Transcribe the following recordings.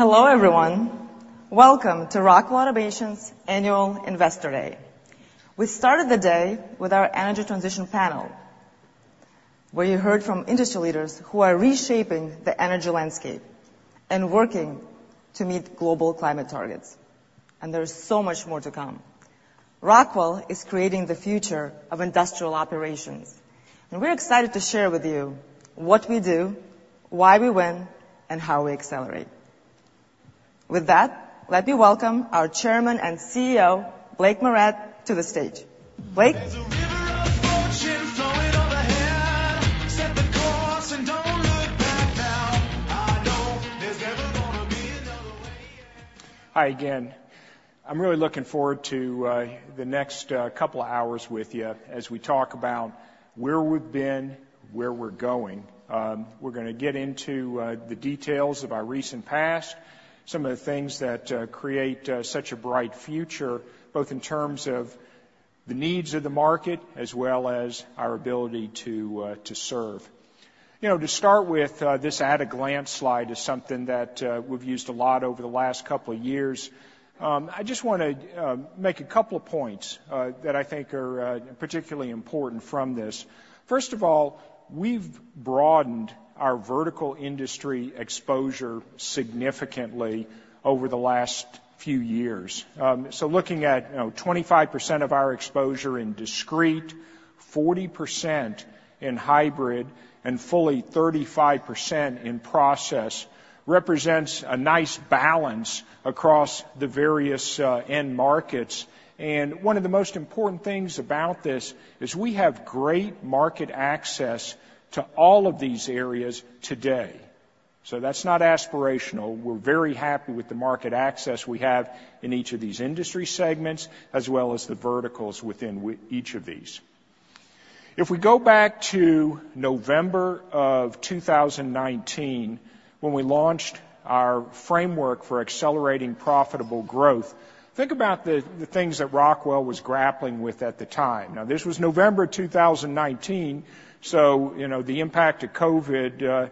Hello, everyone. Welcome to Rockwell Automation's Annual Investor Day. We started the day with our energy transition panel, where you heard from industry leaders who are reshaping the energy landscape and working to meet global climate targets, and there is so much more to come. Rockwell is creating the future of industrial operations, and we're excited to share with you what we do, why we win, and how we accelerate. With that, let me welcome our Chairman and CEO, Blake Moret, to the stage. Blake? Hi again. I'm really looking forward to the next couple of hours with you as we talk about where we've been, where we're going. We're gonna get into the details of our recent past, some of the things that create such a bright future, both in terms of the needs of the market as well as our ability to serve. You know, to start with, this at-a-glance slide is something that we've used a lot over the last couple of years. I just want to make a couple of points that I think are particularly important from this. First of all, we've broadened our vertical industry exposure significantly over the last few years. So looking at, you know, 25% of our exposure in discrete, 40% in hybrid, and fully 35% in process, represents a nice balance across the various end markets. One of the most important things about this is we have great market access to all of these areas today. So that's not aspirational. We're very happy with the market access we have in each of these industry segments, as well as the verticals within each of these. If we go back to November of 2019, when we launched our framework for accelerating profitable growth, think about the things that Rockwell was grappling with at the time. Now, this was November 2019, so, you know, the impact of COVID,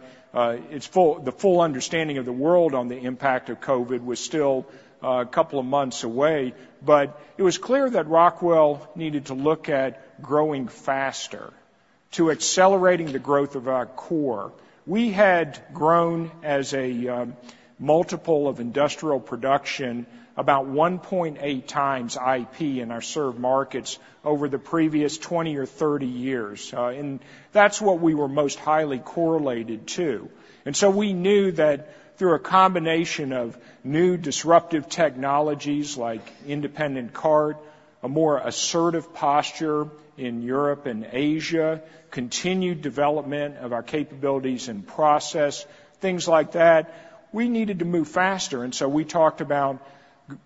its full—the full understanding of the world on the impact of COVID was still, a couple of months away. But it was clear that Rockwell needed to look at growing faster, to accelerating the growth of our core. We had grown as a, multiple of industrial production about 1.8x IP in our served markets over the previous 20 or 30 years, and that's what we were most highly correlated to. So we knew that through a combination of new disruptive technologies like Independent Cart, a more assertive posture in Europe and Asia, continued development of our capabilities in process, things like that, we needed to move faster, and so we talked about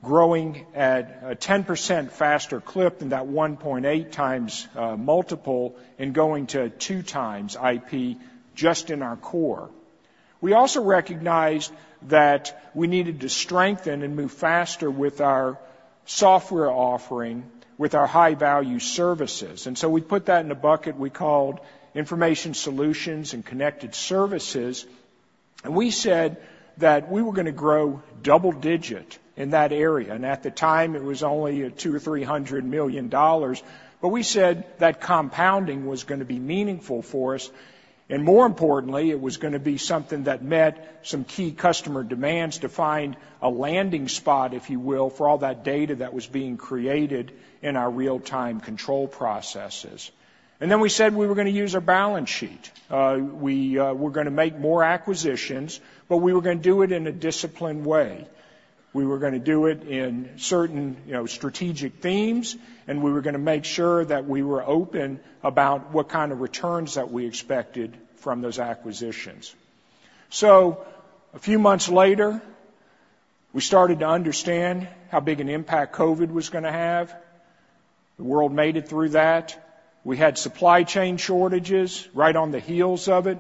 growing at a 10% faster clip than that 1.8x multiple and going to 2x IP just in our core. We also recognized that we needed to strengthen and move faster with our software offering, with our high-value services, and so we put that in a bucket we called Information Solutions and Connected Services, and we said that we were gonna grow double-digit in that area. At the time, it was only $200 million-$300 million, but we said that compounding was gonna be meaningful for us, and more importantly, it was gonna be something that met some key customer demands to find a landing spot, if you will, for all that data that was being created in our real-time control processes. Then we said we were gonna use our balance sheet. We were gonna make more acquisitions, but we were gonna do it in a disciplined way. We were gonna do it in certain, you know, strategic themes, and we were gonna make sure that we were open about what kind of returns that we expected from those acquisitions. A few months later, we started to understand how big an impact COVID was gonna have. The world made it through that. We had supply chain shortages right on the heels of it.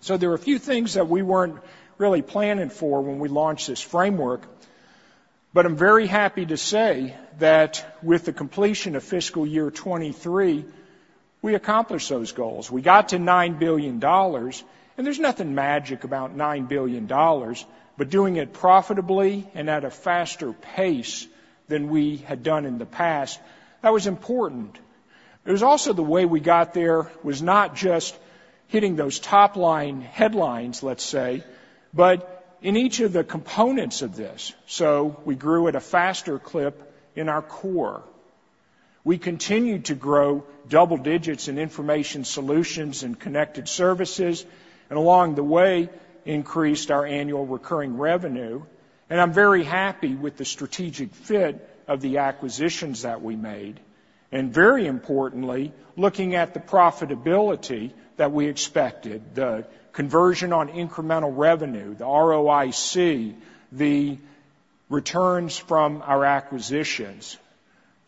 So there were a few things that we weren't really planning for when we launched this framework, but I'm very happy to say that with the completion of fiscal year 2023, we accomplished those goals. We got to $9 billion, and there's nothing magic about $9 billion, but doing it profitably and at a faster pace than we had done in the past, that was important. It was also the way we got there was not just hitting those top-line headlines, let's say, but in each of the components of this. So we grew at a faster clip in our core. We continued to grow double digits in information solutions and connected services, and along the way, increased our annual recurring revenue, and I'm very happy with the strategic fit of the acquisitions that we made, and very importantly, looking at the profitability that we expected, the conversion on incremental revenue, the ROIC, the returns from our acquisitions.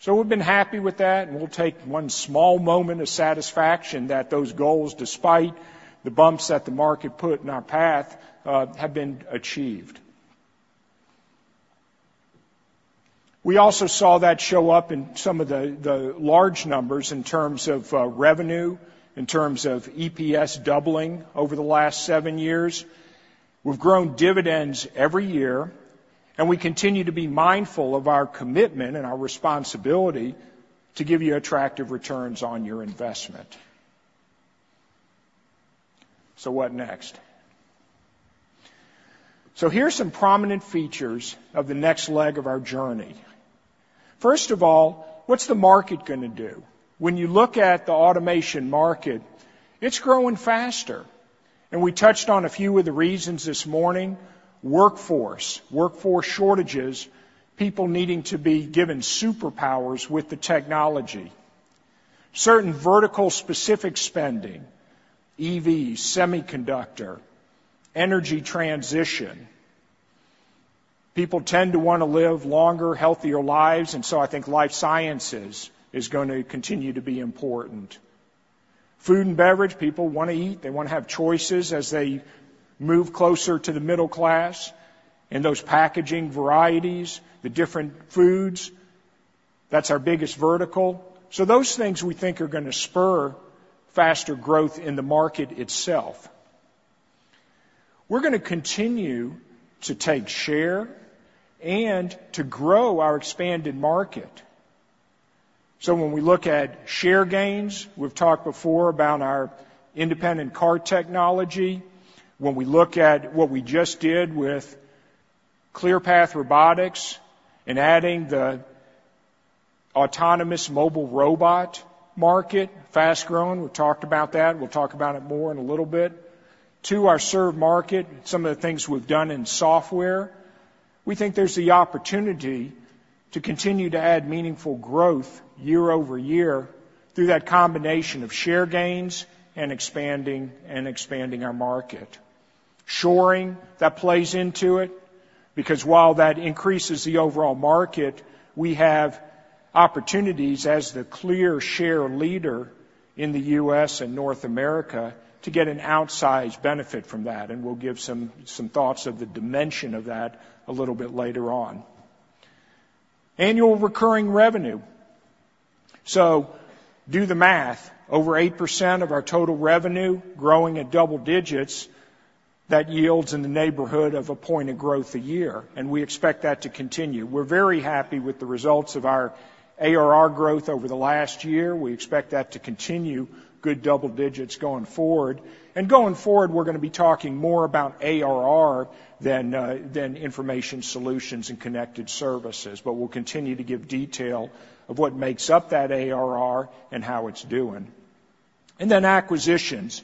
So we've been happy with that, and we'll take one small moment of satisfaction that those goals, despite the bumps that the market put in our path, have been achieved... We also saw that show up in some of the large numbers in terms of revenue, in terms of EPS doubling over the last seven years. We've grown dividends every year, and we continue to be mindful of our commitment and our responsibility to give you attractive returns on your investment. So what next? So here are some prominent features of the next leg of our journey. First of all, what's the market gonna do? When you look at the automation market, it's growing faster, and we touched on a few of the reasons this morning. Workforce, workforce shortages, people needing to be given superpowers with the technology. Certain vertical specific spending, EV, semiconductor, energy transition. People tend to wanna live longer, healthier lives, and so I think life sciences is going to continue to be important. Food and beverage, people want to eat, they want to have choices as they move closer to the middle class, and those packaging varieties, the different foods, that's our biggest vertical. So those things we think are gonna spur faster growth in the market itself. We're gonna continue to take share and to grow our expanded market. So when we look at share gains, we've talked before about our Independent Cart Technology. When we look at what we just did with Clearpath Robotics and adding the autonomous mobile robot market, fast-growing, we talked about that, and we'll talk about it more in a little bit, to our served market, some of the things we've done in software, we think there's the opportunity to continue to add meaningful growth year over year through that combination of share gains and expanding, and expanding our market. Reshoring, that plays into it, because while that increases the overall market, we have opportunities as the clear share leader in the U.S. and North America to get an outsized benefit from that, and we'll give some, some thoughts of the dimension of that a little bit later on. Annual recurring revenue. So do the math. Over 8% of our total revenue growing at double digits, that yields in the neighborhood of 1 point of growth a year, and we expect that to continue. We're very happy with the results of our ARR growth over the last year. We expect that to continue good double digits going forward. And going forward, we're gonna be talking more about ARR than, than information solutions and connected services, but we'll continue to give detail of what makes up that ARR and how it's doing. And then acquisitions,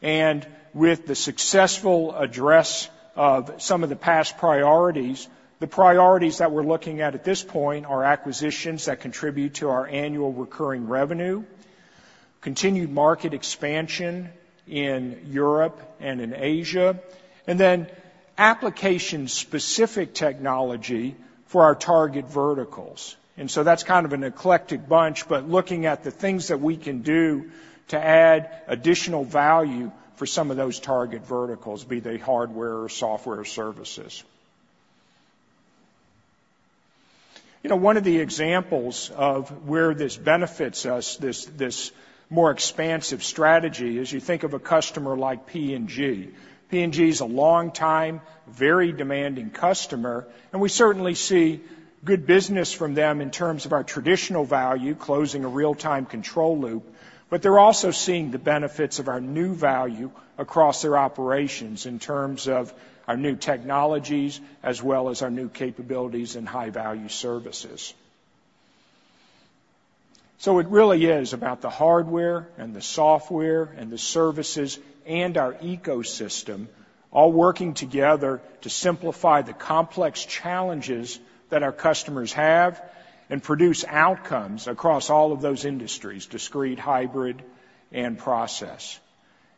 and with the successful address of some of the past priorities, the priorities that we're looking at at this point are acquisitions that contribute to our annual recurring revenue, continued market expansion in Europe and in Asia, and then application-specific technology for our target verticals. So that's kind of an eclectic bunch, but looking at the things that we can do to add additional value for some of those target verticals, be they hardware or software or services. You know, one of the examples of where this benefits us, this, this more expansive strategy, is you think of a customer like P&G. P&G is a long-time, very demanding customer, and we certainly see good business from them in terms of our traditional value, closing a real-time control loop, but they're also seeing the benefits of our new value across their operations in terms of our new technologies, as well as our new capabilities and high-value services. So it really is about the hardware and the software and the services and our ecosystem all working together to simplify the complex challenges that our customers have and produce outcomes across all of those industries: discrete, hybrid, and process.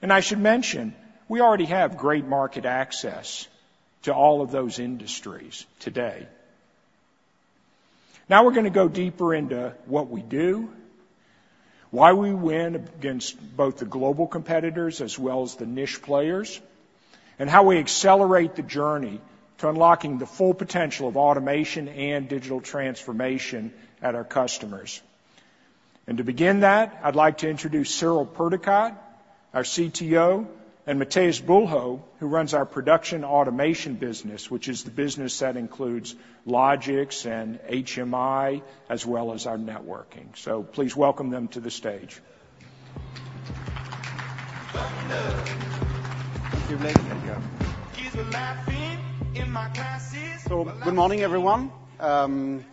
And I should mention, we already have great market access to all of those industries today. Now we're gonna go deeper into what we do, why we win against both the global competitors as well as the niche players, and how we accelerate the journey to unlocking the full potential of automation and digital transformation at our customers. And to begin that, I'd like to introduce Cyril Perducat, our CTO, and Matheus Bulho, who runs our production automation business, which is the business that includes Logix and HMI, as well as our networking. So please welcome them to the stage. Thank you, Blake. Yeah. Good morning, everyone. With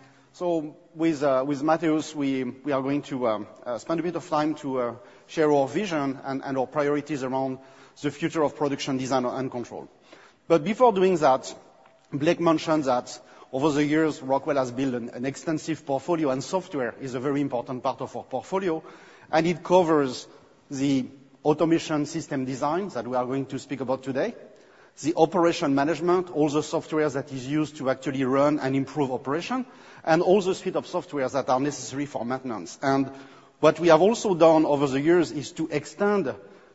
Matheus, we are going to spend a bit of time to share our vision and our priorities around the future of production, design, and control. But before doing that, Blake mentioned that over the years, Rockwell has built an extensive portfolio, and software is a very important part of our portfolio, and it covers the automation system designs that we are going to speak about today, the operation management, all the softwares that is used to actually run and improve operation, and all the suite of softwares that are necessary for maintenance. And what we have also done over the years is to extend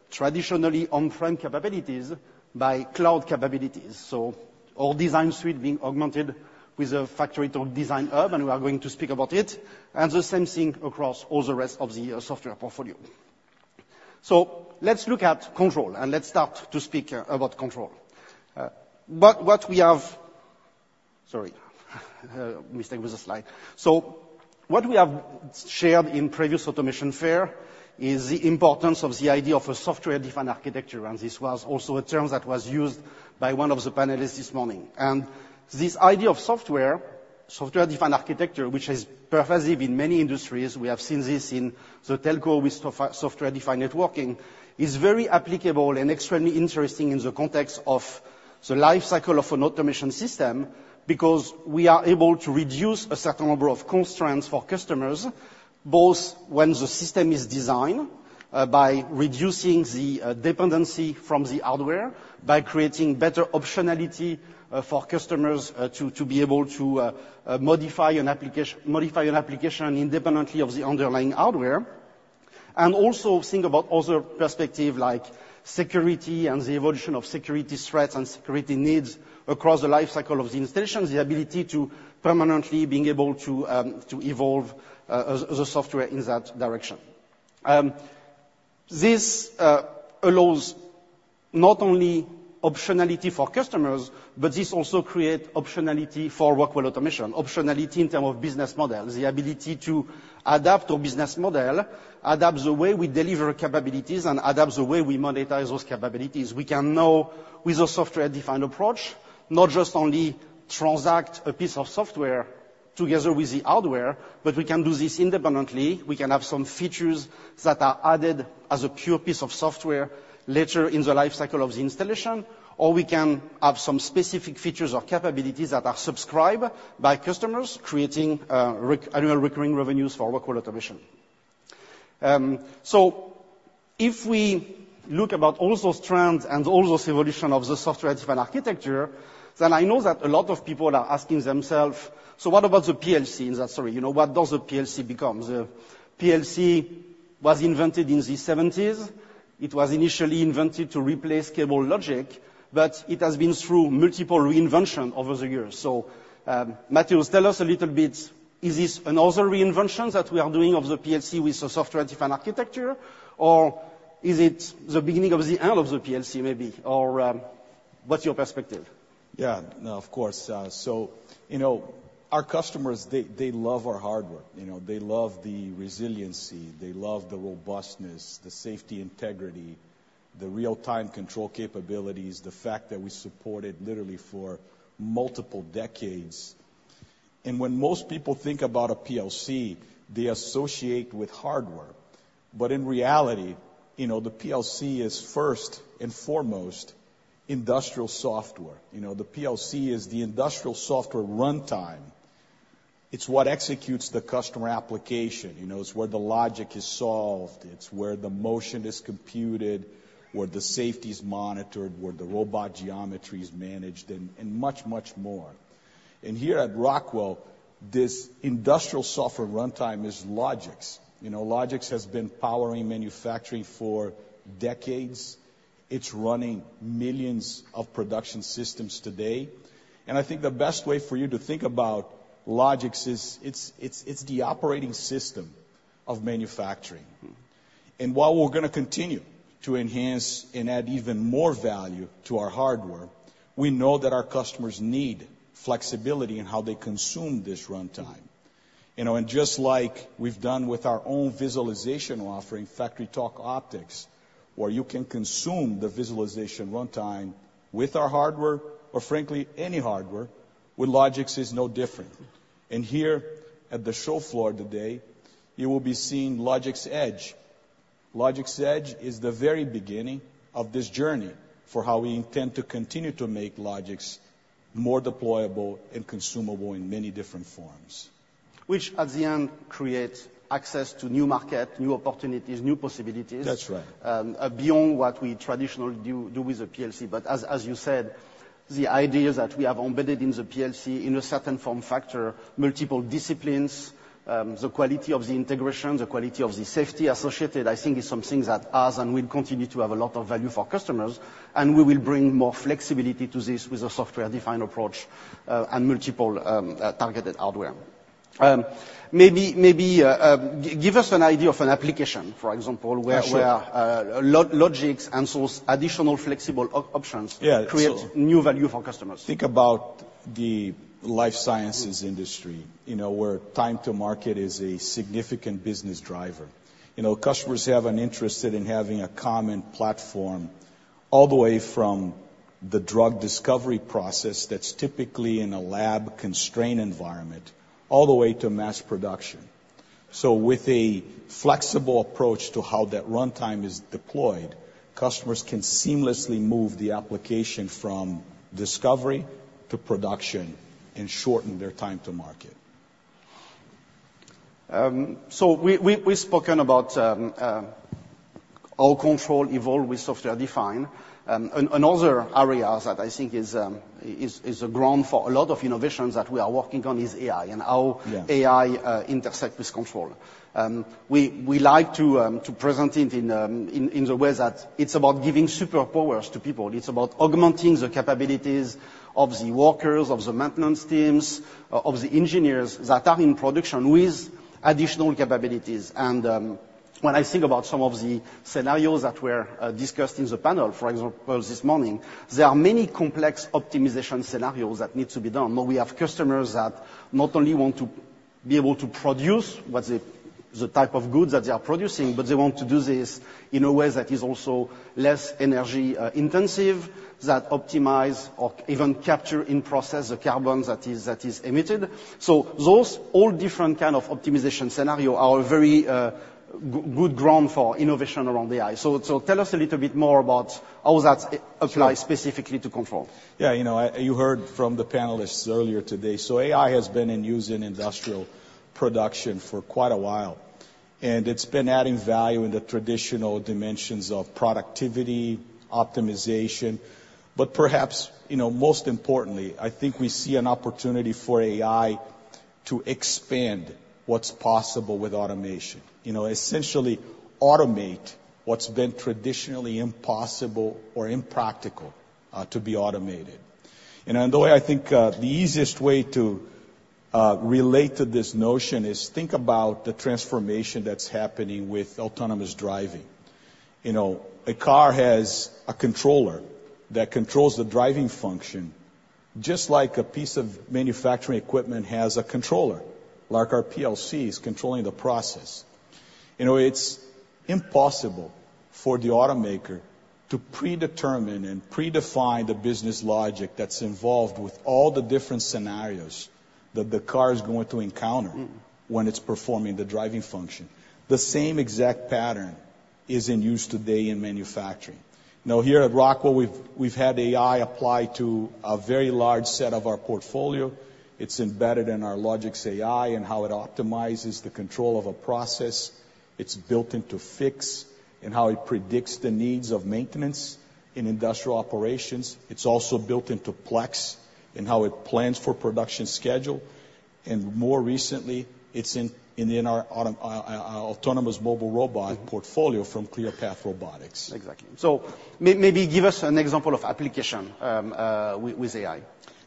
traditionally on-prem capabilities by cloud capabilities. So all design suite being augmented with a FactoryTalk Design Hub, and we are going to speak about it, and the same thing across all the rest of the software portfolio. So let's look at control, and let's start to speak about control. But what we have—Sorry, a mistake with the slide. So what we have shared in previous Automation Fair is the importance of the idea of a software-defined architecture, and this was also a term that was used by one of the panelists this morning. This idea of software-defined architecture, which is pervasive in many industries, we have seen this in the telco with software-defined networking, is very applicable and extremely interesting in the context of the life cycle of an automation system because we are able to reduce a certain number of constraints for customers, both when the system is designed, by reducing the dependency from the hardware, by creating better optionality for customers to be able to modify an application independently of the underlying hardware. Also think about other perspective like security and the evolution of security threats and security needs across the life cycle of the installation, the ability to permanently being able to to evolve the software in that direction. This allows not only optionality for customers, but this also create optionality for Rockwell Automation, optionality in term of business models, the ability to adapt our business model, adapt the way we deliver capabilities, and adapt the way we monetize those capabilities. We can now, with a software-defined approach, not just only transact a piece of software together with the hardware, but we can do this independently. We can have some features that are added as a pure piece of software later in the life cycle of the installation, or we can have some specific features or capabilities that are subscribed by customers, creating annual recurring revenues for Rockwell Automation. So if we look about all those trends and all those evolution of the software-defined architecture, then I know that a lot of people are asking themselves: "So what about the PLC in that story? You know, what does the PLC become? The PLC was invented in the seventies. It was initially invented to replace cable logic, but it has been through multiple reinvention over the years. So, Matheus, tell us a little bit, is this another reinvention that we are doing of the PLC with the Software-Defined Architecture, or is it the beginning of the end of the PLC, maybe? Or, what's your perspective? Yeah. No, of course. So, you know, our customers, they, they love our hardware. You know, they love the resiliency, they love the robustness, the safety integrity, the real-time control capabilities, the fact that we support it literally for multiple decades. And when most people think about a PLC, they associate with hardware. But in reality, you know, the PLC is first and foremost industrial software. You know, the PLC is the industrial software runtime. It's what executes the customer application, you know. It's where the logic is solved, it's where the motion is computed, where the safety is monitored, where the robot geometry is managed, and, and much, much more. And here at Rockwell, this industrial software runtime is Logix. You know, Logix has been powering manufacturing for decades. It's running millions of production systems today. I think the best way for you to think about Logix is it's the operating system of manufacturing. Mm-hmm. While we're gonna continue to enhance and add even more value to our hardware, we know that our customers need flexibility in how they consume this runtime. You know, and just like we've done with our own visualization offering, FactoryTalk Optix, where you can consume the visualization runtime with our hardware or, frankly, any hardware, with Logix is no different. Mm. Here at the show floor today, you will be seeing Logix Edge. Logix Edge is the very beginning of this journey for how we intend to continue to make Logix more deployable and consumable in many different forms. Which at the end creates access to new market, new opportunities, new possibilities. That's right... beyond what we traditionally do with the PLC. But as you said, the idea that we have embedded in the PLC in a certain form factor, multiple disciplines, the quality of the integration, the quality of the safety associated, I think is something that has and will continue to have a lot of value for customers, and we will bring more flexibility to this with a software-defined approach, and multiple targeted hardware. Maybe give us an idea of an application, for example- Yeah, sure... where Logix and those additional flexible options- Yeah, so- creates new value for customers. Think about the life sciences industry, you know, where time to market is a significant business driver. You know, customers have an interest in having a common platform all the way from the drug discovery process that's typically in a lab-constrained environment, all the way to mass production. So with a flexible approach to how that runtime is deployed, customers can seamlessly move the application from discovery to production and shorten their time to market.... So we, we've spoken about how control evolve with software-defined. Another area that I think is a ground for a lot of innovations that we are working on is AI and how- Yeah... AI intersect with control. We like to present it in the way that it's about giving superpowers to people. It's about augmenting the capabilities of the workers, of the maintenance teams, of the engineers that are in production with additional capabilities. And when I think about some of the scenarios that were discussed in the panel, for example, this morning, there are many complex optimization scenarios that need to be done. Now, we have customers that not only want to be able to produce what the type of goods that they are producing, but they want to do this in a way that is also less energy intensive, that optimize or even capture in process the carbon that is emitted. So those all different kind of optimization scenario are very good ground for innovation around AI. So, so tell us a little bit more about how that- Sure... applies specifically to control. Yeah, you know, you heard from the panelists earlier today, so AI has been in use in industrial production for quite a while, and it's been adding value in the traditional dimensions of productivity, optimization, but perhaps, you know, most importantly, I think we see an opportunity for AI to expand what's possible with automation. You know, essentially automate what's been traditionally impossible or impractical to be automated. And then the way I think, the easiest way to relate to this notion is think about the transformation that's happening with autonomous driving. You know, a car has a controller that controls the driving function, just like a piece of manufacturing equipment has a controller, like our PLCs controlling the process. You know, it's impossible for the automaker to predetermine and predefine the business logic that's involved with all the different scenarios that the car is going to encounter- Mm-hmm... when it's performing the driving function. The same exact pattern is in use today in manufacturing. Now, here at Rockwell, we've had AI apply to a very large set of our portfolio. It's embedded in our Logix AI and how it optimizes the control of a process. It's built into Fiix and how it predicts the needs of maintenance in industrial operations. It's also built into Plex and how it plans for production schedule, and more recently, it's in our autonomous mobile robot- Mm-hmm... portfolio from Clearpath Robotics. Exactly. So maybe give us an example of application with AI?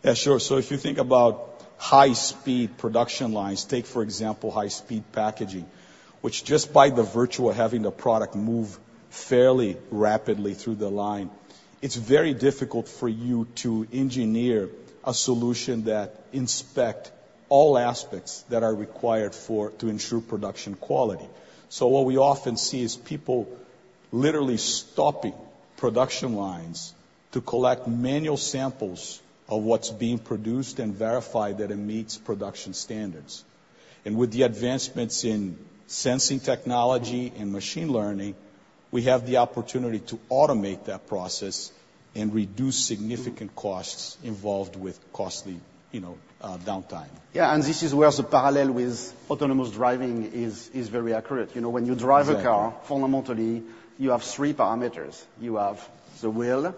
Yeah, sure. So if you think about high-speed production lines, take, for example, high-speed packaging, which just by the virtue of having the product move fairly rapidly through the line, it's very difficult for you to engineer a solution that inspect all aspects that are required for to ensure production quality. So what we often see is people literally stopping production lines to collect manual samples of what's being produced and verify that it meets production standards. And with the advancements in sensing technology and machine learning, we have the opportunity to automate that process and reduce significant costs involved with costly, you know, downtime. Yeah, and this is where the parallel with autonomous driving is very accurate. You know, when you drive a car- Exactly... fundamentally, you have three parameters: You have the wheel,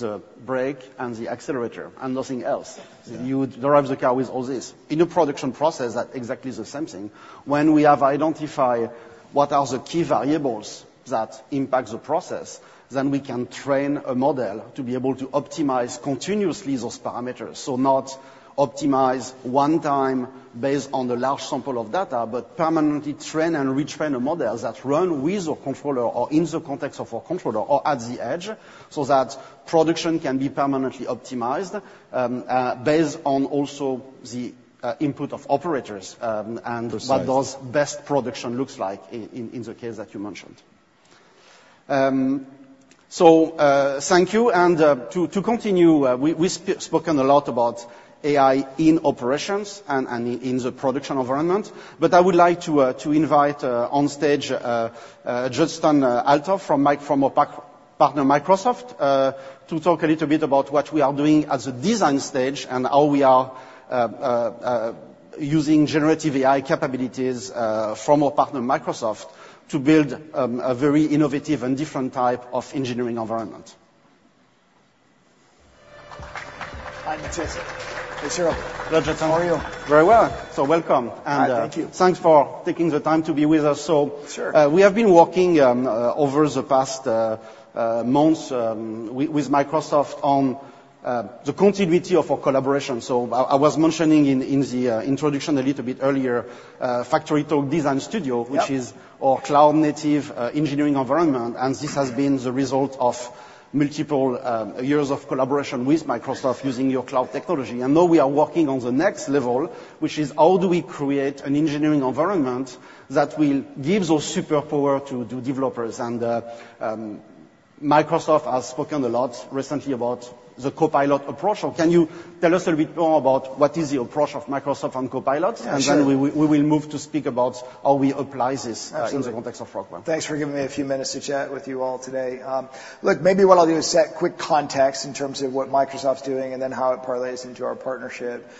the brake, and the accelerator, and nothing else. Yeah. You would drive the car with all this. In a production process, that's exactly the same thing. When we have identified what are the key variables that impact the process, then we can train a model to be able to optimize continuously those parameters. So not optimize one time based on the large sample of data, but permanently train and retrain the models that run with the controller or in the context of a controller or at the edge, so that production can be permanently optimized, based on also the input of operators, and- Precisely... what those best production looks like in the case that you mentioned. Thank you, and to continue, we have spoken a lot about AI in operations and in the production environment, but I would like to invite on stage Judson Althoff from our partner Microsoft to talk a little bit about what we are doing at the design stage and how we are using generative AI capabilities from our partner, Microsoft, to build a very innovative and different type of engineering environment. Hi, Matheus. Hey, Judson. Hi, Judson, how are you? Very well. So welcome, and, Hi, thank you.... thanks for taking the time to be with us, so- Sure... we have been working over the past months with Microsoft on the continuity of our collaboration. So I was mentioning in the introduction a little bit earlier, FactoryTalk Design Studio- Yep... which is our cloud-native engineering environment, and this has been the result of multiple years of collaboration with Microsoft using your cloud technology. Now we are working on the next level, which is: How do we create an engineering environment that will give those superpower to developers and...... Microsoft has spoken a lot recently about the Copilot approach. So can you tell us a little bit more about what is the approach of Microsoft on Copilot? Sure. And then we will move to speak about how we apply this. Absolutely. in the context of Rockwell. Thanks for giving me a few minutes to chat with you all today. Look, maybe what I'll do is set quick context in terms of what Microsoft's doing, and then how it parlays into our partnership.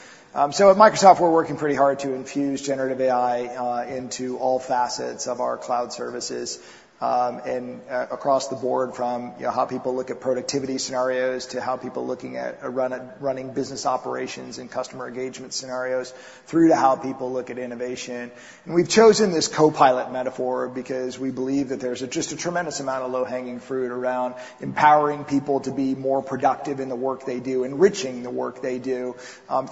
So at Microsoft, we're working pretty hard to infuse generative AI into all facets of our cloud services, and across the board, from, you know, how people look at productivity scenarios, to how people looking at running business operations and customer engagement scenarios, through to how people look at innovation. We've chosen this Copilot metaphor because we believe that there's just a tremendous amount of low-hanging fruit around empowering people to be more productive in the work they do, enriching the work they do,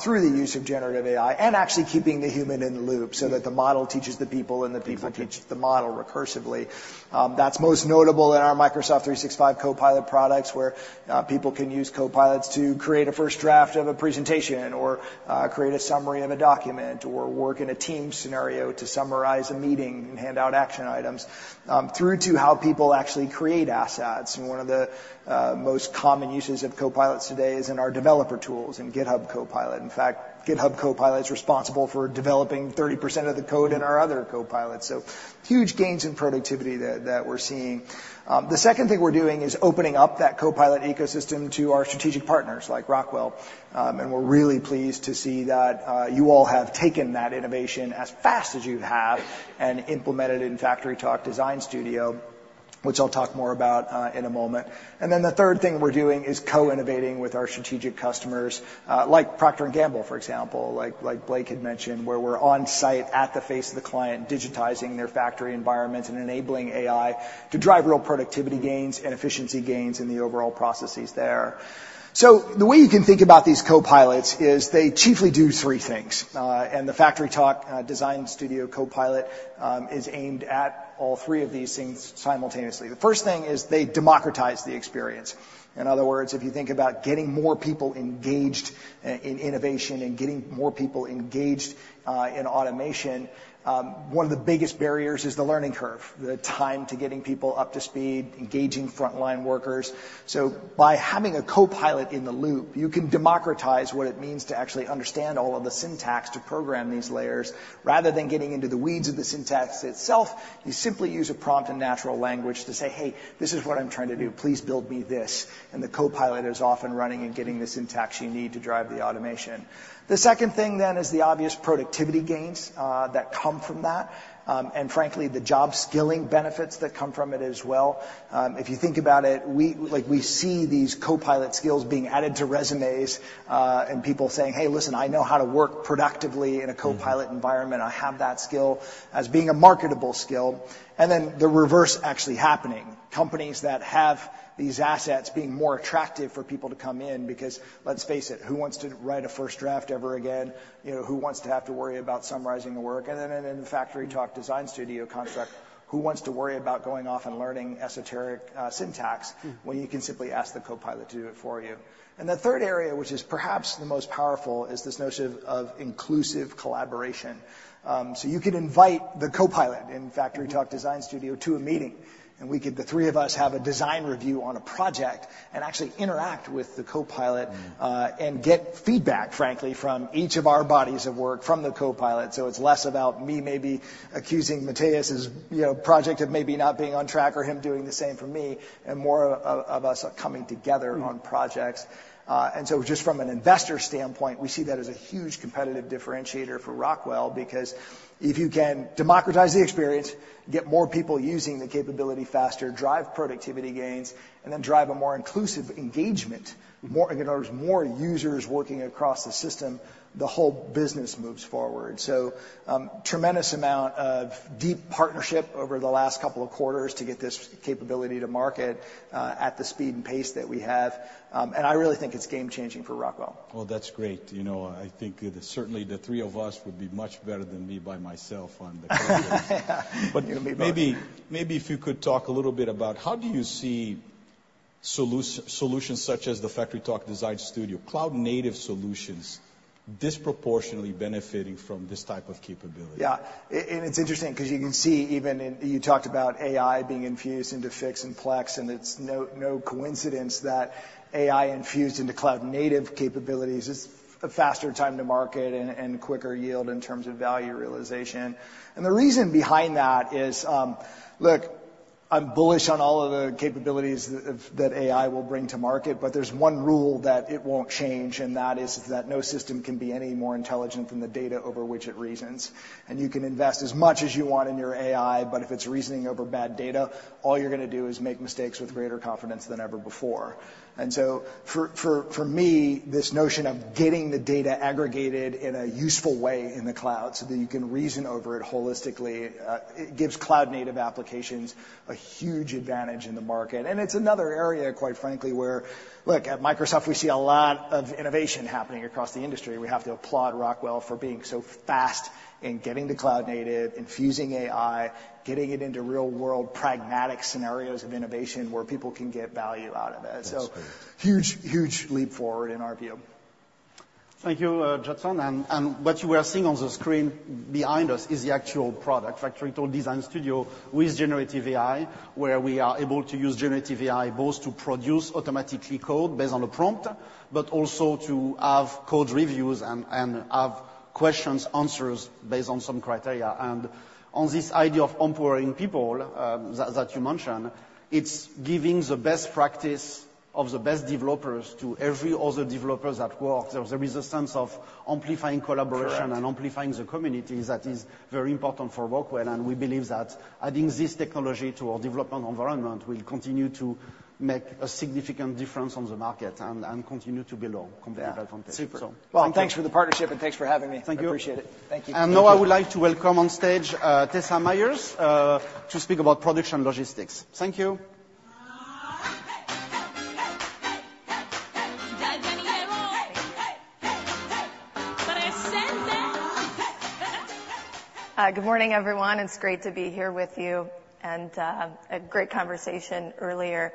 through the use of Generative AI, and actually keeping the human in the loop, so that the model teaches the people, and the people teach the model recursively. That's most notable in our Microsoft 365 Copilot products, where people can use Copilots to create a first draft of a presentation or create a summary of a document, or work in a team scenario to summarize a meeting and hand out action items, through to how people actually create assets. One of the most common uses of Copilots today is in our developer tools, in GitHub Copilot. In fact, GitHub Copilot's responsible for developing 30% of the code in our other Copilots, so huge gains in productivity that, that we're seeing. The second thing we're doing is opening up that Copilot ecosystem to our strategic partners, like Rockwell, and we're really pleased to see that you all have taken that innovation as fast as you have, and implemented it in FactoryTalk Design Studio, which I'll talk more about in a moment. Then the third thing we're doing is co-innovating with our strategic customers, like Procter & Gamble, for example, like Blake had mentioned, where we're on-site at the face of the client, digitizing their factory environment and enabling AI to drive real productivity gains and efficiency gains in the overall processes there. So the way you can think about these Copilots is they chiefly do three things, and the FactoryTalk Design Studio Copilot is aimed at all three of these things simultaneously. The first thing is they democratize the experience. In other words, if you think about getting more people engaged in innovation and getting more people engaged in automation, one of the biggest barriers is the learning curve, the time to getting people up to speed, engaging frontline workers. So by having a Copilot in the loop, you can democratize what it means to actually understand all of the syntax to program these layers. Rather than getting into the weeds of the syntax itself, you simply use a prompt and natural language to say, "Hey, this is what I'm trying to do. Please build me this," and the Copilot is off and running and getting the syntax you need to drive the automation. The second thing, then, is the obvious productivity gains that come from that, and frankly, the job skilling benefits that come from it as well. If you think about it, we—like, we see these Copilot skills being added to resumes, and people saying, "Hey, listen, I know how to work productively in a Copilot environment. I have that skill," as being a marketable skill, and then the reverse actually happening, companies that have these assets being more attractive for people to come in, because let's face it, who wants to write a first draft ever again? You know, who wants to have to worry about summarizing the work? And then in the FactoryTalk Design Studio context, who wants to worry about going off and learning esoteric syntax- Mm-hmm. when you can simply ask the Copilot to do it for you? And the third area, which is perhaps the most powerful, is this notion of inclusive collaboration. So you could invite the Copilot in FactoryTalk Design Studio to a meeting, and we could, the three of us, have a design review on a project and actually interact with the Copilot, and get feedback, frankly, from each of our bodies of work from the Copilot. So it's less about me maybe accusing Matheus's, you know, project of maybe not being on track or him doing the same for me, and more of us coming together on projects. And so just from an investor standpoint, we see that as a huge competitive differentiator for Rockwell, because if you can democratize the experience, get more people using the capability faster, drive productivity gains, and then drive a more inclusive engagement, more—in other words, more users working across the system, the whole business moves forward. So, tremendous amount of deep partnership over the last couple of quarters to get this capability to market, at the speed and pace that we have. And I really think it's game-changing for Rockwell. Well, that's great. You know, I think that certainly the three of us would be much better than me by myself on the- Wouldn't it be? Maybe if you could talk a little bit about how do you see solutions such as the FactoryTalk Design Studio, cloud-native solutions, disproportionately benefiting from this type of capability? Yeah. And it's interesting because you can see even in you talked about AI being infused into Fiix and Plex, and it's no coincidence that AI infused into cloud-native capabilities is a faster time to market and quicker yield in terms of value realization. And the reason behind that is. Look, I'm bullish on all of the capabilities of that AI will bring to market, but there's one rule that it won't change, and that is that no system can be any more intelligent than the data over which it reasons. And you can invest as much as you want in your AI, but if it's reasoning over bad data, all you're gonna do is make mistakes with greater confidence than ever before. And so for me, this notion of getting the data aggregated in a useful way in the cloud so that you can reason over it holistically. It gives cloud-native applications a huge advantage in the market. And it's another area, quite frankly, where... Look, at Microsoft, we see a lot of innovation happening across the industry. We have to applaud Rockwell for being so fast in getting to cloud native, infusing AI, getting it into real-world, pragmatic scenarios of innovation where people can get value out of it. That's great. So huge, huge leap forward in our view.... Thank you, Judson. And what you are seeing on the screen behind us is the actual product, FactoryTalk Design Studio, with Generative AI, where we are able to use Generative AI both to produce automatically code based on a prompt, but also to have code reviews and have questions, answers, based on some criteria. And on this idea of empowering people, that you mentioned, it's giving the best practice of the best developers to every other developers that work. There is a sense of amplifying collaboration- Correct. and amplifying the community that is very important for Rockwell, and we believe that adding this technology to our development environment will continue to make a significant difference on the market and continue to build our competitive advantage. Yeah. Super. So- Well, thanks for the partnership, and thanks for having me. Thank you. I appreciate it. Thank you. Now I would like to welcome on stage, Tessa Myers, to speak about production logistics. Thank you. Good morning, everyone. It's great to be here with you, and a great conversation earlier.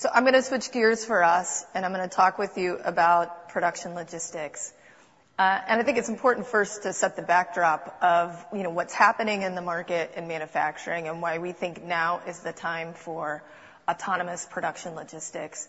So I'm gonna switch gears for us, and I'm gonna talk with you about production logistics. And I think it's important first to set the backdrop of, you know, what's happening in the market in manufacturing, and why we think now is the time for autonomous production logistics.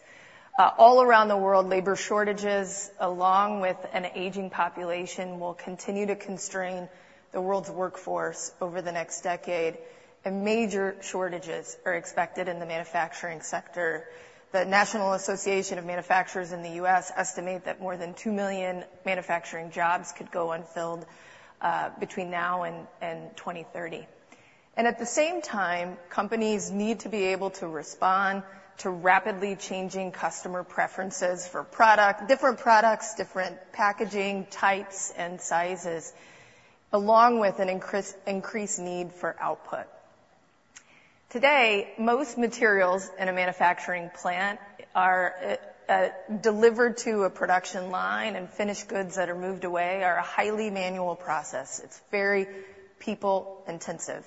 All around the world, labor shortages, along with an aging population, will continue to constrain the world's workforce over the next decade, and major shortages are expected in the manufacturing sector. The National Association of Manufacturers in the U.S. estimate that more than 2 million manufacturing jobs could go unfilled between now and 2030. And at the same time, companies need to be able to respond to rapidly changing customer preferences for product—different products, different packaging types and sizes, along with an increased need for output. Today, most materials in a manufacturing plant are delivered to a production line, and finished goods that are moved away are a highly manual process. It's very people-intensive.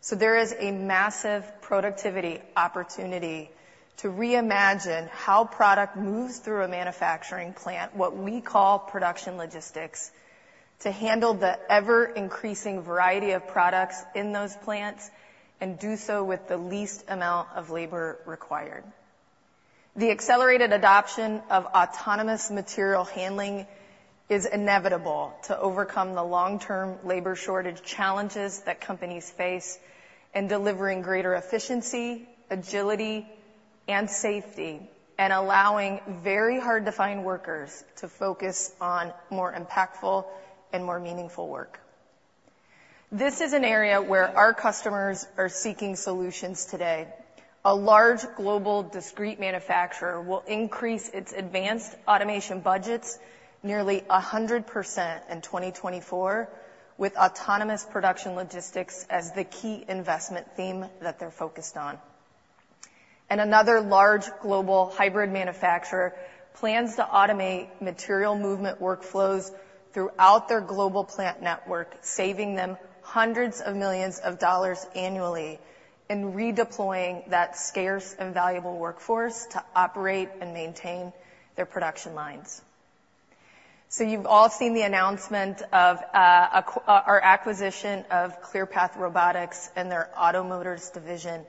So there is a massive productivity opportunity to reimagine how product moves through a manufacturing plant, what we call production logistics, to handle the ever-increasing variety of products in those plants, and do so with the least amount of labor required. The accelerated adoption of autonomous material handling is inevitable to overcome the long-term labor shortage challenges that companies face in delivering greater efficiency, agility, and safety, and allowing very hard-to-find workers to focus on more impactful and more meaningful work. This is an area where our customers are seeking solutions today. A large global discrete manufacturer will increase its advanced automation budgets nearly 100% in 2024, with autonomous production logistics as the key investment theme that they're focused on. Another large global hybrid manufacturer plans to automate material movement workflows throughout their global plant network, saving them hundreds of millions of dollars annually in redeploying that scarce and valuable workforce to operate and maintain their production lines. You've all seen the announcement of our acquisition of Clearpath Robotics and their OTTO Motors division.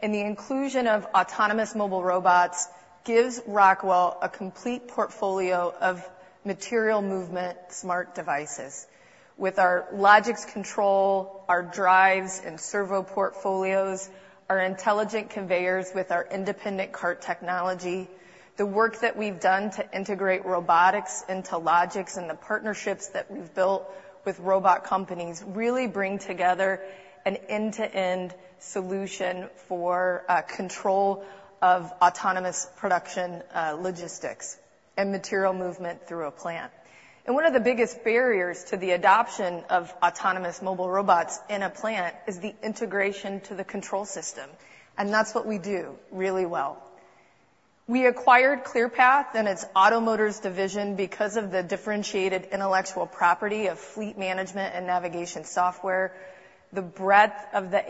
The inclusion of autonomous mobile robots gives Rockwell a complete portfolio of material movement smart devices. With our Logix control, our drives and servo portfolios, our intelligent conveyors with our Independent Cart Technology, the work that we've done to integrate robotics into Logix, and the partnerships that we've built with robot companies, really bring together an end-to-end solution for control of autonomous production logistics and material movement through a plant. And one of the biggest barriers to the adoption of autonomous mobile robots in a plant is the integration to the control system, and that's what we do really well. We acquired Clearpath and its OTTO Motors division because of the differentiated intellectual property of fleet management and navigation software, the breadth of the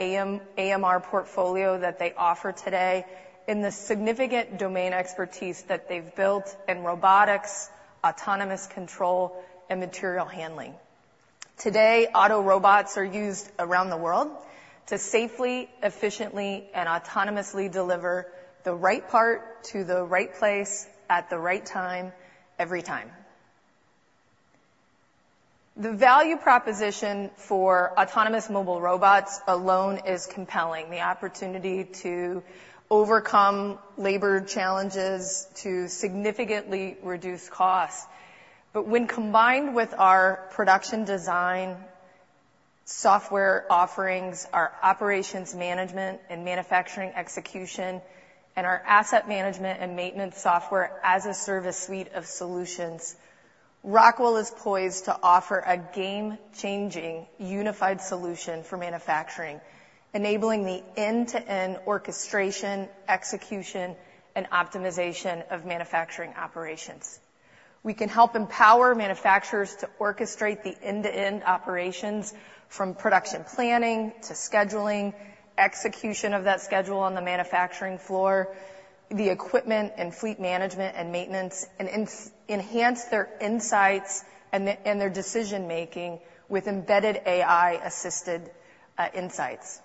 AMR portfolio that they offer today, and the significant domain expertise that they've built in robotics, autonomous control, and material handling. Today, OTTO robots are used around the world to safely, efficiently, and autonomously deliver the right part to the right place at the right time, every time. The value proposition for autonomous mobile robots alone is compelling, the opportunity to overcome labor challenges, to significantly reduce costs. But when combined with our production design software offerings, our operations management and manufacturing execution, and our asset management and maintenance software as a service suite of solutions, Rockwell is poised to offer a game-changing, unified solution for manufacturing, enabling the end-to-end orchestration, execution, and optimization of manufacturing operations. We can help empower manufacturers to orchestrate the end-to-end operations, from production planning to scheduling, execution of that schedule on the manufacturing floor, the equipment and fleet management and maintenance, and enhance their insights and their decision-making with embedded AI-assisted insights...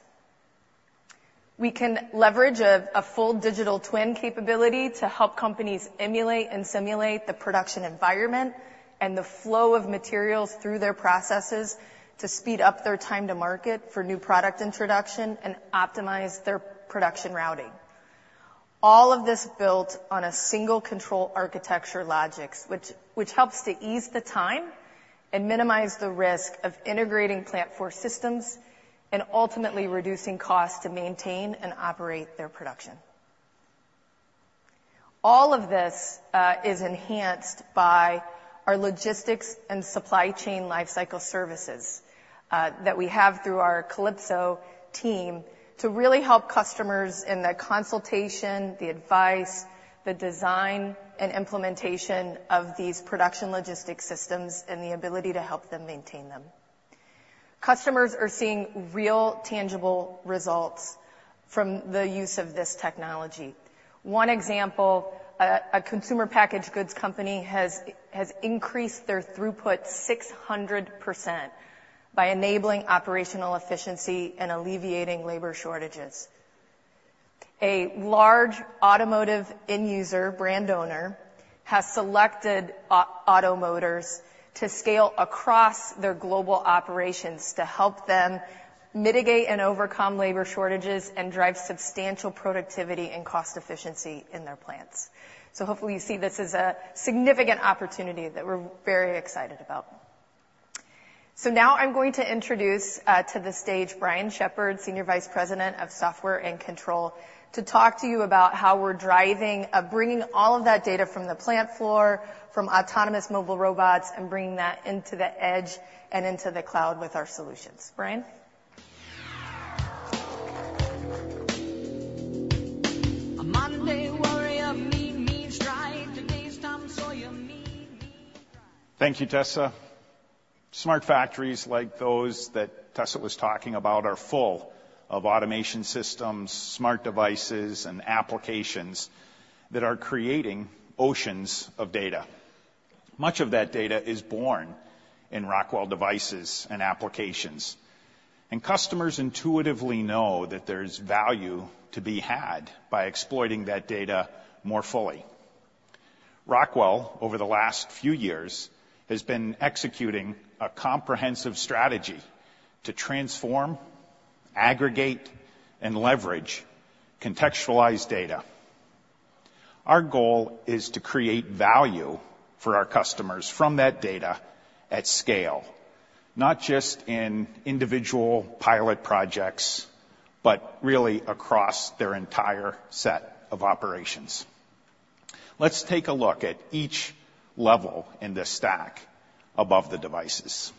We can leverage a full digital twin capability to help companies emulate and simulate the production environment and the flow of materials through their processes to speed up their time to market for new product introduction and optimize their production routing. All of this built on a single control architecture Logix, which helps to ease the time and minimize the risk of integrating plant floor systems, and ultimately reducing costs to maintain and operate their production. All of this is enhanced by our logistics and supply chain Lifecycle Services that we have through our Kalypso team, to really help customers in the consultation, the advice, the design, and implementation of these production logistics systems, and the ability to help them maintain them. Customers are seeing real, tangible results from the use of this technology. One example, a consumer packaged goods company has increased their throughput 600% by enabling operational efficiency and alleviating labor shortages. A large automotive end user brand owner has selected OTTO Motors to scale across their global operations to help them mitigate and overcome labor shortages and drive substantial productivity and cost efficiency in their plants. So hopefully you see this as a significant opportunity that we're very excited about. So now I'm going to introduce to the stage Brian Shepherd, Senior Vice President of Software and Control, to talk to you about how we're driving bringing all of that data from the plant floor, from autonomous mobile robots, and bringing that into the edge and into the cloud with our solutions. Brian? Thank you, Tessa. Smart factories like those that Tessa was talking about, are full of automation systems, smart devices, and applications that are creating oceans of data. Much of that data is born in Rockwell devices and applications, and customers intuitively know that there's value to be had by exploiting that data more fully. Rockwell, over the last few years, has been executing a comprehensive strategy to transform, aggregate, and leverage contextualized data. Our goal is to create value for our customers from that data at scale, not just in individual pilot projects, but really across their entire set of operations. Let's take a look at each level in this stack above the devices.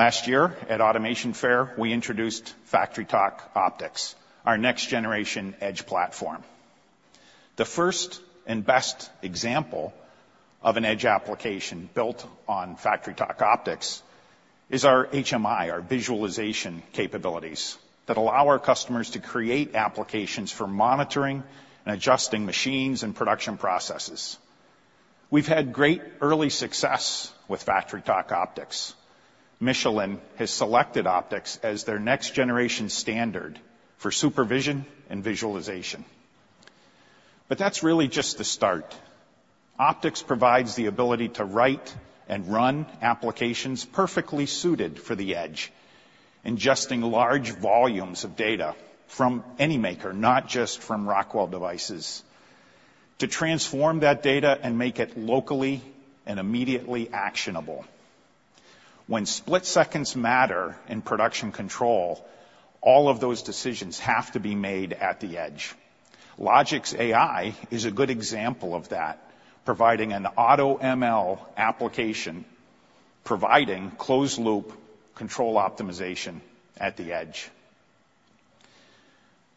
Last year, at Automation Fair, we introduced FactoryTalk Optix, our next generation Edge platform. The first and best example of an Edge application built on FactoryTalk Optix is our HMI, our visualization capabilities, that allow our customers to create applications for monitoring and adjusting machines and production processes. We've had great early success with FactoryTalk Optix. Michelin has selected Optix as their next generation standard for supervision and visualization. But that's really just the start. Optix provides the ability to write and run applications perfectly suited for the Edge, ingesting large volumes of data from any maker, not just from Rockwell devices, to transform that data and make it locally and immediately actionable. When split seconds matter in production control, all of those decisions have to be made at the Edge. Logix AI is a good example of that, providing an AutoML application, providing closed loop control optimization at the Edge.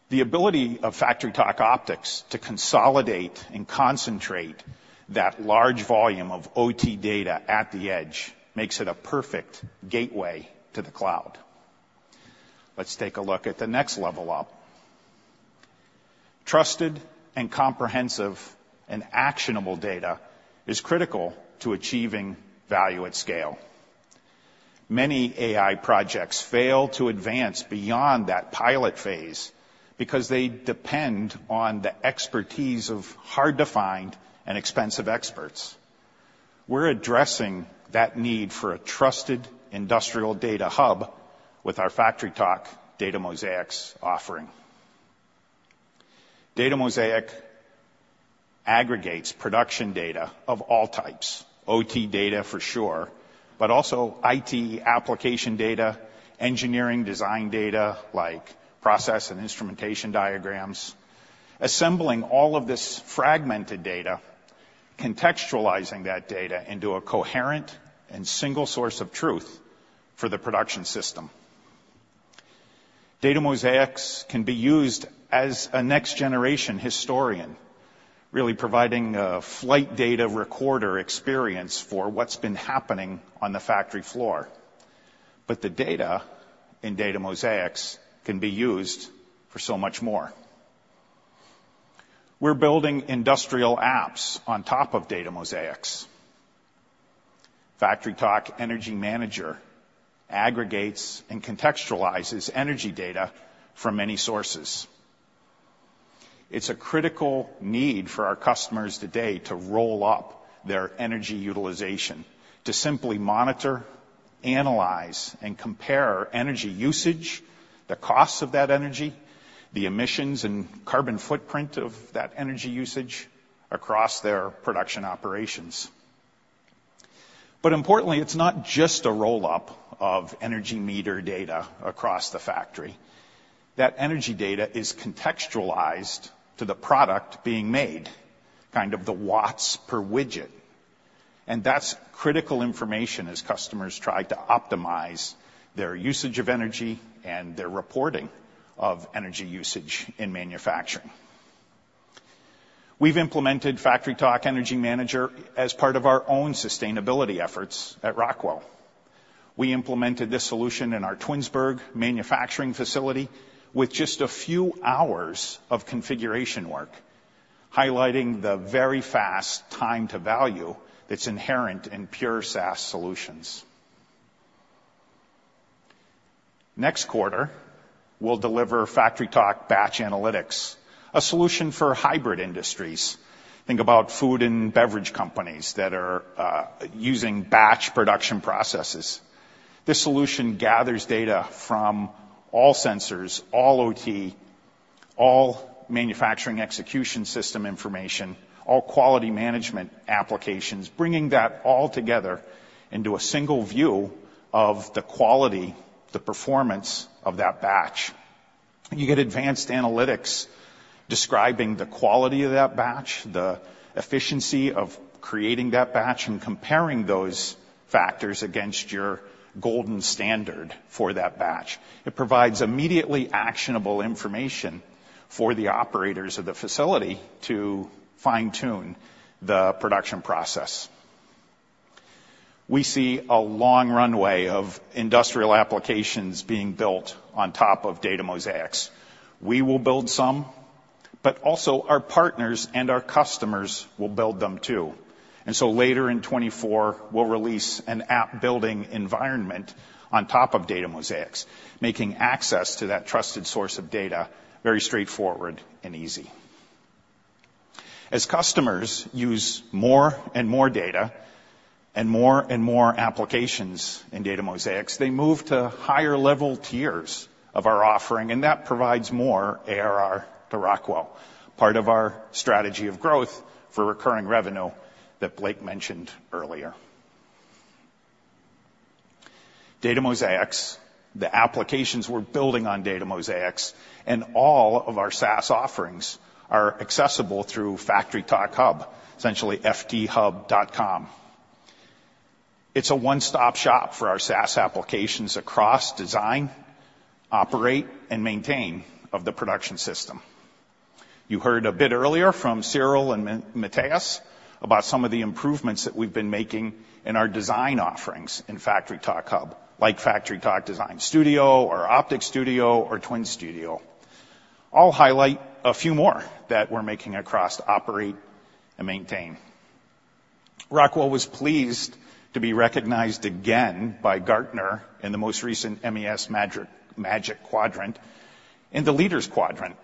The ability of FactoryTalk Optix to consolidate and concentrate that large volume of OT data at the edge makes it a perfect gateway to the cloud. Let's take a look at the next level up. Trusted and comprehensive and actionable data is critical to achieving value at scale. Many AI projects fail to advance beyond that pilot phase because they depend on the expertise of hard-to-find and expensive experts. We're addressing that need for a trusted industrial data hub with our FactoryTalk DataMosaix offering. DataMosaix aggregates production data of all types, OT data for sure, but also IT application data, engineering design data like process and instrumentation diagrams, assembling all of this fragmented data, contextualizing that data into a coherent and single source of truth for the production system. DataMosaix can be used as a next generation historian, really providing a flight data recorder experience for what's been happening on the factory floor. But the data in DataMosaix can be used for so much more. We're building industrial apps on top of DataMosaix. FactoryTalk Energy Manager aggregates and contextualizes energy data from many sources. It's a critical need for our customers today to roll up their energy utilization, to simply monitor, analyze, and compare energy usage, the costs of that energy, the emissions and carbon footprint of that energy usage across their production operations. But importantly, it's not just a roll-up of energy meter data across the factory. That energy data is contextualized to the product being made, kind of the watts per widget, and that's critical information as customers try to optimize their usage of energy and their reporting of energy usage in manufacturing. We've implemented FactoryTalk Energy Manager as part of our own sustainability efforts at Rockwell. We implemented this solution in our Twinsburg manufacturing facility with just a few hours of configuration work, highlighting the very fast time to value that's inherent in pure SaaS solutions. Next quarter, we'll deliver FactoryTalk Batch Analytics, a solution for hybrid industries. Think about food and beverage companies that are using batch production processes. This solution gathers data from all sensors, all OT, all manufacturing execution system information, all quality management applications, bringing that all together into a single view of the quality, the performance of that batch. You get advanced analytics describing the quality of that batch, the efficiency of creating that batch, and comparing those factors against your golden standard for that batch. It provides immediately actionable information for the operators of the facility to fine-tune the production process. We see a long runway of industrial applications being built on top of DataMosaix. We will build some, but also our partners and our customers will build them, too. So later in 2024, we'll release an app-building environment on top of DataMosaix, making access to that trusted source of data very straightforward and easy. As customers use more and more data and more and more applications in DataMosaix, they move to higher level tiers of our offering, and that provides more ARR to Rockwell, part of our strategy of growth for recurring revenue that Blake mentioned earlier. DataMosaix, the applications we're building on DataMosaix, and all of our SaaS offerings are accessible through FactoryTalk Hub, essentially fthub.com. It's a one-stop shop for our SaaS applications across design, operate, and maintain of the production system. You heard a bit earlier from Cyril and Matheus about some of the improvements that we've been making in our design offerings in FactoryTalk Hub, like FactoryTalk Design Studio or Optix Studio or Twin Studio. I'll highlight a few more that we're making across operate and maintain. Rockwell was pleased to be recognized again by Gartner in the most recent MES Magic Quadrant, in the Leaders quadrant,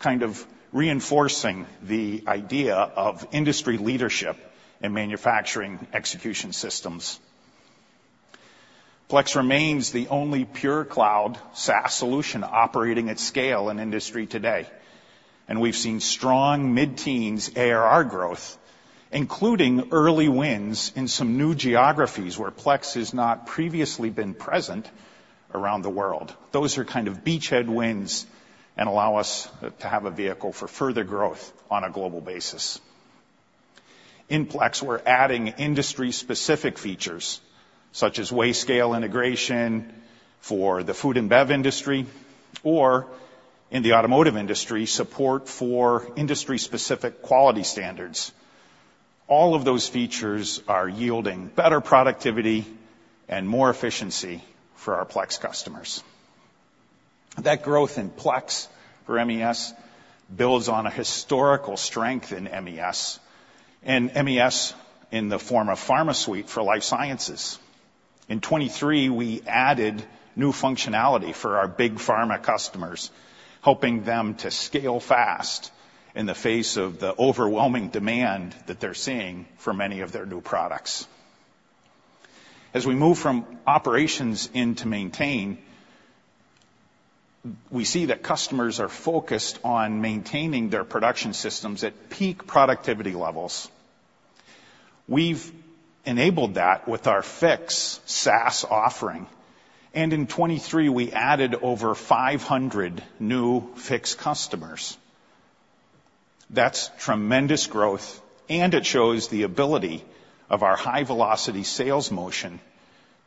kind of reinforcing the idea of industry leadership in manufacturing execution systems. Plex remains the only pure cloud SaaS solution operating at scale in industry today, and we've seen strong mid-teens ARR growth, including early wins in some new geographies where Plex has not previously been present around the world. Those are kind of beachhead wins and allow us to have a vehicle for further growth on a global basis. In Plex, we're adding industry-specific features, such as weigh scale integration for the food and bev industry, or in the automotive industry, support for industry-specific quality standards. All of those features are yielding better productivity and more efficiency for our Plex customers. That growth in Plex for MES builds on a historical strength in MES, and MES in the form of PharmaSuite for life sciences. In 2023, we added new functionality for our big pharma customers, helping them to scale fast in the face of the overwhelming demand that they're seeing for many of their new products. As we move from operations into maintain, we see that customers are focused on maintaining their production systems at peak productivity levels. We've enabled that with our Fiix SaaS offering, and in 2023, we added over 500 new Fiix customers. That's tremendous growth, and it shows the ability of our high-velocity sales motion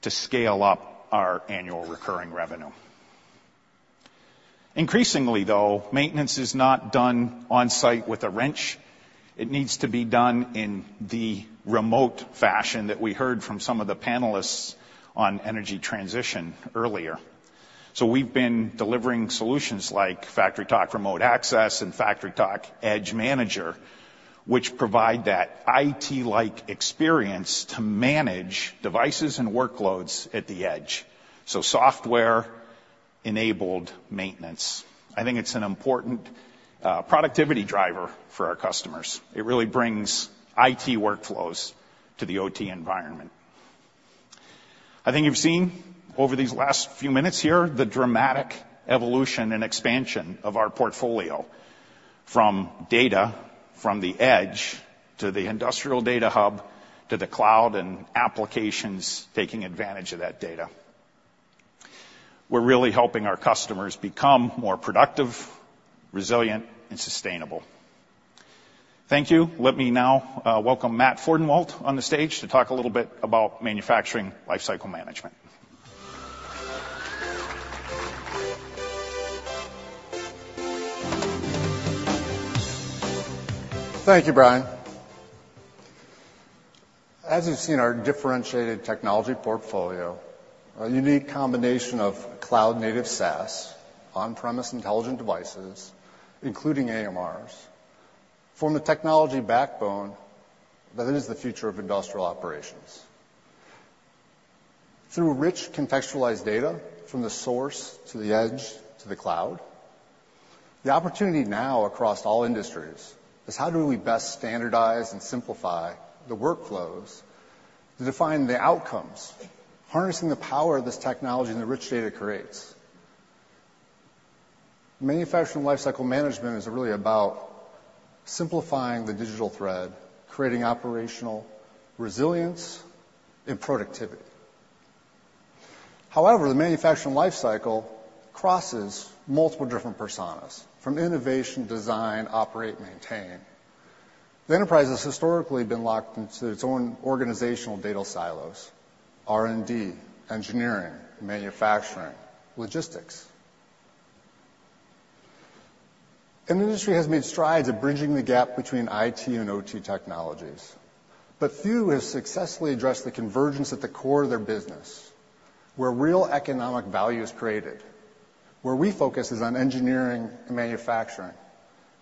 to scale up our annual recurring revenue. Increasingly, though, maintenance is not done on-site with a wrench. It needs to be done in the remote fashion that we heard from some of the panelists on energy transition earlier. So we've been delivering solutions like FactoryTalk Remote Access, and FactoryTalk Edge Manager, which provide that IT-like experience to manage devices and workloads at the edge. So software-enabled maintenance. I think it's an important productivity driver for our customers. It really brings IT workflows to the OT environment. I think you've seen over these last few minutes here, the dramatic evolution and expansion of our portfolio from data, from the edge, to the industrial data hub, to the cloud and applications taking advantage of that data. We're really helping our customers become more productive, resilient, and sustainable. Thank you. Let me now, welcome Matt Fordenwalt on the stage to talk a little bit about manufacturing lifecycle management. Thank you, Brian. As you've seen, our differentiated technology portfolio, a unique combination of cloud-native SaaS, on-premise intelligent devices, including AMRs, form the technology backbone that is the future of industrial operations. Through rich, contextualized data from the source to the edge to the cloud, the opportunity now across all industries is how do we best standardize and simplify the workflows to define the outcomes, harnessing the power of this technology and the rich data it creates? Manufacturing lifecycle management is really about simplifying the digital thread, creating operational resilience and productivity. However, the manufacturing lifecycle crosses multiple different personas, from innovation, design, operate, maintain. The enterprise has historically been locked into its own organizational data silos: R&D, engineering, manufacturing, logistics. The industry has made strides at bridging the gap between IT and OT technologies, but few have successfully addressed the convergence at the core of their business, where real economic value is created, where we focus is on engineering and manufacturing.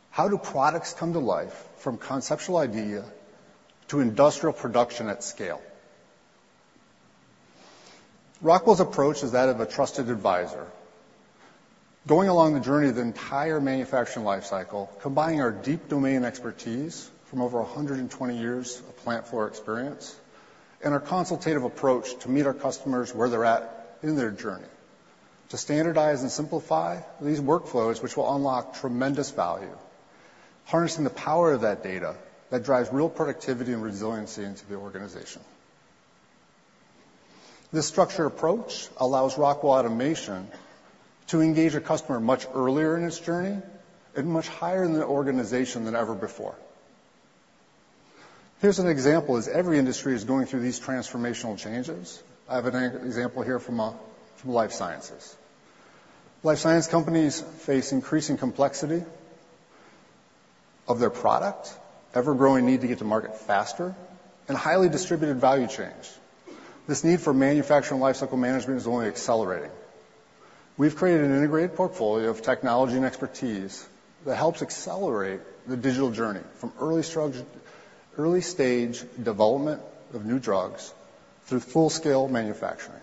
How do products come to life from conceptual idea to industrial production at scale? Rockwell's approach is that of a trusted advisor, going along the journey of the entire manufacturing lifecycle, combining our deep domain expertise from over 120 years of plant floor experience, and our consultative approach to meet our customers where they're at in their journey, to standardize and simplify these workflows, which will unlock tremendous value, harnessing the power of that data that drives real productivity and resiliency into the organization. This structure approach allows Rockwell Automation to engage a customer much earlier in its journey and much higher in the organization than ever before. Here's an example, as every industry is going through these transformational changes. I have an example here from life sciences. Life science companies face increasing complexity of their product, ever-growing need to get to market faster, and highly distributed value chains. This need for manufacturing lifecycle management is only accelerating. We've created an integrated portfolio of technology and expertise that helps accelerate the digital journey, from early-stage development of new drugs through full-scale manufacturing.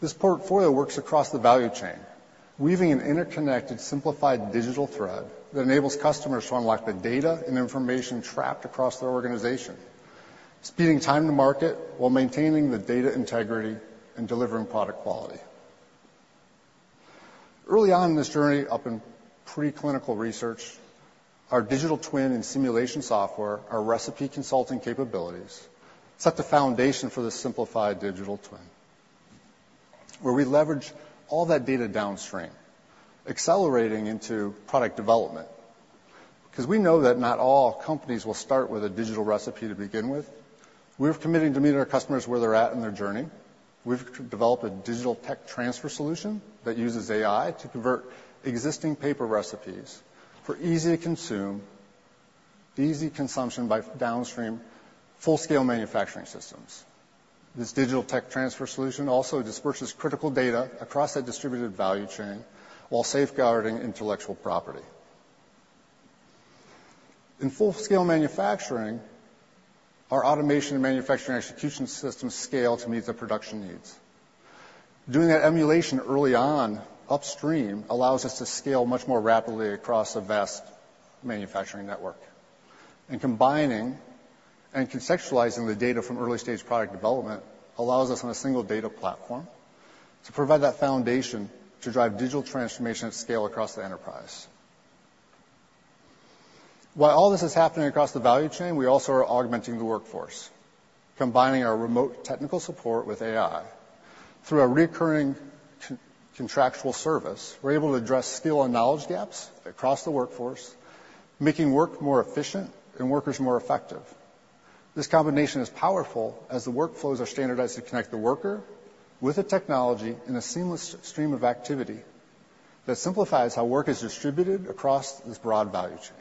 This portfolio works across the value chain, weaving an interconnected, simplified digital thread that enables customers to unlock the data and information trapped across their organization, speeding time to market while maintaining the data integrity and delivering product quality. Early on in this journey, up in preclinical research, our digital twin and simulation software, our recipe consulting capabilities, set the foundation for the simplified digital twin, where we leverage all that data downstream, accelerating into product development. Because we know that not all companies will start with a digital recipe to begin with, we're committing to meeting our customers where they're at in their journey. We've developed a digital tech transfer solution that uses AI to convert existing paper recipes for easy to consume, easy consumption by downstream full-scale manufacturing systems. This digital tech transfer solution also disperses critical data across that distributed value chain while safeguarding intellectual property. In full-scale manufacturing, our automation and manufacturing execution systems scale to meet the production needs. Doing that emulation early on upstream allows us to scale much more rapidly across a vast manufacturing network. Combining and conceptualizing the data from early-stage product development allows us, on a single data platform, to provide that foundation to drive digital transformation at scale across the enterprise. While all this is happening across the value chain, we also are augmenting the workforce. Combining our remote technical support with AI through a recurring contractual service, we're able to address skill and knowledge gaps across the workforce, making work more efficient and workers more effective. This combination is powerful as the workflows are standardized to connect the worker with the technology in a seamless stream of activity that simplifies how work is distributed across this broad value chain.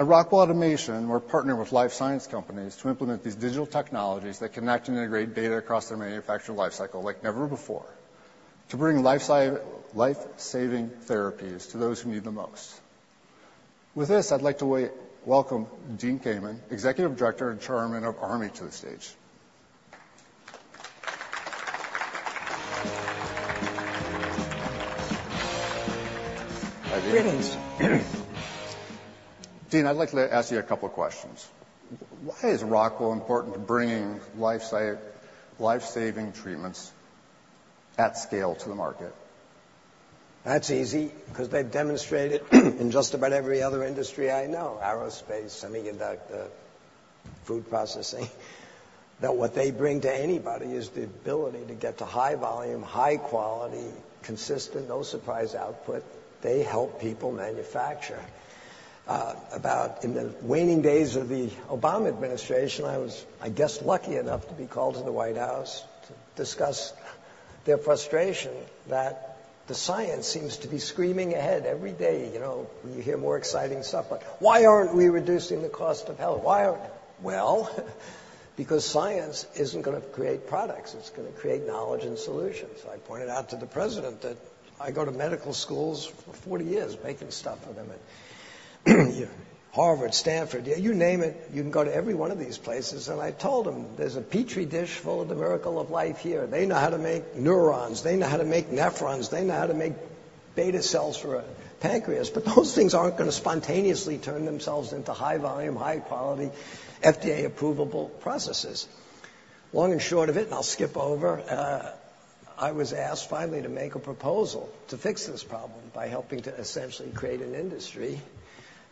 At Rockwell Automation, we're partnered with life science companies to implement these digital technologies that connect and integrate data across their manufacturing lifecycle like never before, to bring life-saving therapies to those who need the most. With this, I'd like to welcome Dean Kamen, Executive Director and Chairman of ARMI, to the stage. Hi, Dean. Greetings. Dean, I'd like to ask you a couple of questions. Why is Rockwell important to bringing life-saving treatments at scale to the market? That's easy, because they've demonstrated, in just about every other industry I know, aerospace, semiconductor, food processing, that what they bring to anybody is the ability to get to high volume, high quality, consistent, no-surprise output. They help people manufacture. About in the waning days of the Obama administration, I was, I guess, lucky enough to be called to the White House to discuss their frustration that the science seems to be screaming ahead every day. You know, when you hear more exciting stuff, like, "Why aren't we reducing the cost of health? Why aren't we?" Well, because science isn't gonna create products, it's gonna create knowledge and solutions. I pointed out to the president that I go to medical schools for 40 years, making stuff with him at Harvard, Stanford, you name it, you can go to every one of these places, and I told him, "There's a Petri dish full of the miracle of life here. They know how to make neurons, they know how to make nephrons, they know how to make beta cells for a pancreas, but those things aren't gonna spontaneously turn themselves into high volume, high quality, FDA approvable processes." Long and short of it, and I'll skip over, I was asked finally to make a proposal to fix this problem by helping to essentially create an industry,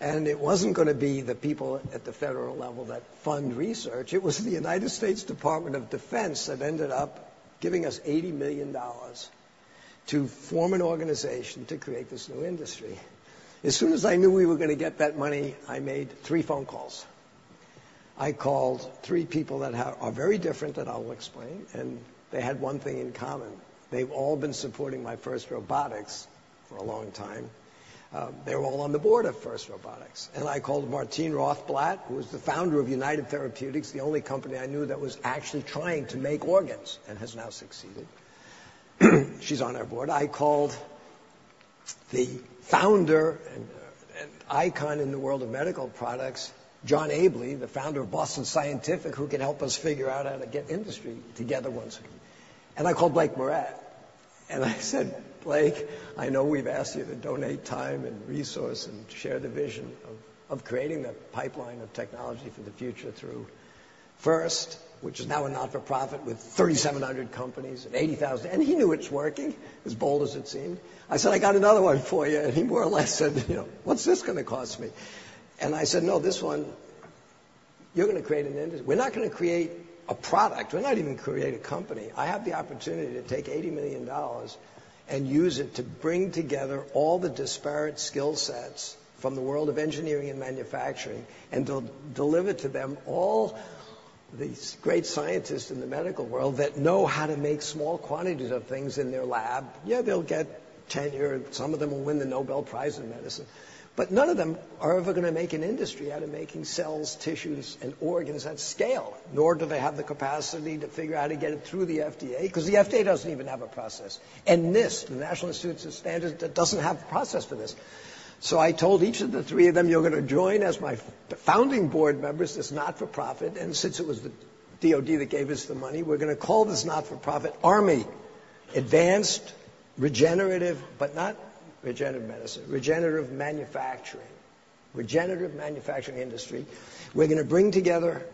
and it wasn't gonna be the people at the federal level that fund research. It was the United States Department of Defense that ended up giving us $80 million to form an organization to create this new industry. As soon as I knew we were gonna get that money, I made three phone calls. I called three people that are very different, that I'll explain, and they had one thing in common. They've all been supporting my FIRST Robotics for a long time. They're all on the board of FIRST Robotics, and I called Martine Rothblatt, who was the founder of United Therapeutics, the only company I knew that was actually trying to make organs and has now succeeded. She's on our board. I called the founder and icon in the world of medical products, John Abele, the founder of Boston Scientific, who can help us figure out how to get industry together once again. And I called Blake Moret, and I said, "Blake, I know we've asked you to donate time and resource and share the vision of, of creating a pipeline of technology for the future through FIRST, which is now a not-for-profit with 3,700 companies and 80,000..." And he knew it's working, as bold as it seemed. I said, "I got another one for you." And he more or less said, you know, "What's this gonna cost me?" And I said, "No, this one, you're gonna create an industry. We're not gonna create a product. We're not even gonna create a company. I have the opportunity to take $80 million and use it to bring together all the disparate skill sets from the world of engineering and manufacturing, and deliver to them all these great scientists in the medical world that know how to make small quantities of things in their lab. Yeah, they'll get tenure, and some of them will win the Nobel Prize in medicine, but none of them are ever gonna make an industry out of making cells, tissues, and organs at scale, nor do they have the capacity to figure out how to get it through the FDA, because the FDA doesn't even have a process. NIST, the National Institute of Standards, that doesn't have a process for this. So I told each of the three of them, "You're gonna join as my founding board members, this not-for-profit, and since it was the DOD that gave us the money, we're gonna call this not-for-profit ARMI, Advanced Regenerative, but not regenerative medicine, Regenerative Manufacturing, Regenerative Manufacturing Industry. We're gonna bring together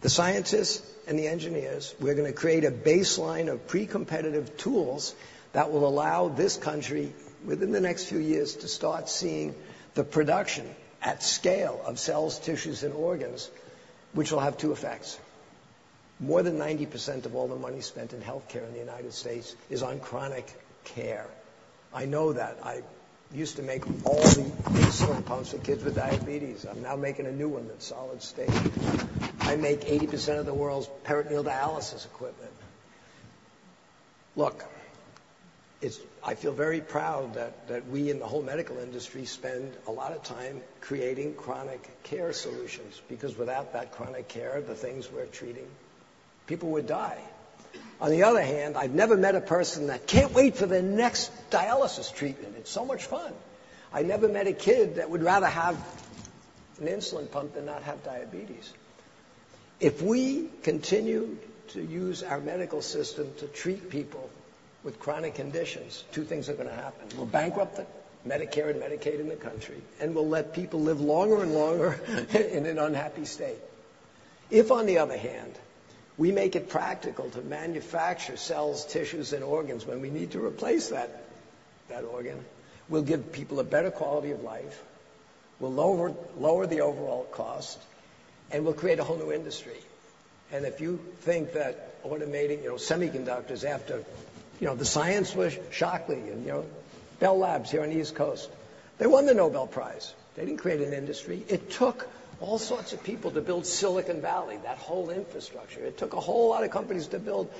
the scientists and the engineers. We're gonna create a baseline of pre-competitive tools that will allow this country, within the next few years, to start seeing the production at scale of cells, tissues, and organs, which will have two effects. More than 90% of all the money spent in healthcare in the United States is on chronic care. I know that. I used to make all the insulin pumps for kids with diabetes. I'm now making a new one that's solid state. I make 80% of the world's peritoneal dialysis equipment. Look, it's, I feel very proud that, that we in the whole medical industry spend a lot of time creating chronic care solutions, because without that chronic care, the things we're treating, people would die. On the other hand, I've never met a person that can't wait for their next dialysis treatment. It's so much fun. I never met a kid that would rather have an insulin pump than not have diabetes. If we continue to use our medical system to treat people with chronic conditions, two things are gonna happen: we'll bankrupt the Medicare and Medicaid in the country, and we'll let people live longer and longer in an unhappy state. If, on the other hand, we make it practical to manufacture cells, tissues, and organs, when we need to replace that, that organ, we'll give people a better quality of life, we'll lower, lower the overall cost, and we'll create a whole new industry. And if you think that automating, you know, semiconductors after, you know, the science was Shockley and, you know, Bell Labs here on the East Coast, they won the Nobel Prize. They didn't create an industry. It took all sorts of people to build Silicon Valley, that whole infrastructure. It took a whole lot of companies to build,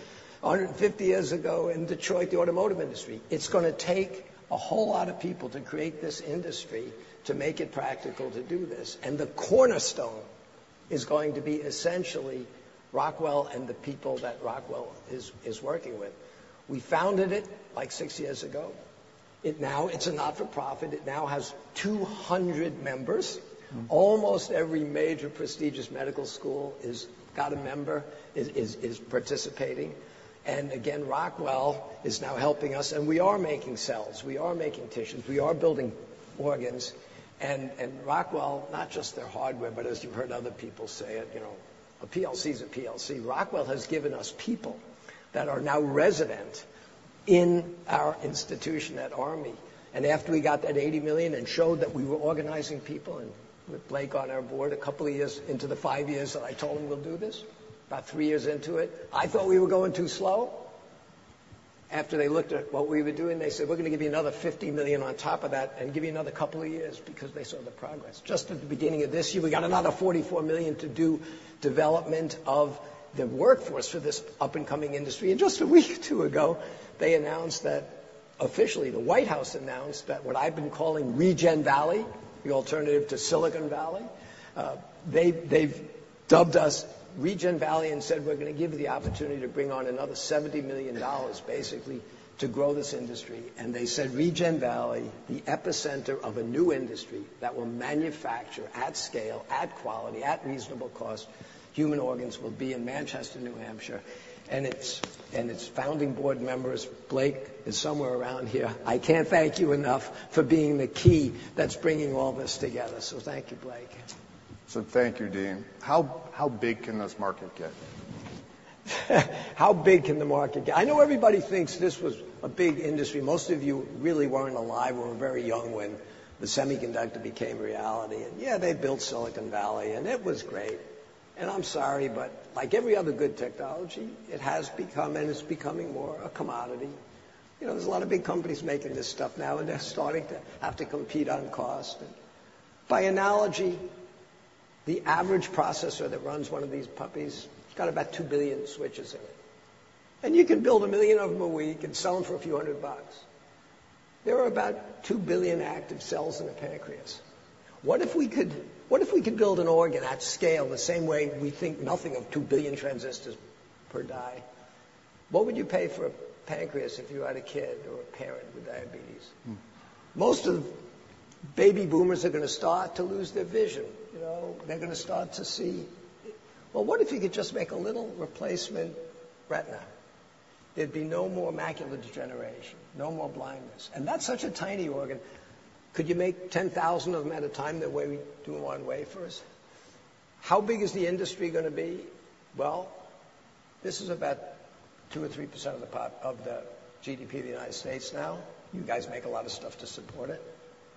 150 years ago in Detroit, the automotive industry. It's gonna take a whole lot of people to create this industry, to make it practical to do this, and the cornerstone is going to be essentially Rockwell and the people that Rockwell is, is working with. We founded it, like, six years ago. It now. It's a not-for-profit. It now has 200 members. Mm-hmm. Almost every major prestigious medical school has got a member is participating, and again, Rockwell is now helping us, and we are making cells, we are making tissues, we are building organs. Rockwell, not just their hardware, but as you've heard other people say it, you know, a PLC is a PLC. Rockwell has given us people that are now resident in our institution at ARMI, and after we got that $80 million and showed that we were organizing people and with Blake on our board a couple of years into the five years that I told him we'll do this, about three years into it, I thought we were going too slow. After they looked at what we were doing, they said, "We're gonna give you another $50 million on top of that and give you another couple of years," because they saw the progress. Just at the beginning of this year, we got another $44 million to do development of the workforce for this up-and-coming industry, and just a week or two ago, they announced that officially, the White House announced that what I've been calling Regen Valley, the alternative to Silicon Valley, they've dubbed us Regen Valley and said, "We're gonna give you the opportunity to bring on another $70 million basically to grow this industry." And they said, "Regen Valley, the epicenter of a new industry that will manufacture at scale, at quality, at reasonable cost, human organs will be in Manchester, New Hampshire," and its founding board member is Blake, is somewhere around here. I can't thank you enough for being the key that's bringing all this together, so thank you, Blake. Thank you, Dean. How big can this market get? How big can the market get? I know everybody thinks this was a big industry. Most of you really weren't alive or were very young when the semiconductor became reality, and yeah, they built Silicon Valley, and it was great. And I'm sorry, but like every other good technology, it has become and is becoming more a commodity. You know, there's a lot of big companies making this stuff now, and they're starting to have to compete on cost. By analogy, the average processor that runs one of these puppies, it's got about 2 billion switches in it, and you can build 1 million of them a week and sell them for a few hundred bucks. There are about 2 billion active cells in a pancreas. What if we could, what if we could build an organ at scale the same way we think nothing of 2 billion transistors per die? What would you pay for a pancreas if you had a kid or a parent with diabetes? Hmm. Most of baby boomers are gonna start to lose their vision. You know, they're gonna start to see... Well, what if you could just make a little replacement retina? There'd be no more macular degeneration, no more blindness, and that's such a tiny organ. Could you make 10,000 of them at a time the way we do on wafers? How big is the industry gonna be? Well, this is about 2%-3% of the GDP of the United States now. You guys make a lot of stuff to support it.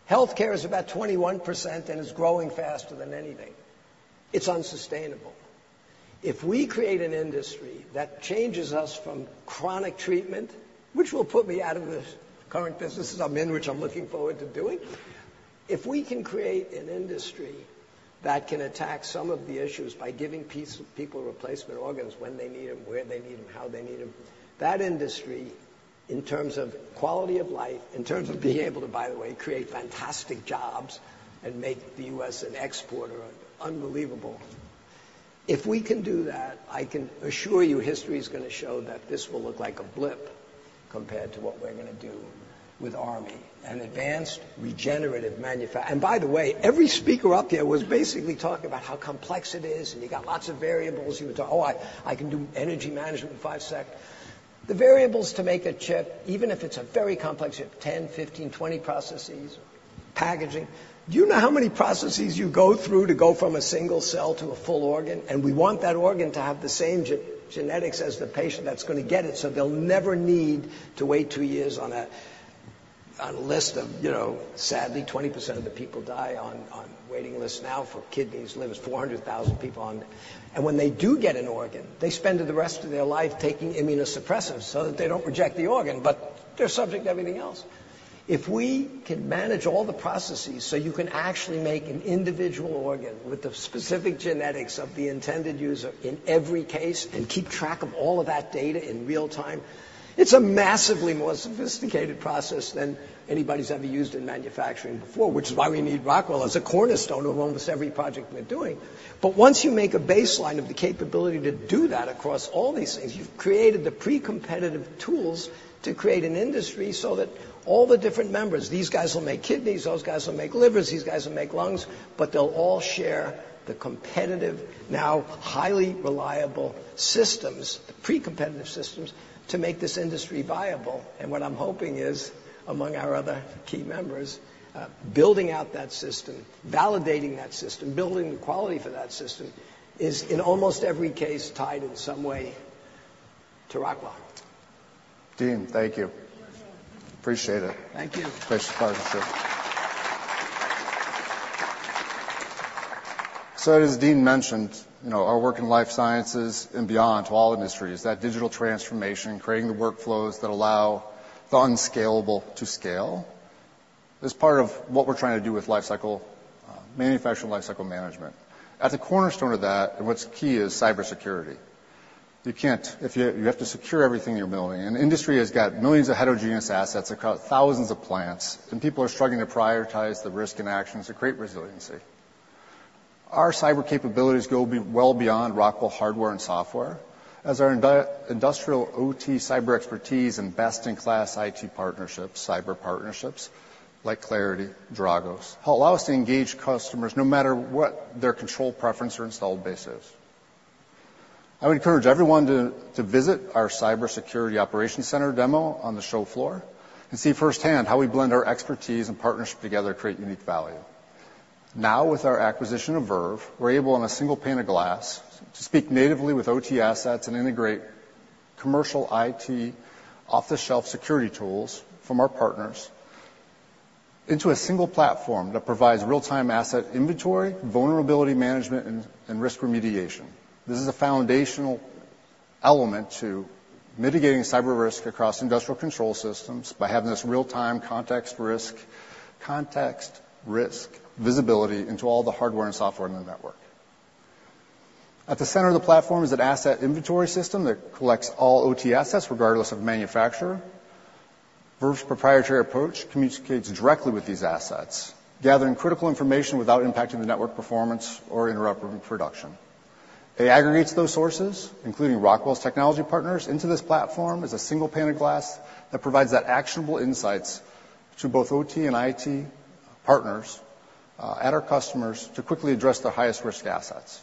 Healthcare is about 21%, and it's growing faster than anything. It's unsustainable. If we create an industry that changes us from chronic treatment, which will put me out of the current businesses I'm in, which I'm looking forward to doing, if we can create an industry that can attack some of the issues by giving people replacement organs when they need them, where they need them, how they need them, that industry, in terms of quality of life, in terms of being able to, by the way, create fantastic jobs and make the U.S. an exporter, unbelievable. If we can do that, I can assure you history is gonna show that this will look like a blip compared to what we're gonna do with ARMI, an advanced regenerative manufacturing. And by the way, every speaker up here was basically talking about how complex it is, and you got lots of variables. You would talk, "Oh, I, I can do energy management in five second." The variables to make a chip, even if it's a very complex chip, 10, 15, 20 processes, packaging. Do you know how many processes you go through to go from a single cell to a full organ? And we want that organ to have the same genetics as the patient that's gonna get it, so they'll never need to wait two years on a, on a list of, you know, sadly, 20% of the people die on, on waiting lists now for kidneys, livers, 400,000 people on... And when they do get an organ, they spend the rest of their life taking immunosuppressants so that they don't reject the organ, but they're subject to everything else. If we can manage all the processes so you can actually make an individual organ with the specific genetics of the intended user in every case and keep track of all of that data in real time, it's a massively more sophisticated process than anybody's ever used in manufacturing before, which is why we need Rockwell as a cornerstone of almost every project we're doing. But once you make a baseline of the capability to do that across all these things, you've created the pre-competitive tools to create an industry so that all the different members, these guys will make kidneys, those guys will make livers, these guys will make lungs, but they'll all share the competitive, now highly reliable systems, pre-competitive systems, to make this industry viable. What I'm hoping is, among our other key members, building out that system, validating that system, building the quality for that system, is in almost every case, tied in some way to Rockwell. Dean, thank you. Appreciate it. Thank you. Great partnership. So as Dean mentioned, you know, our work in life sciences and beyond to all industries, that digital transformation, creating the workflows that allow the unscalable to scale, is part of what we're trying to do with lifecycle manufacturing lifecycle management. At the cornerstone of that, and what's key, is cybersecurity. You have to secure everything you're building, and industry has got millions of heterogeneous assets across thousands of plants, and people are struggling to prioritize the risk and actions to create resiliency. Our cyber capabilities go well beyond Rockwell hardware and software, as our industrial OT cyber expertise and best-in-class IT partnerships, cyber partnerships, like Claroty, Dragos, allow us to engage customers no matter what their control preference or installed base is. I would encourage everyone to visit our Cybersecurity Operations Center demo on the show floor and see firsthand how we blend our expertise and partnership together to create unique value. Now, with our acquisition of Verve, we're able, in a single pane of glass, to speak natively with OT assets and integrate commercial IT off-the-shelf security tools from our partners into a single platform that provides real-time asset inventory, vulnerability management, and risk remediation. This is a foundational element to mitigating cyber risk across industrial control systems by having this real-time context risk visibility into all the hardware and software in the network. At the center of the platform is an asset inventory system that collects all OT assets, regardless of manufacturer. Verve's proprietary approach communicates directly with these assets, gathering critical information without impacting the network performance or interrupting production. It aggregates those sources, including Rockwell's technology partners, into this platform as a single pane of glass that provides that actionable insights to both OT and IT partners, and our customers to quickly address their highest-risk assets.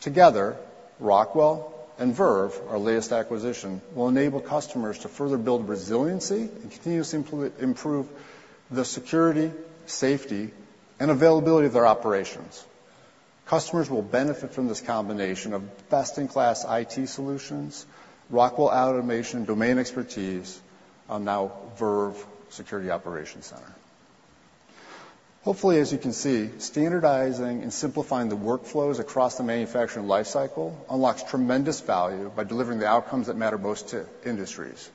Together, Rockwell and Verve, our latest acquisition, will enable customers to further build resiliency and continuously improve the security, safety, and availability of their operations. Customers will benefit from this combination of best-in-class IT solutions, Rockwell Automation domain expertise, and now Verve Security Operations Center. Hopefully, as you can see, standardizing and simplifying the workflows across the manufacturing lifecycle unlocks tremendous value by delivering the outcomes that matter most to industries,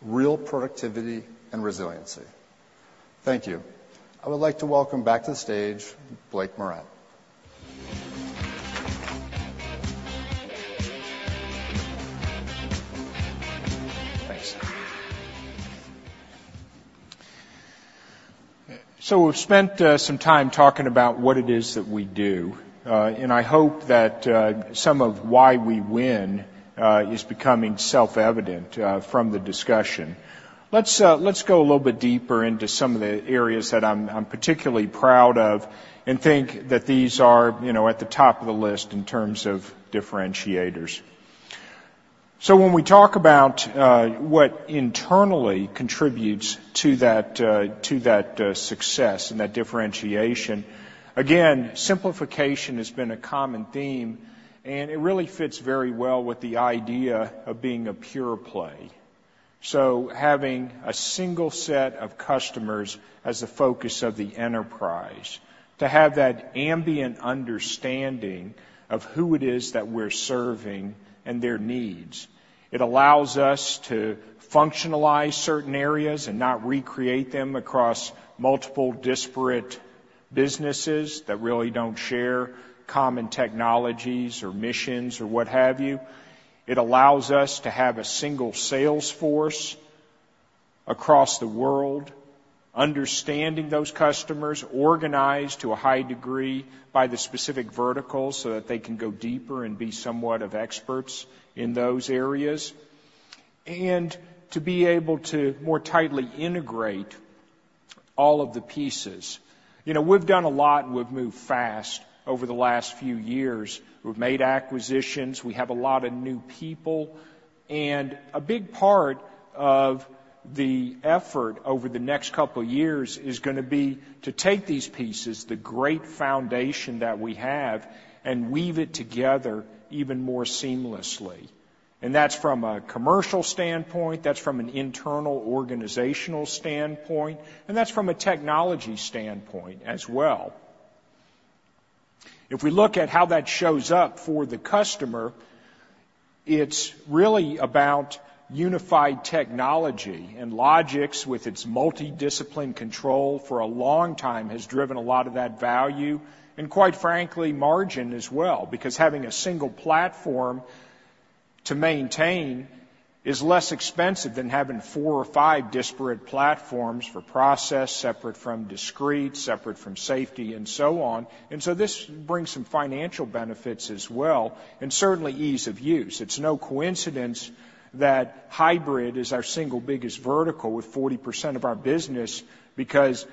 real productivity and resiliency. Thank you. I would like to welcome back to the stage Blake Moret. Thanks. So we've spent some time talking about what it is that we do, and I hope that some of why we win is becoming self-evident from the discussion. Let's go a little bit deeper into some of the areas that I'm particularly proud of and think that these are, you know, at the top of the list in terms of differentiators. So when we talk about what internally contributes to that success and that differentiation, again, simplification has been a common theme, and it really fits very well with the idea of being a pure play. Having a single set of customers as the focus of the enterprise, to have that ambient understanding of who it is that we're serving and their needs, it allows us to functionalize certain areas and not recreate them across multiple disparate businesses that really don't share common technologies or missions or what have you. It allows us to have a single sales force across the world, understanding those customers, organized to a high degree by the specific verticals so that they can go deeper and be somewhat of experts in those areas, and to be able to more tightly integrate all of the pieces. You know, we've done a lot, and we've moved fast over the last few years. We've made acquisitions. We have a lot of new people, and a big part of the effort over the next couple of years is gonna be to take these pieces, the great foundation that we have, and weave it together even more seamlessly. And that's from a commercial standpoint, that's from an internal organizational standpoint, and that's from a technology standpoint as well. If we look at how that shows up for the customer, it's really about unified technology, and Logix, with its multi-discipline control, for a long time has driven a lot of that value and, quite frankly, margin as well, because having a single platform to maintain is less expensive than having four or five disparate platforms for process, separate from discrete, separate from safety, and so on. And so this brings some financial benefits as well, and certainly ease of use. It's no coincidence that hybrid is our single biggest vertical with 40% of our business, because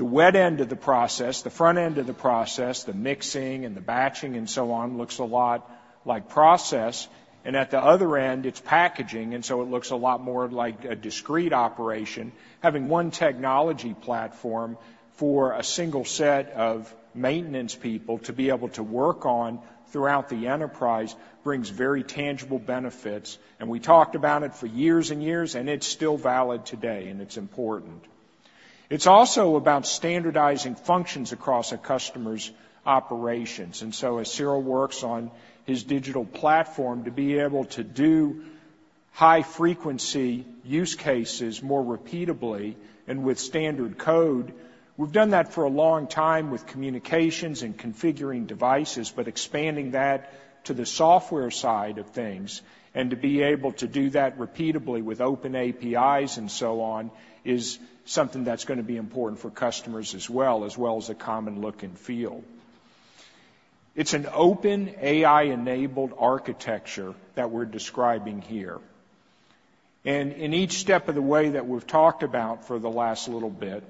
the wet end of the process, the front end of the process, the mixing and the batching and so on, looks a lot like process, and at the other end, it's packaging, and so it looks a lot more like a discrete operation. Having one technology platform for a single set of maintenance people to be able to work on throughout the enterprise brings very tangible benefits, and we talked about it for years and years, and it's still valid today, and it's important. It's also about standardizing functions across a customer's operations. And so as Cyril works on his digital platform to be able to do high-frequency use cases more repeatably and with standard code, we've done that for a long time with communications and configuring devices. But expanding that to the software side of things, and to be able to do that repeatably with open APIs and so on, is something that's going to be important for customers as well, as well as a common look and feel. It's an open, AI-enabled architecture that we're describing here. And in each step of the way that we've talked about for the last little bit,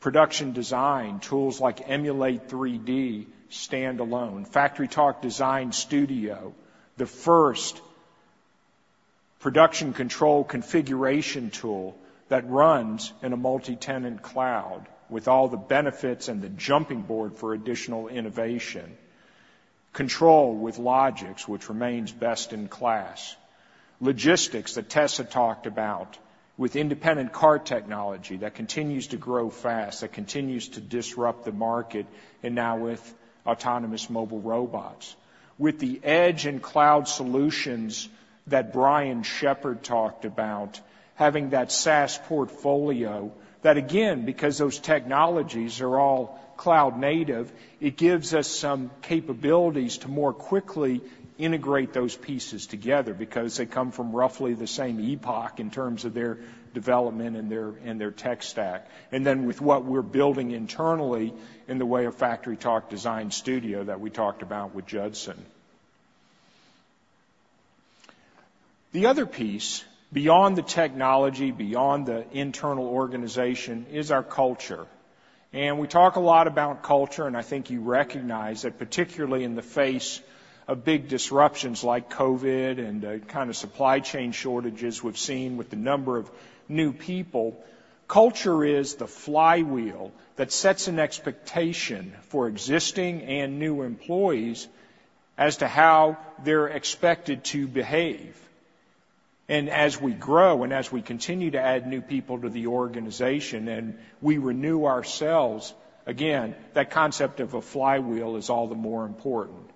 production design, tools like Emulate3D, standalone. FactoryTalk Design Studio, the first production control configuration tool that runs in a multi-tenant cloud, with all the benefits and the jumping board for additional innovation. Control with Logix, which remains best in class. Logistics, that Tessa talked about, with Independent Cart Technology that continues to grow fast, that continues to disrupt the market, and now with autonomous mobile robots. With the edge and cloud solutions that Brian Shepherd talked about, having that SaaS portfolio, that again, because those technologies are all cloud-native, it gives us some capabilities to more quickly integrate those pieces together because they come from roughly the same epoch in terms of their development and their, and their tech stack. And then with what we're building internally in the way of FactoryTalk Design Studio that we talked about with Judson. The other piece, beyond the technology, beyond the internal organization, is our culture. And we talk a lot about culture, and I think you recognize that particularly in the face of big disruptions like COVID and the kind of supply chain shortages we've seen with the number of new people, culture is the flywheel that sets an expectation for existing and new employees as to how they're expected to behave. As we grow and as we continue to add new people to the organization, and we renew ourselves, again, that concept of a flywheel is all the more important.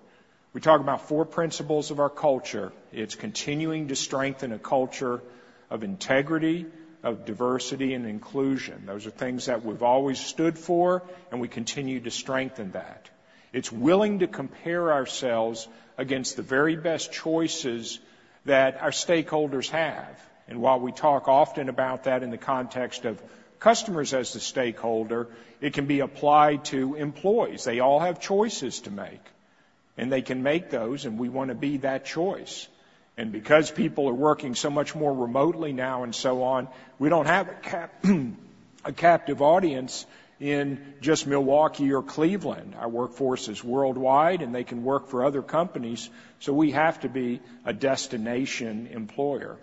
We talk about four principles of our culture. It's continuing to strengthen a culture of integrity, of diversity and inclusion. Those are things that we've always stood for, and we continue to strengthen that. It's willing to compare ourselves against the very best choices that our stakeholders have. And while we talk often about that in the context of customers as the stakeholder, it can be applied to employees. They all have choices to make, and they can make those, and we want to be that choice. And because people are working so much more remotely now and so on, we don't have a captive audience in just Milwaukee or Cleveland. Our workforce is worldwide, and they can work for other companies, so we have to be a destination employer.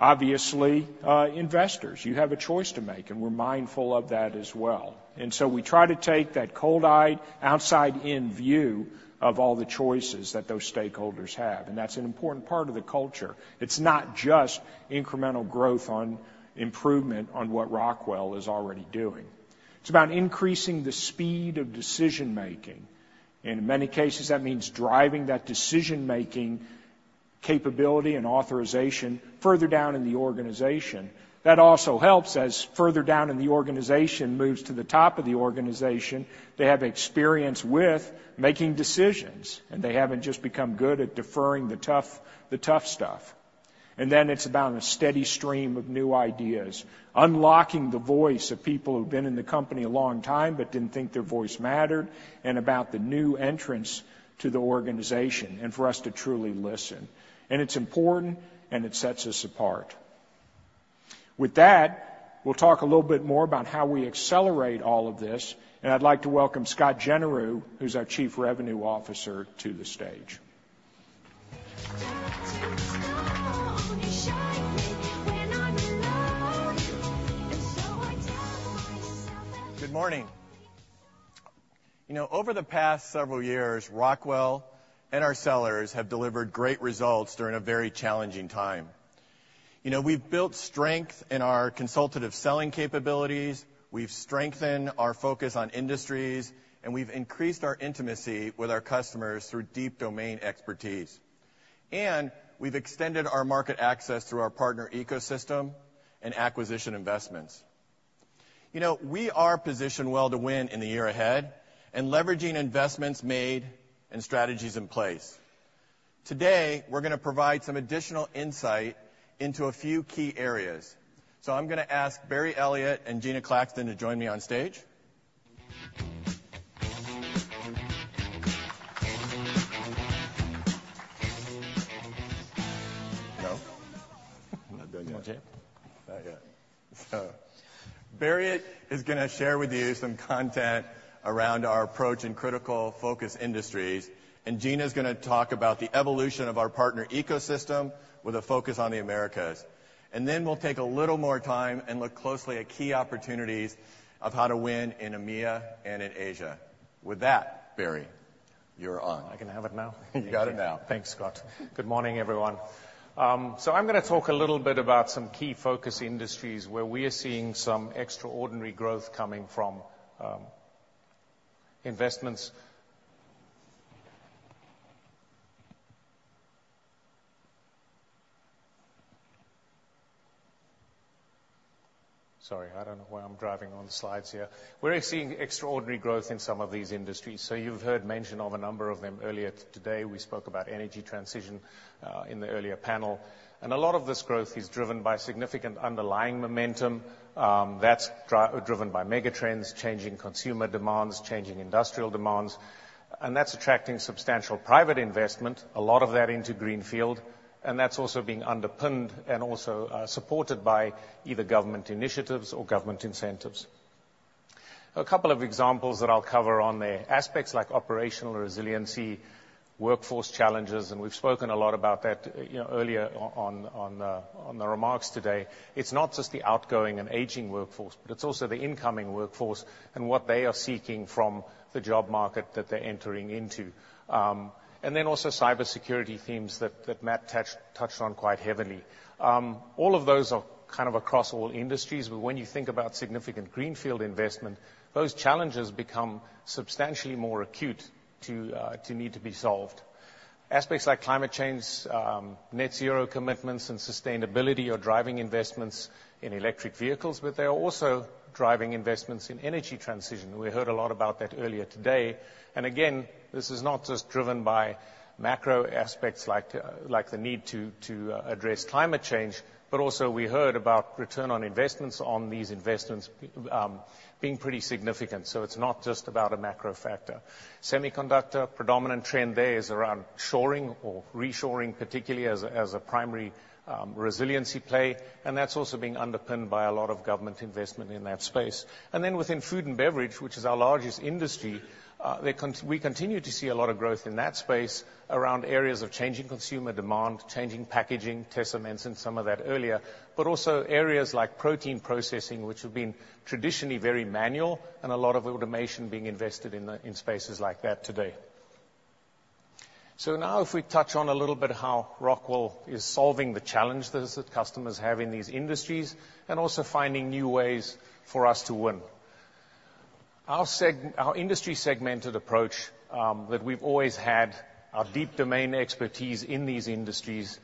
Obviously, investors, you have a choice to make, and we're mindful of that as well. And so we try to take that cold-eyed, outside-in view of all the choices that those stakeholders have, and that's an important part of the culture. It's not just incremental growth on improvement on what Rockwell is already doing. It's about increasing the speed of decision-making, and in many cases, that means driving that decision-making capability and authorization further down in the organization. That also helps as further down in the organization moves to the top of the organization, they have experience with making decisions, and they haven't just become good at deferring the tough, the tough stuff. And then it's about a steady stream of new ideas, unlocking the voice of people who've been in the company a long time but didn't think their voice mattered, and about the new entrants to the organization, and for us to truly listen. It's important, and it sets us apart. With that, we'll talk a little bit more about how we accelerate all of this, and I'd like to welcome Scott Genereux, who's our Chief Revenue Officer, to the stage. Good morning. You know, over the past several years, Rockwell and our sellers have delivered great results during a very challenging time. You know, we've built strength in our consultative selling capabilities, we've strengthened our focus on industries, and we've increased our intimacy with our customers through deep domain expertise. We've extended our market access through our partner ecosystem and acquisition investments. You know, we are positioned well to win in the year ahead and leveraging investments made and strategies in place. Today, we're going to provide some additional insight into a few key areas. I'm going to ask Barry Elliott and Gina Claxton to join me on stage. No? We're not done yet. Not yet? Not yet. Barry is going to share with you some content around our approach in critical focus industries, and Gina's going to talk about the evolution of our partner ecosystem with a focus on the Americas. Then we'll take a little more time and look closely at key opportunities of how to win in EMEA and in Asia. With that, Barry?... You're on. I can have it now? You got it now. Thanks, Scott. Good morning, everyone. So I'm gonna talk a little bit about some key focus industries where we are seeing some extraordinary growth coming from investments. Sorry, I don't know why I'm driving on the slides here. We're seeing extraordinary growth in some of these industries, so you've heard mention of a number of them earlier today. We spoke about energy transition in the earlier panel, and a lot of this growth is driven by significant underlying momentum. That's driven by mega trends, changing consumer demands, changing industrial demands, and that's attracting substantial private investment, a lot of that into greenfield, and that's also being underpinned and also supported by either government initiatives or government incentives. A couple of examples that I'll cover on there. Aspects like operational resiliency, workforce challenges, and we've spoken a lot about that, you know, earlier on the remarks today. It's not just the outgoing and aging workforce, but it's also the incoming workforce and what they are seeking from the job market that they're entering into. And then also cybersecurity themes that Matt touched on quite heavily. All of those are kind of across all industries, but when you think about significant greenfield investment, those challenges become substantially more acute to need to be solved. Aspects like climate change, net zero commitments and sustainability are driving investments in electric vehicles, but they are also driving investments in energy transition. We heard a lot about that earlier today, and again, this is not just driven by macro aspects like the need to address climate change, but also we heard about return on investments on these investments being pretty significant. So it's not just about a macro factor. Semiconductor, predominant trend there is around shoring or reshoring, particularly as a primary resiliency play, and that's also being underpinned by a lot of government investment in that space. And then within food and beverage, which is our largest industry, we continue to see a lot of growth in that space around areas of changing consumer demand, changing packaging. Tessa mentioned some of that earlier. But also areas like protein processing, which have been traditionally very manual, and a lot of automation being invested in the spaces like that today. Now if we touch on a little bit how Rockwell is solving the challenges that customers have in these industries and also finding new ways for us to win. Our industry segmented approach, that we've always had, our deep domain expertise in these industries,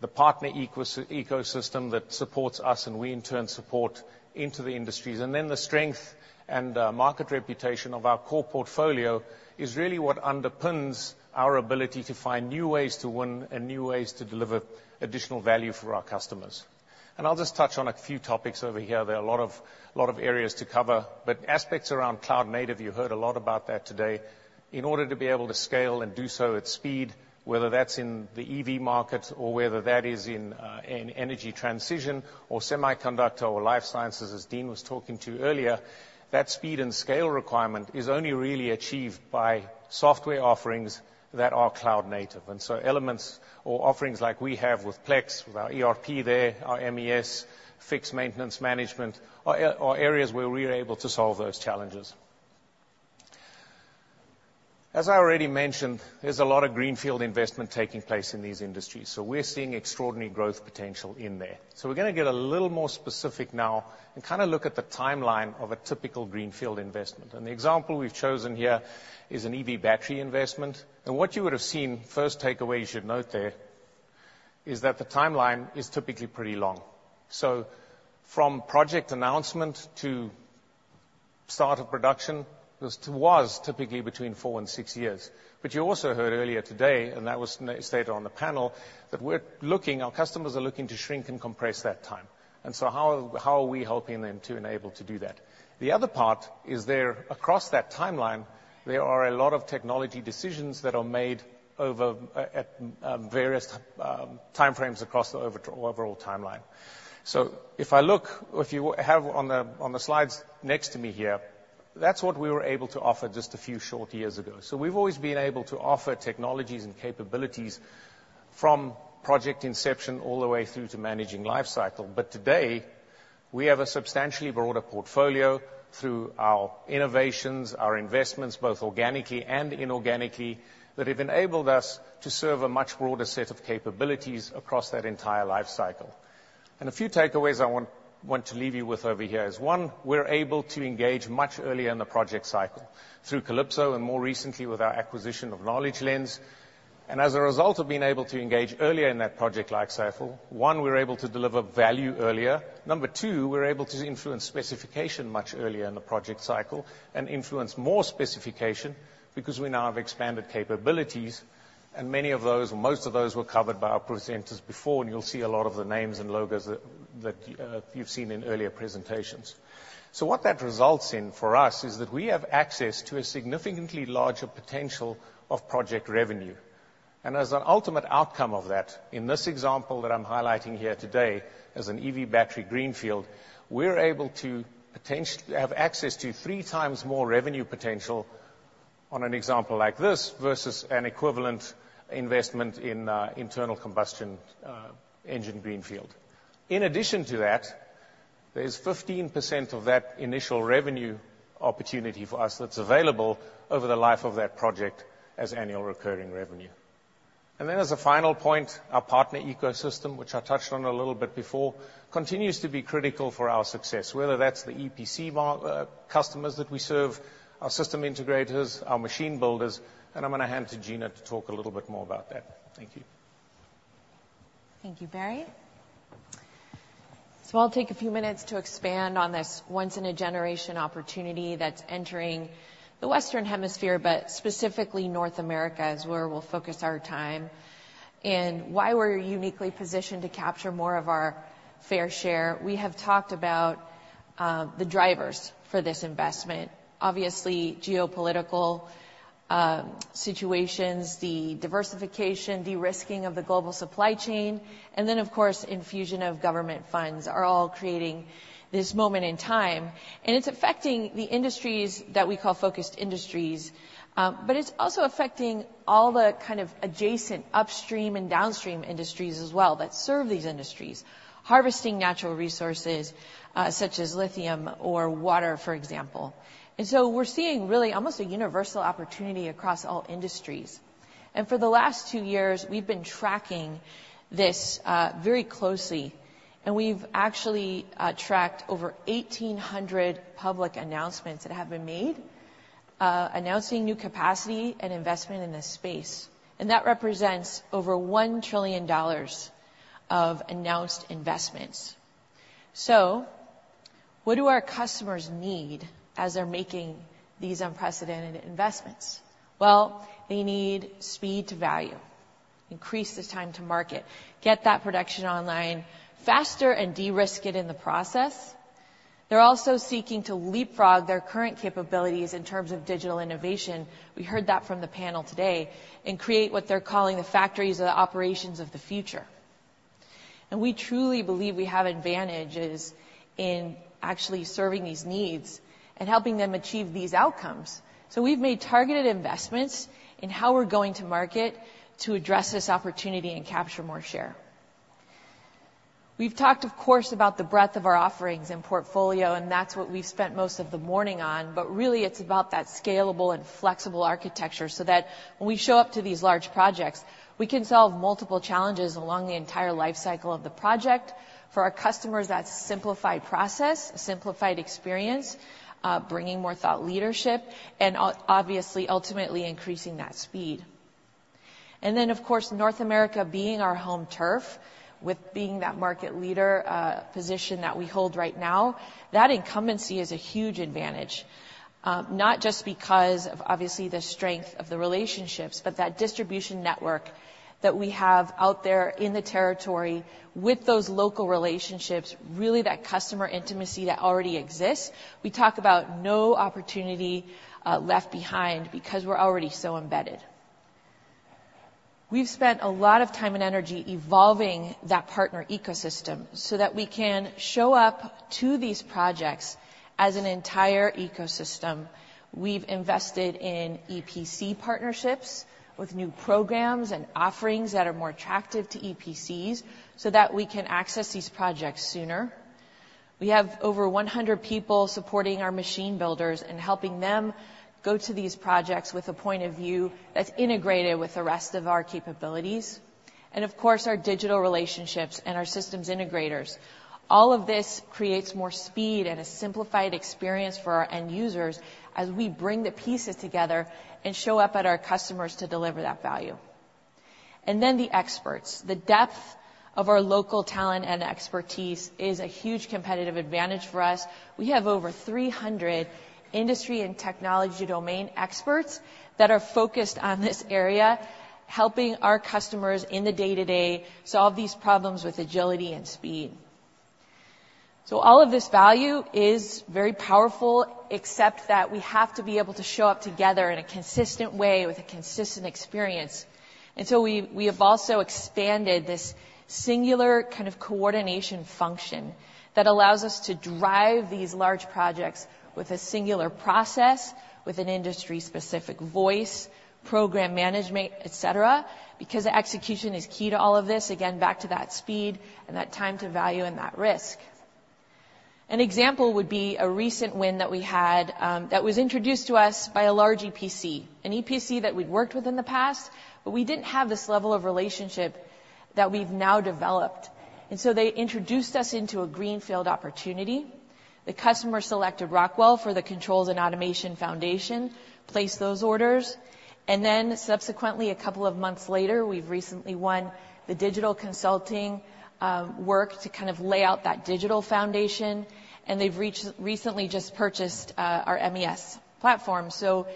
the partner ecosystem that supports us, and we in turn support into the industries, and then the strength and market reputation of our core portfolio, is really what underpins our ability to find new ways to win and new ways to deliver additional value for our customers. I'll just touch on a few topics over here. There are a lot of, lot of areas to cover, but aspects around cloud native, you heard a lot about that today. In order to be able to scale and do so at speed, whether that's in the EV market or whether that is in energy transition or semiconductor or life sciences, as Dean was talking to earlier, that speed and scale requirement is only really achieved by software offerings that are cloud native. And so elements or offerings like we have with Plex, with our ERP there, our MES, Fiix maintenance management, are areas where we are able to solve those challenges. As I already mentioned, there's a lot of greenfield investment taking place in these industries, so we're seeing extraordinary growth potential in there. So we're gonna get a little more specific now and kinda look at the timeline of a typical greenfield investment. And the example we've chosen here is an EV battery investment. What you would have seen, first takeaway you should note there, is that the timeline is typically pretty long. From project announcement to start of production, this was typically four to six years. But you also heard earlier today, and that was stated on the panel, that we're looking... Our customers are looking to shrink and compress that time. And so how are we helping them to enable to do that? The other part is there, across that timeline, there are a lot of technology decisions that are made over at various time frames across the overall timeline. If you have on the slides next to me here, that's what we were able to offer just a few short years ago. So we've always been able to offer technologies and capabilities from project inception all the way through to managing lifecycle. But today, we have a substantially broader portfolio through our innovations, our investments, both organically and inorganically, that have enabled us to serve a much broader set of capabilities across that entire lifecycle. And a few takeaways I want to leave you with over here is, one, we're able to engage much earlier in the project cycle through Kalypso and more recently with our acquisition of Knowledge Lens. And as a result of being able to engage earlier in that project lifecycle, one, we're able to deliver value earlier. Number two, we're able to influence specification much earlier in the project cycle and influence more specification because we now have expanded capabilities, and many of those, or most of those, were covered by our presenters before, and you'll see a lot of the names and logos that you've seen in earlier presentations. So what that results in for us is that we have access to a significantly larger potential of project revenue. And as an ultimate outcome of that, in this example that I'm highlighting here today, as an EV battery greenfield, we're able to potentially have access to three times more revenue potential on an example like this, versus an equivalent investment in an internal combustion engine greenfield. In addition to that, there's 15% of that initial revenue opportunity for us that's available over the life of that project as annual recurring revenue. And then as a final point, our partner ecosystem, which I touched on a little bit before, continues to be critical for our success, whether that's the EPC market, customers that we serve, our system integrators, our machine builders, and I'm gonna hand to Gina to talk a little bit more about that. Thank you. Thank you, Barry. So I'll take a few minutes to expand on this once-in-a-generation opportunity that's entering the Western Hemisphere, but specifically North America, is where we'll focus our time, and why we're uniquely positioned to capture more of our fair share. We have talked about the drivers for this investment. Obviously, geopolitical situations, the diversification, de-risking of the global supply chain, and then, of course, infusion of government funds are all creating this moment in time, and it's affecting the industries that we call focused industries. But it's also affecting all the kind of adjacent upstream and downstream industries as well, that serve these industries, harvesting natural resources, such as lithium or water, for example. And so we're seeing really almost a universal opportunity across all industries. And for the last two years, we've been tracking this, very closely, and we've actually tracked over 1,800 public announcements that have been made, announcing new capacity and investment in this space, and that represents over $1 trillion of announced investments. So what do our customers need as they're making these unprecedented investments? Well, they need speed to value, increase the time to market, get that production online faster, and de-risk it in the process. They're also seeking to leapfrog their current capabilities in terms of digital innovation, we heard that from the panel today, and create what they're calling the factories or the operations of the future. And we truly believe we have advantages in actually serving these needs and helping them achieve these outcomes. So we've made targeted investments in how we're going to market to address this opportunity and capture more share. We've talked, of course, about the breadth of our offerings and portfolio, and that's what we've spent most of the morning on, but really it's about that scalable and flexible architecture, so that when we show up to these large projects, we can solve multiple challenges along the entire life cycle of the project. For our customers, that's simplified process, a simplified experience, bringing more thought leadership and obviously, ultimately increasing that speed. And then, of course, North America being our home turf, with being that market leader position that we hold right now, that incumbency is a huge advantage. Not just because of, obviously, the strength of the relationships, but that distribution network that we have out there in the territory with those local relationships, really, that customer intimacy that already exists. We talk about no opportunity left behind because we're already so embedded. We've spent a lot of time and energy evolving that partner ecosystem so that we can show up to these projects as an entire ecosystem. We've invested in EPC partnerships with new programs and offerings that are more attractive to EPCs so that we can access these projects sooner. We have over 100 people supporting our machine builders and helping them go to these projects with a point of view that's integrated with the rest of our capabilities and, of course, our digital relationships and our systems integrators. All of this creates more speed and a simplified experience for our end users as we bring the pieces together and show up at our customers to deliver that value. Then the experts. The depth of our local talent and expertise is a huge competitive advantage for us. We have over 300 industry and technology domain experts that are focused on this area, helping our customers in the day-to-day, solve these problems with agility and speed. So all of this value is very powerful, except that we have to be able to show up together in a consistent way, with a consistent experience. And so we, we have also expanded this singular kind of coordination function that allows us to drive these large projects with a singular process, with an industry-specific voice, program management, et cetera, because execution is key to all of this. Again, back to that speed and that time to value and that risk. An example would be a recent win that we had, that was introduced to us by a large EPC, an EPC that we'd worked with in the past, but we didn't have this level of relationship that we've now developed. And so they introduced us into a greenfield opportunity. The customer selected Rockwell for the controls and automation foundation, placed those orders, and then subsequently, a couple of months later, we've recently won the digital consulting, work to kind of lay out that digital foundation, and they've recently just purchased, our MES platform. So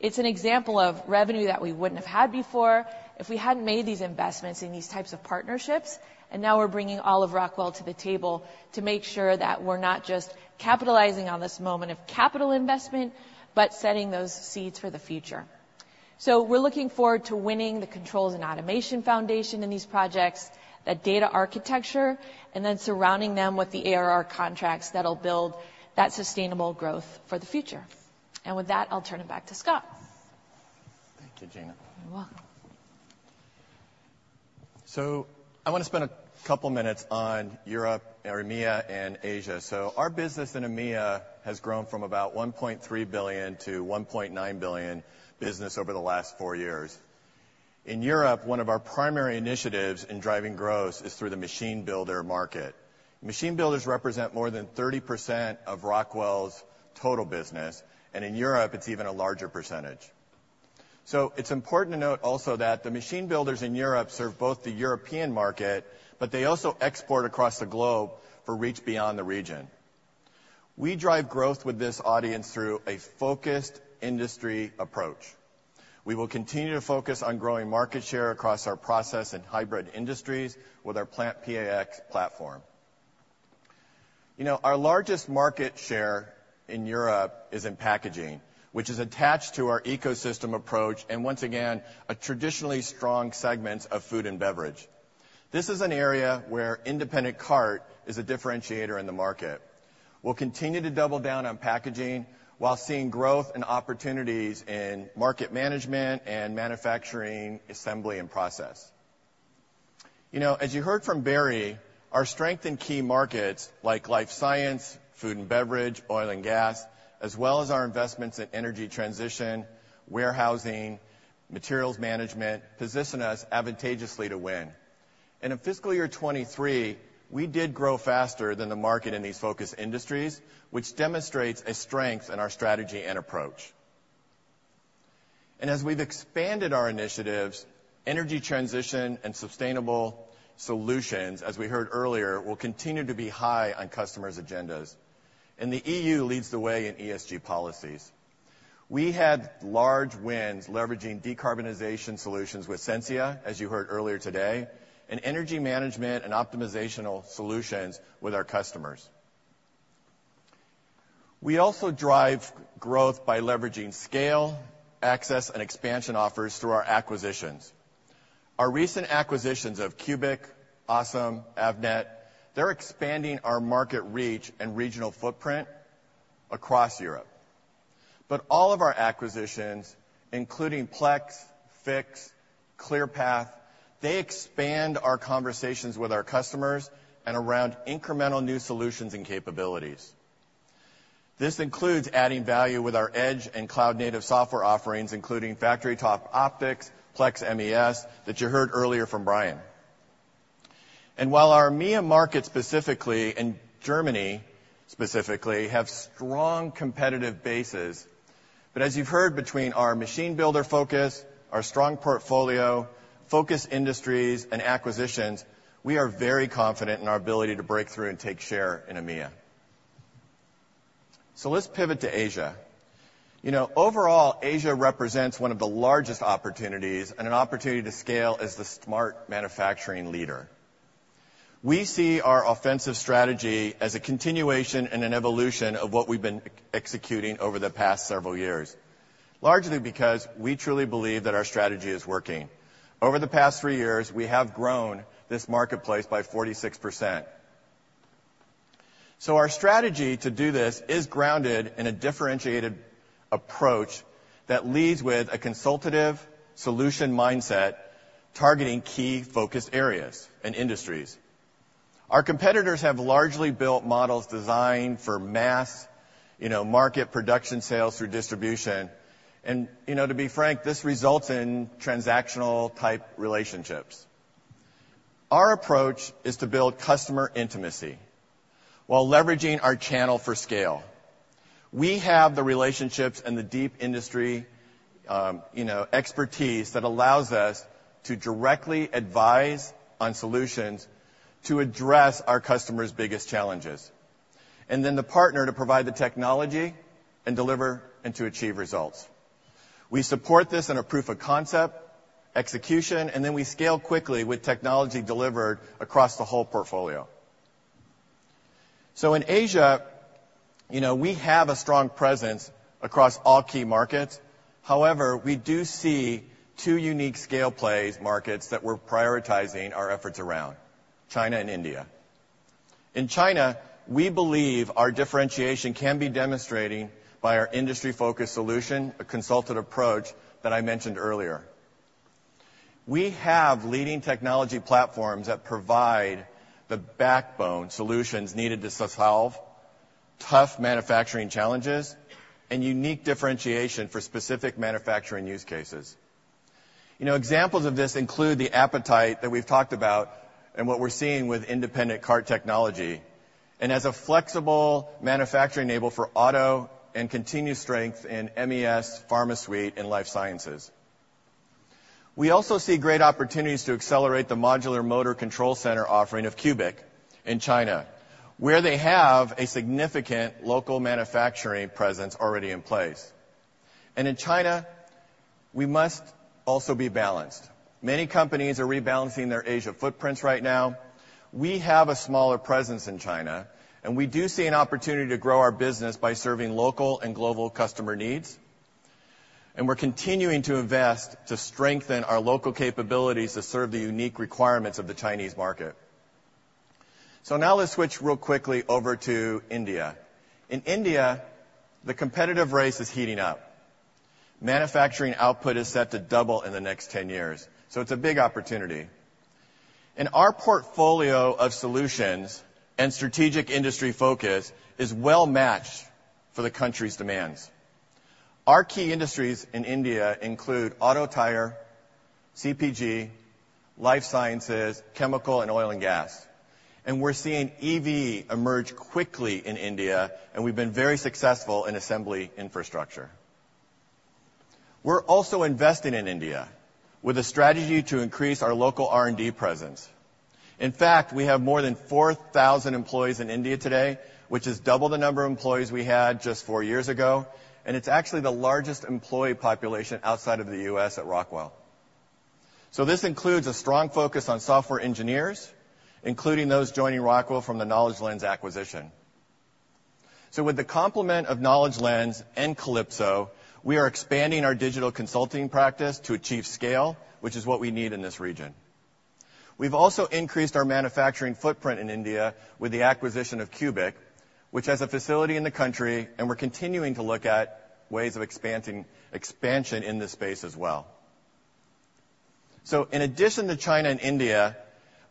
it's an example of revenue that we wouldn't have had before if we hadn't made these investments in these types of partnerships. Now we're bringing all of Rockwell to the table to make sure that we're not just capitalizing on this moment of capital investment, but setting those seeds for the future. We're looking forward to winning the controls and automation foundation in these projects, that data architecture, and then surrounding them with the ARR contracts that'll build that sustainable growth for the future. With that, I'll turn it back to Scott. Thank you, Gina. You're welcome.... So I want to spend a couple minutes on Europe, or EMEA, and Asia. So our business in EMEA has grown from about $1.3 billion to $1.9 billion business over the last four years. In Europe, one of our primary initiatives in driving growth is through the machine builder market. Machine builders represent more than 30% of Rockwell's total business, and in Europe, it's even a larger percentage. So it's important to note also that the machine builders in Europe serve both the European market, but they also export across the globe for reach beyond the region. We drive growth with this audience through a focused industry approach. We will continue to focus on growing market share across our process and hybrid industries with our PlantPAx platform. You know, our largest market share in Europe is in packaging, which is attached to our ecosystem approach, and once again, a traditionally strong segment of food and beverage. This is an area where Independent Cart is a differentiator in the market. We'll continue to double down on packaging while seeing growth and opportunities in material management and manufacturing, assembly, and process. You know, as you heard from Barry, our strength in key markets like life science, food and beverage, oil and gas, as well as our investments in energy transition, warehousing, materials management, position us advantageously to win. In fiscal year 2023, we did grow faster than the market in these focus industries, which demonstrates a strength in our strategy and approach. As we've expanded our initiatives, energy transition and sustainable solutions, as we heard earlier, will continue to be high on customers' agendas, and the EU leads the way in ESG policies. We had large wins leveraging decarbonization solutions with Sensia, as you heard earlier today, and energy management and optimization solutions with our customers. We also drive growth by leveraging scale, access, and expansion offers through our acquisitions. Our recent acquisitions of CUBIC, ASEM, Avnet, they're expanding our market reach and regional footprint across Europe. But all of our acquisitions, including Plex, Fiix, Clearpath, they expand our conversations with our customers and around incremental new solutions and capabilities. This includes adding value with our edge and cloud-native software offerings, including FactoryTalk Optix, Plex MES, that you heard earlier from Brian. While our EMEA market specifically, and Germany specifically, have strong competitive bases, but as you've heard between our machine builder focus, our strong portfolio, focus industries, and acquisitions, we are very confident in our ability to break through and take share in EMEA. So let's pivot to Asia. You know, overall, Asia represents one of the largest opportunities and an opportunity to scale as the smart manufacturing leader. We see our offensive strategy as a continuation and an evolution of what we've been executing over the past several years, largely because we truly believe that our strategy is working. Over the past three years, we have grown this marketplace by 46%. So our strategy to do this is grounded in a differentiated approach that leads with a consultative solution mindset, targeting key focus areas and industries. Our competitors have largely built models designed for mass, you know, market production sales through distribution. And, you know, to be frank, this results in transactional-type relationships. Our approach is to build customer intimacy while leveraging our channel for scale. We have the relationships and the deep industry, you know, expertise that allows us to directly advise on solutions to address our customers' biggest challenges, and then to partner to provide the technology and deliver and to achieve results. We support this in a proof of concept, execution, and then we scale quickly with technology delivered across the whole portfolio. So in Asia, you know, we have a strong presence across all key markets. However, we do see two unique scale play markets that we're prioritizing our efforts around, China and India. In China, we believe our differentiation can be demonstrated b industry-focused solution, a consultative approach that I mentioned earlier. We have leading technology platforms that provide the backbone solutions needed to solve tough manufacturing challenges and unique differentiation for specific manufacturing use cases. You know, examples of this include the appetite that we've talked about and what we're seeing with Independent Cart Technology, and as a flexible manufacturing enabler for auto and continued strength in MES, PharmaSuite, and life sciences. We also see great opportunities to accelerate the modular motor control center offering of CUBIC in China, where they have a significant local manufacturing presence already in place. In China, we must also be balanced. Many companies are rebalancing their Asia footprints right now. We have a smaller presence in China, and we do see an opportunity to grow our business by serving local and global customer needs, and we're continuing to invest to strengthen our local capabilities to serve the unique requirements of the Chinese market. So now let's switch real quickly over to India. In India, the competitive race is heating up. Manufacturing output is set to double in the next 10 years, so it's a big opportunity. And our portfolio of solutions and strategic industry focus is well-matched for the country's demands. Our key industries in India include auto tire, CPG, life sciences, chemical, and oil and gas, and we're seeing EV emerge quickly in India, and we've been very successful in assembly infrastructure. We're also investing in India with a strategy to increase our local R&D presence. In fact, we have more than 4,000 employees in India today, which is double the number of employees we had just 4 years ago, and it's actually the largest employee population outside of the U.S. at Rockwell. So this includes a strong focus on software engineers, including those joining Rockwell from the Knowledge Lens acquisition. So with the complement of Knowledge Lens and Kalypso, we are expanding our digital consulting practice to achieve scale, which is what we need in this region. We've also increased our manufacturing footprint in India with the acquisition of CUBIC, which has a facility in the country, and we're continuing to look at ways of expansion in this space as well. So in addition to China and India,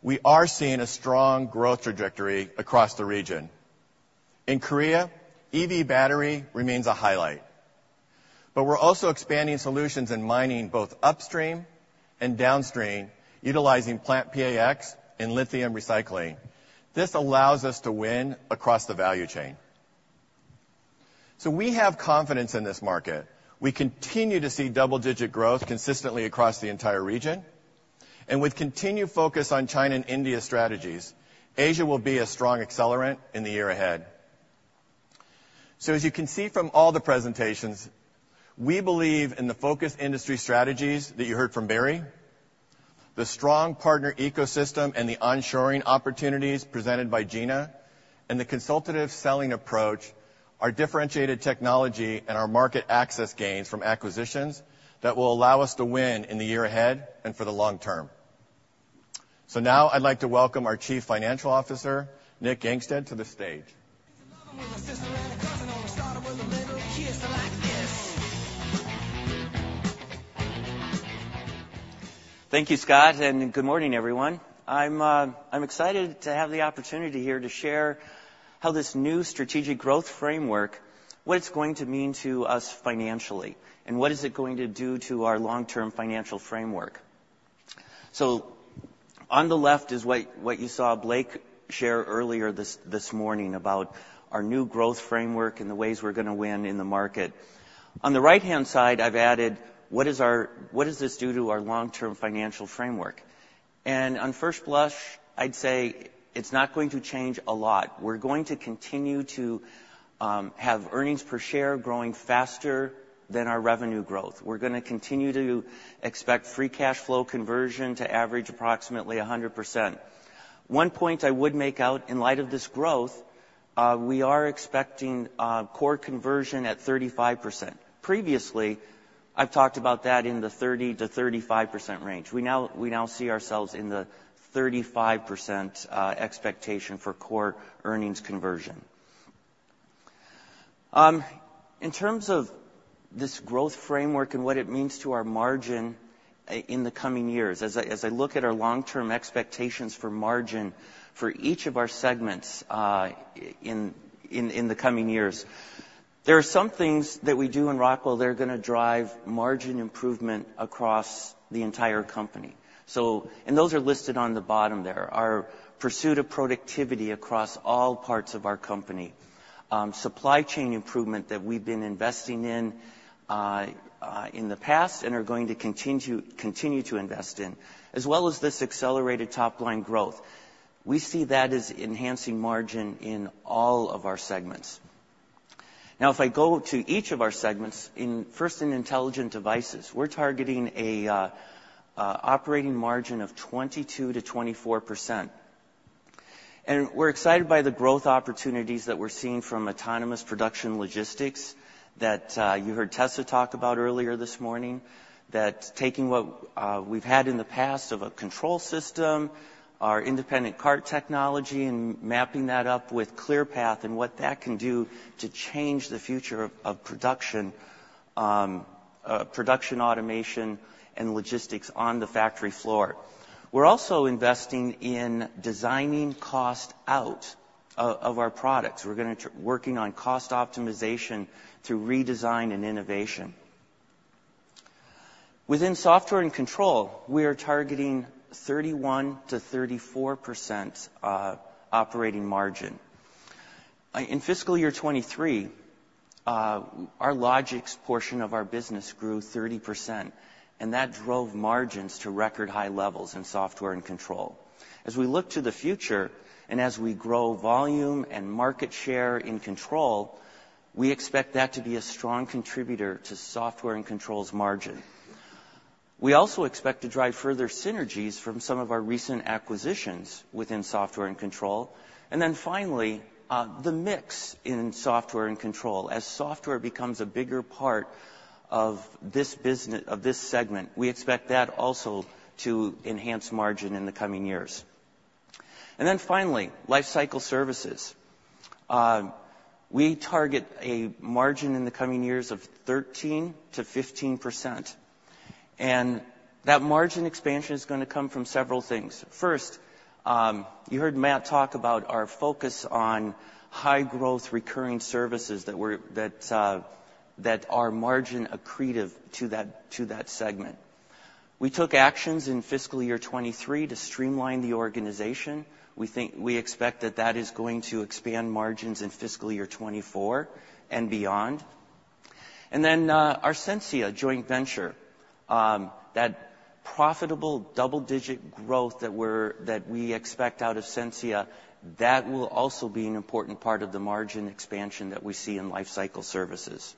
we are seeing a strong growth trajectory across the region. In Korea, EV battery remains a highlight, but we're also expanding solutions in mining, both upstream and downstream, utilizing PlantPAx and lithium recycling. This allows us to win across the value chain. So we have confidence in this market. We continue to see double-digit growth consistently across the entire region, and with continued focus on China and India strategies, Asia will be a strong accelerant in the year ahead. So as you can see from all the presentations, we believe in the focus industry strategies that you heard from Barry, the strong partner ecosystem and the onshoring opportunities presented by Gina, and the consultative selling approach, our differentiated technology, and our market access gains from acquisitions that will allow us to win in the year ahead and for the long term. So now I'd like to welcome our Chief Financial Officer, Nick Gangestad, to the stage. Thank you, Scott, and good morning, everyone. I'm excited to have the opportunity here to share how this new strategic growth framework, what it's going to mean to us financially, and what is it going to do to our long-term financial framework. On the left is what you saw Blake share earlier this morning about our new growth framework and the ways we're going to win in the market. On the right-hand side, I've added what does this do to our long-term financial framework. And on first blush, I'd say it's not going to change a lot. We're going to continue to have earnings per share growing faster than our revenue growth. We're gonna continue to expect free cash flow conversion to average approximately 100%. One point I would make out in light of this growth, we are expecting core conversion at 35%. Previously, I've talked about that in the 30%-35% range. We now see ourselves in the 35%, expectation for core earnings conversion. In terms of this growth framework and what it means to our margin, in the coming years, as I look at our long-term expectations for margin for each of our segments, in the coming years, there are some things that we do in Rockwell that are gonna drive margin improvement across the entire company. So... And those are listed on the bottom there. Our pursuit of productivity across all parts of our company, supply chain improvement that we've been investing in in the past and are going to continue to invest in, as well as this accelerated top-line growth. We see that as enhancing margin in all of our segments. Now, if I go to each of our segments, in first in Intelligent Devices, we're targeting a operating margin of 22%-24%. We're excited by the growth opportunities that we're seeing from autonomous production logistics that you heard Tessa talk about earlier this morning, that taking what we've had in the past of a control system, our Independent Cart Technology, and mapping that up with Clearpath, and what that can do to change the future of production automation, and logistics on the factory floor. We're also investing in designing cost out of our products. We're working on cost optimization through redesign and innovation. Within Software and Control, we are targeting 31%-34% operating margin. In fiscal year 2023, our Logix portion of our business grew 30%, and that drove margins to record high levels in Software and Control. As we look to the future, and as we grow volume and market share in control, we expect that to be a strong contributor to Software and Control's margin. We also expect to drive further synergies from some of our recent acquisitions within Software and Control. And then finally, the mix in Software and Control. As software becomes a bigger part of this business of this segment, we expect that also to enhance margin in the coming years. And then finally, Lifecycle Services. We target a margin in the coming years of 13%-15%, and that margin expansion is going to come from several things. First, you heard Matt talk about our focus on high-growth, recurring services that are margin accretive to that segment. We took actions in fiscal year 2023 to streamline the organization. We expect that that is going to expand margins in fiscal year 2024 and beyond. And then, our Sensia joint venture, that profitable double-digit growth that we expect out of Sensia, that will also be an important part of the margin expansion that we see in Lifecycle Services.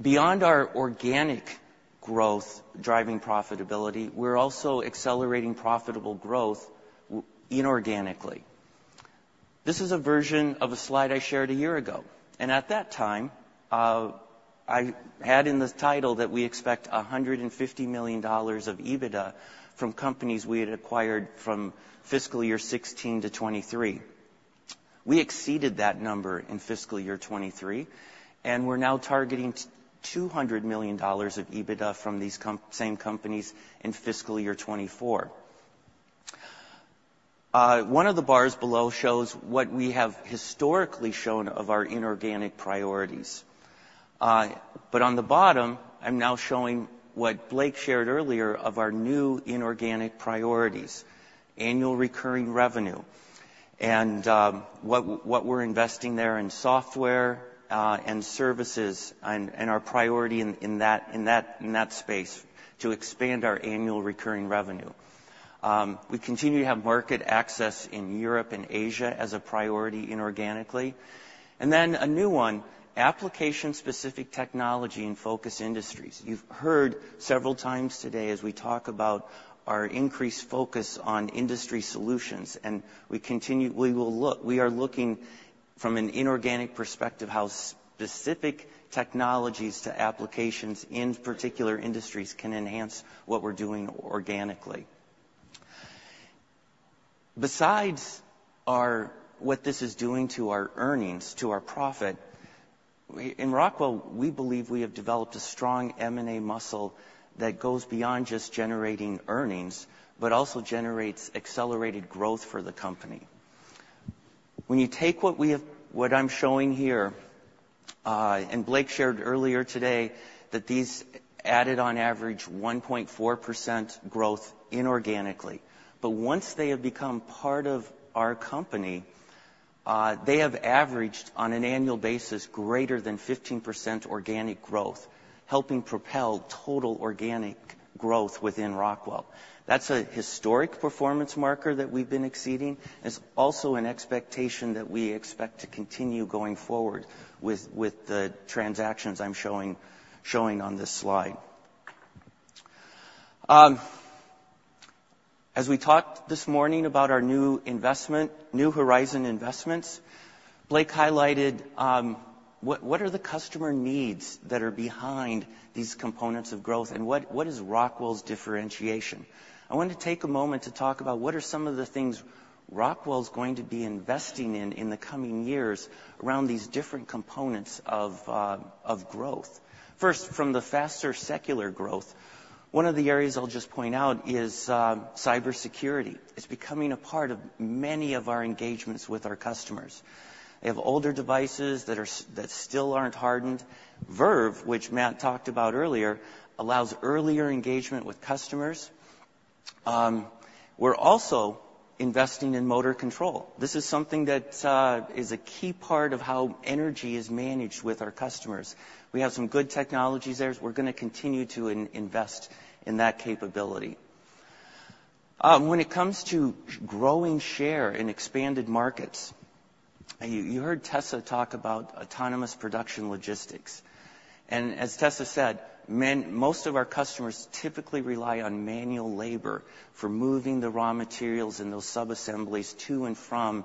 Beyond our organic growth driving profitability, we're also accelerating profitable growth inorganically. This is a version of a slide I shared a year ago, and at that time, I had in the title that we expect $150 million of EBITDA from companies we had acquired from fiscal year 2016 to 2023. We exceeded that number in fiscal year 2023, and we're now targeting $200 million of EBITDA from these same companies in fiscal year 2024. One of the bars below shows what we have historically shown of our inorganic priorities. But on the bottom, I'm now showing what Blake shared earlier of our new inorganic priorities, annual recurring revenue, and what we're investing there in software, and services, and our priority in that space to expand our annual recurring revenue. We continue to have market access in Europe and Asia as a priority inorganically. Then a new one, application-specific technology in focus industries. You've heard several times today as we talk about our increased focus on industry solutions, and we continue. We are looking from an inorganic perspective, how specific technologies to applications in particular industries can enhance what we're doing organically. Besides what this is doing to our earnings, to our profit, we, in Rockwell, we believe we have developed a strong M&A muscle that goes beyond just generating earnings, but also generates accelerated growth for the company. When you take what we have, what I'm showing here, and Blake shared earlier today, that these added on average 1.4% growth inorganically. But once they have become part of our company, they have averaged, on an annual basis, greater than 15% organic growth, helping propel total organic growth within Rockwell. That's a historic performance marker that we've been exceeding. It's also an expectation that we expect to continue going forward with, with the transactions I'm showing, showing on this slide. As we talked this morning about our new investment, New Horizon investments, Blake highlighted, what, what are the customer needs that are behind these components of growth, and what, what is Rockwell's differentiation? I want to take a moment to talk about what are some of the things Rockwell is going to be investing in in the coming years around these different components of, of growth. First, from the faster secular growth, one of the areas I'll just point out is, cybersecurity. It's becoming a part of many of our engagements with our customers. They have older devices that still aren't hardened. Verve, which Matt talked about earlier, allows earlier engagement with customers. We're also investing in motor control. This is something that is a key part of how energy is managed with our customers. We have some good technologies there. We're going to continue to invest in that capability. When it comes to growing share in expanded markets, and you heard Tessa talk about autonomous production logistics. And as Tessa said, man, most of our customers typically rely on manual labor for moving the raw materials and those subassemblies to and from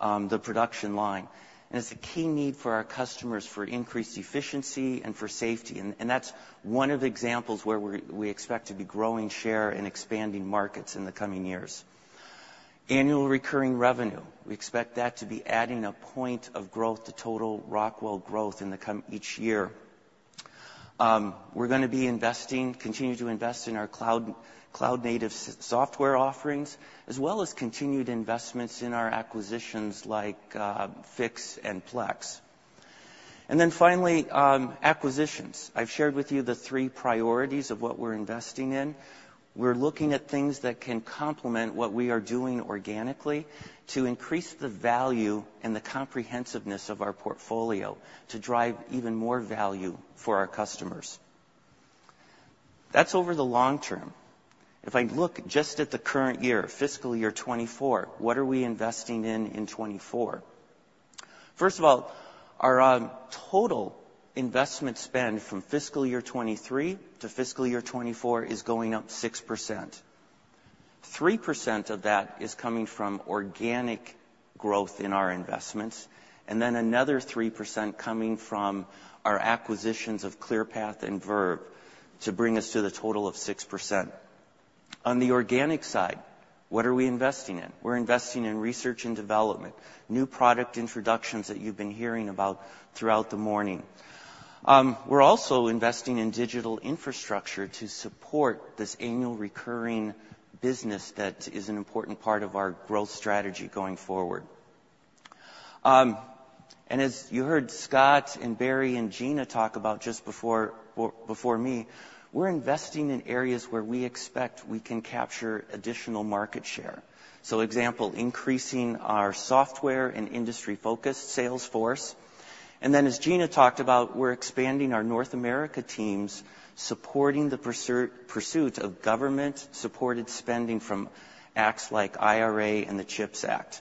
the production line. And it's a key need for our customers for increased efficiency and for safety. That's one of the examples where we're, we expect to be growing share and expanding markets in the coming years. Annual recurring revenue, we expect that to be adding a point of growth to total Rockwell growth in each year. We're gonna be investing, continuing to invest in our cloud, cloud-native software offerings, as well as continued investments in our acquisitions like Fiix and Plex. And then finally, acquisitions. I've shared with you the three priorities of what we're investing in. We're looking at things that can complement what we are doing organically, to increase the value and the comprehensiveness of our portfolio, to drive even more value for our customers. That's over the long term. If I look just at the current year, fiscal year 2024, what are we investing in in 2024? First of all, our total investment spend from fiscal year 2023 to fiscal year 2024 is going up 6%. Three percent of that is coming from organic growth in our investments, and then another 3% coming from our acquisitions of Clearpath and Verve to bring us to the total of 6%.... On the organic side, what are we investing in? We're investing in research and development, new product introductions that you've been hearing about throughout the morning. We're also investing in digital infrastructure to support this annual recurring business that is an important part of our growth strategy going forward. And as you heard Scott and Barry, and Gina talk about just before, before me, we're investing in areas where we expect we can capture additional market share. So example, increasing our software and industry-focused sales force, and then, as Gina talked about, we're expanding our North America teams, supporting the pursuit of government-supported spending from acts like IRA and the CHIPS Act.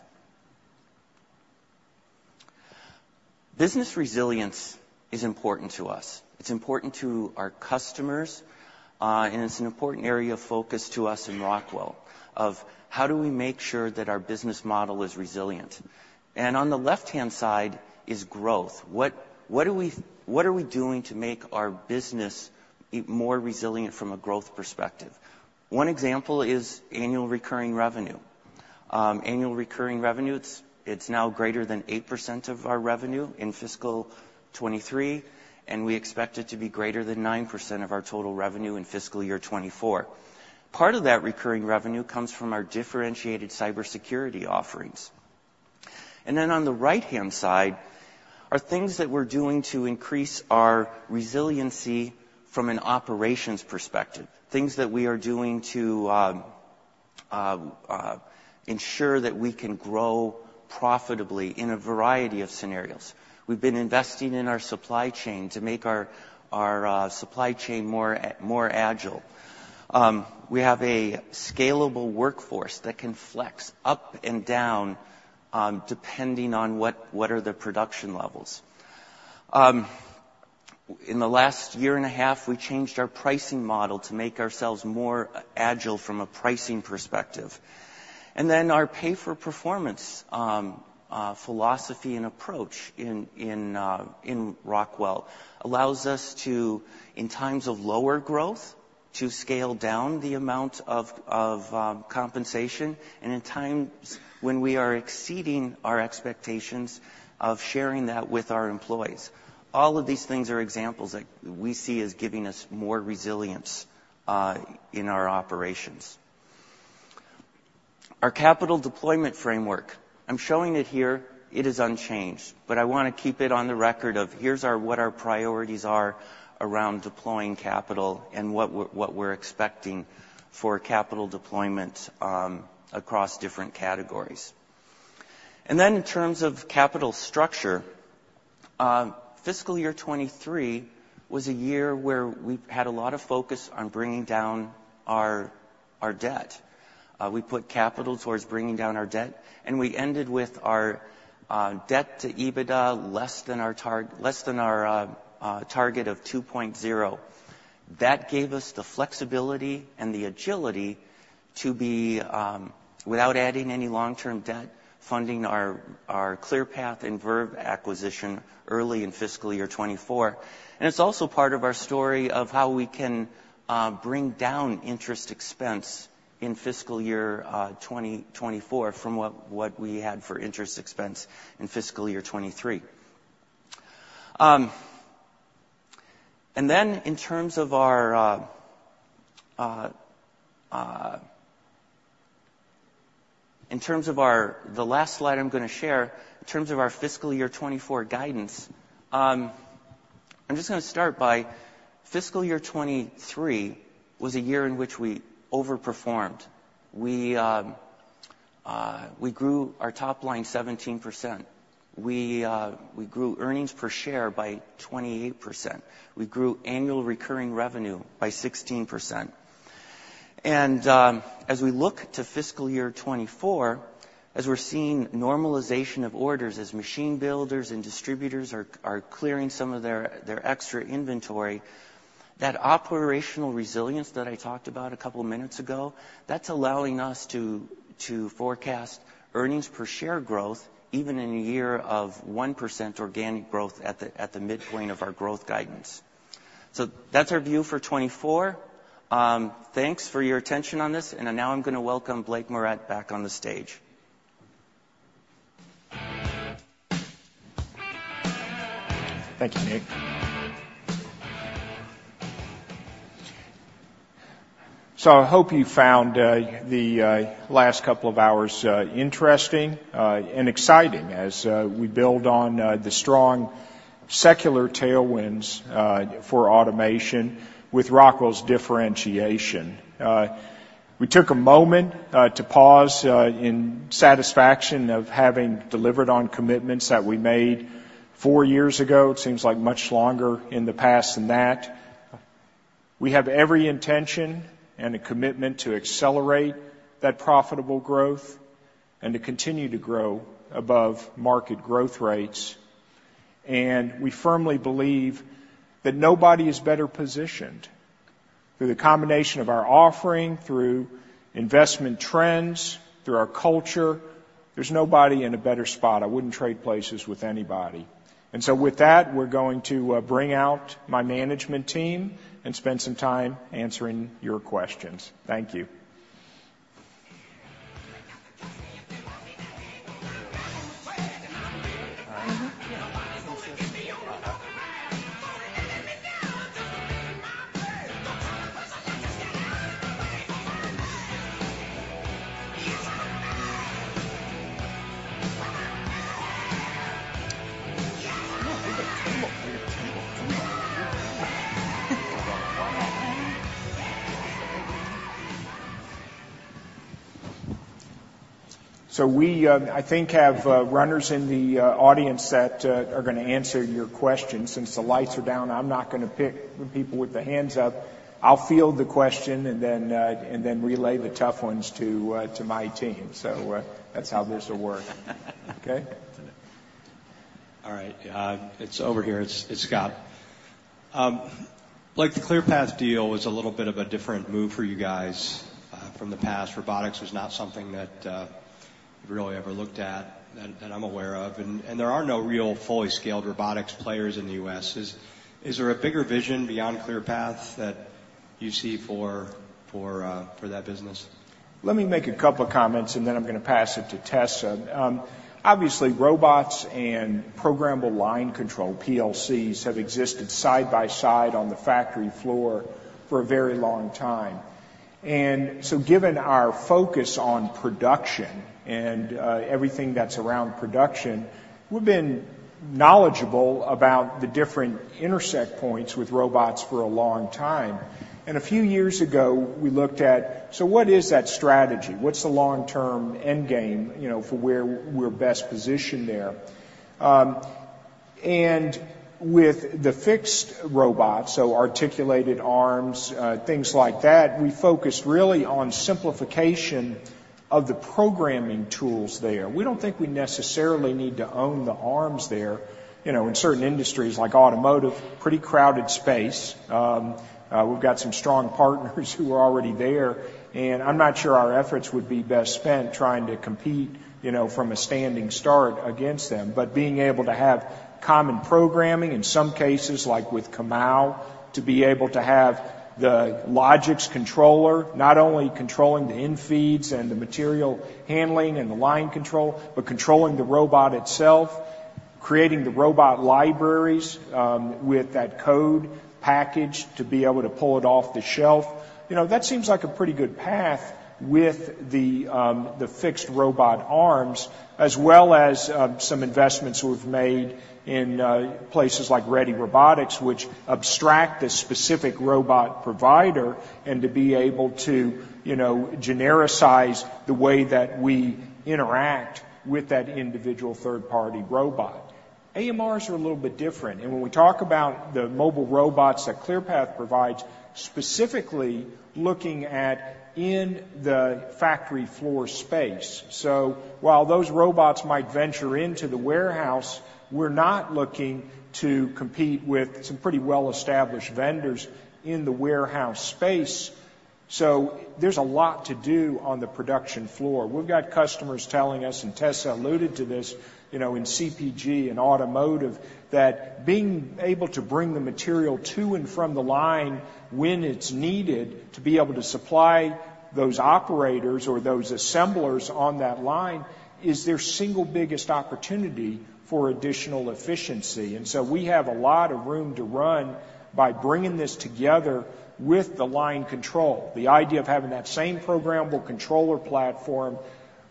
Business resilience is important to us. It's important to our customers, and it's an important area of focus to us in Rockwell, of how do we make sure that our business model is resilient? And on the left-hand side is growth. What are we doing to make our business more resilient from a growth perspective? One example is annual recurring revenue. Annual recurring revenue, it's now greater than 8% of our revenue in fiscal 2023, and we expect it to be greater than 9% of our total revenue in fiscal year 2024. Part of that recurring revenue comes from our differentiated cybersecurity offerings. On the right-hand side are things that we're doing to increase our resiliency from an operations perspective, things that we are doing to ensure that we can grow profitably in a variety of scenarios. We've been investing in our supply chain to make our supply chain more agile. We have a scalable workforce that can flex up and down, depending on what the production levels are. In the last year and a half, we changed our pricing model to make ourselves more agile from a pricing perspective. Our pay-for-performance philosophy and approach in Rockwell allows us to, in times of lower growth, scale down the amount of compensation, and in times when we are exceeding our expectations, share that with our employees. All of these things are examples that we see as giving us more resilience in our operations. Our capital deployment framework, I'm showing it here, it is unchanged, but I wanna keep it on the record of here's what our priorities are around deploying capital and what we're expecting for capital deployment across different categories. Then in terms of capital structure, fiscal year 2023 was a year where we had a lot of focus on bringing down our debt. We put capital towards bringing down our debt, and we ended with our debt to EBITDA less than our target of 2.0. That gave us the flexibility and the agility to be without adding any long-term debt, funding our Clearpath and Verve acquisition early in fiscal year 2024. It's also part of our story of how we can bring down interest expense in fiscal year 2024 from what, what we had for interest expense in fiscal year 2023. And then in terms of our the last slide I'm gonna share, in terms of our fiscal year 2024 guidance, I'm just gonna start by fiscal year 2023 was a year in which we overperformed. We grew our top line 17%. We grew earnings per share by 28%. We grew annual recurring revenue by 16%. As we look to fiscal year 2024, as we're seeing normalization of orders, as machine builders and distributors are clearing some of their extra inventory, that operational resilience that I talked about a couple of minutes ago, that's allowing us to forecast earnings per share growth even in a year of 1% organic growth at the midpoint of our growth guidance. So that's our view for 2024. Thanks for your attention on this, and now I'm gonna welcome Blake Moret back on the stage. Thank you, Nick. So I hope you found the last couple of hours interesting and exciting as we build on the strong secular tailwinds for automation with Rockwell's differentiation. We took a moment to pause in satisfaction of having delivered on commitments that we made four years ago. It seems like much longer in the past than that. We have every intention and a commitment to accelerate that profitable growth and to continue to grow above market growth rates. And we firmly believe that nobody is better positioned through the combination of our offering, through investment trends, through our culture. There's nobody in a better spot. I wouldn't trade places with anybody. And so with that, we're going to bring out my management team and spend some time answering your questions. Thank you. So we, I think, have runners in the audience that are gonna answer your questions. Since the lights are down, I'm not gonna pick the people with their hands up. I'll field the question and then, and then relay the tough ones to, to my team. So, that's how this will work. Okay? All right. It's over here. It's Scott. Like, the Clearpath deal was a little bit of a different move for you guys from the past. Robotics was not something that you really ever looked at, that I'm aware of, and there are no real fully scaled robotics players in the U.S. Is there a bigger vision beyond Clearpath that you see for that business? Let me make a couple of comments, and then I'm gonna pass it to Tessa. Obviously, robots and programmable logic controllers, PLCs, have existed side by side on the factory floor for a very long time. And so given our focus on production and everything that's around production, we've been knowledgeable about the different intersect points with robots for a long time. And a few years ago, we looked at, so what is that strategy? What's the long-term end game, you know, for where we're best positioned there? And with the fixed robots, so articulated arms, things like that, we focused really on simplification of the programming tools there. We don't think we necessarily need to own the arms there. You know, in certain industries, like automotive, pretty crowded space. We've got some strong partners who are already there, and I'm not sure our efforts would be best spent trying to compete, you know, from a standing start against them. But being able to have common programming, in some cases, like with Comau, to be able to have the Logix controller, not only controlling the infeeds and the material handling and the line control, but controlling the robot itself, creating the robot libraries, with that code package to be able to pull it off the shelf. You know, that seems like a pretty good path with the, the fixed robot arms, as well as, some investments we've made in, places like Ready Robotics, which abstract the specific robot provider, and to be able to, you know, genericize the way that we interact with that individual third-party robot. AMRs are a little bit different, and when we talk about the mobile robots that Clearpath provides, specifically looking at in the factory floor space. So while those robots might venture into the warehouse, we're not looking to compete with some pretty well-established vendors in the warehouse space. So there's a lot to do on the production floor. We've got customers telling us, and Tessa alluded to this, you know, in CPG and automotive, that being able to bring the material to and from the line when it's needed to be able to supply those operators or those assemblers on that line, is their single biggest opportunity for additional efficiency. And so we have a lot of room to run by bringing this together with the line control. The idea of having that same programmable controller platform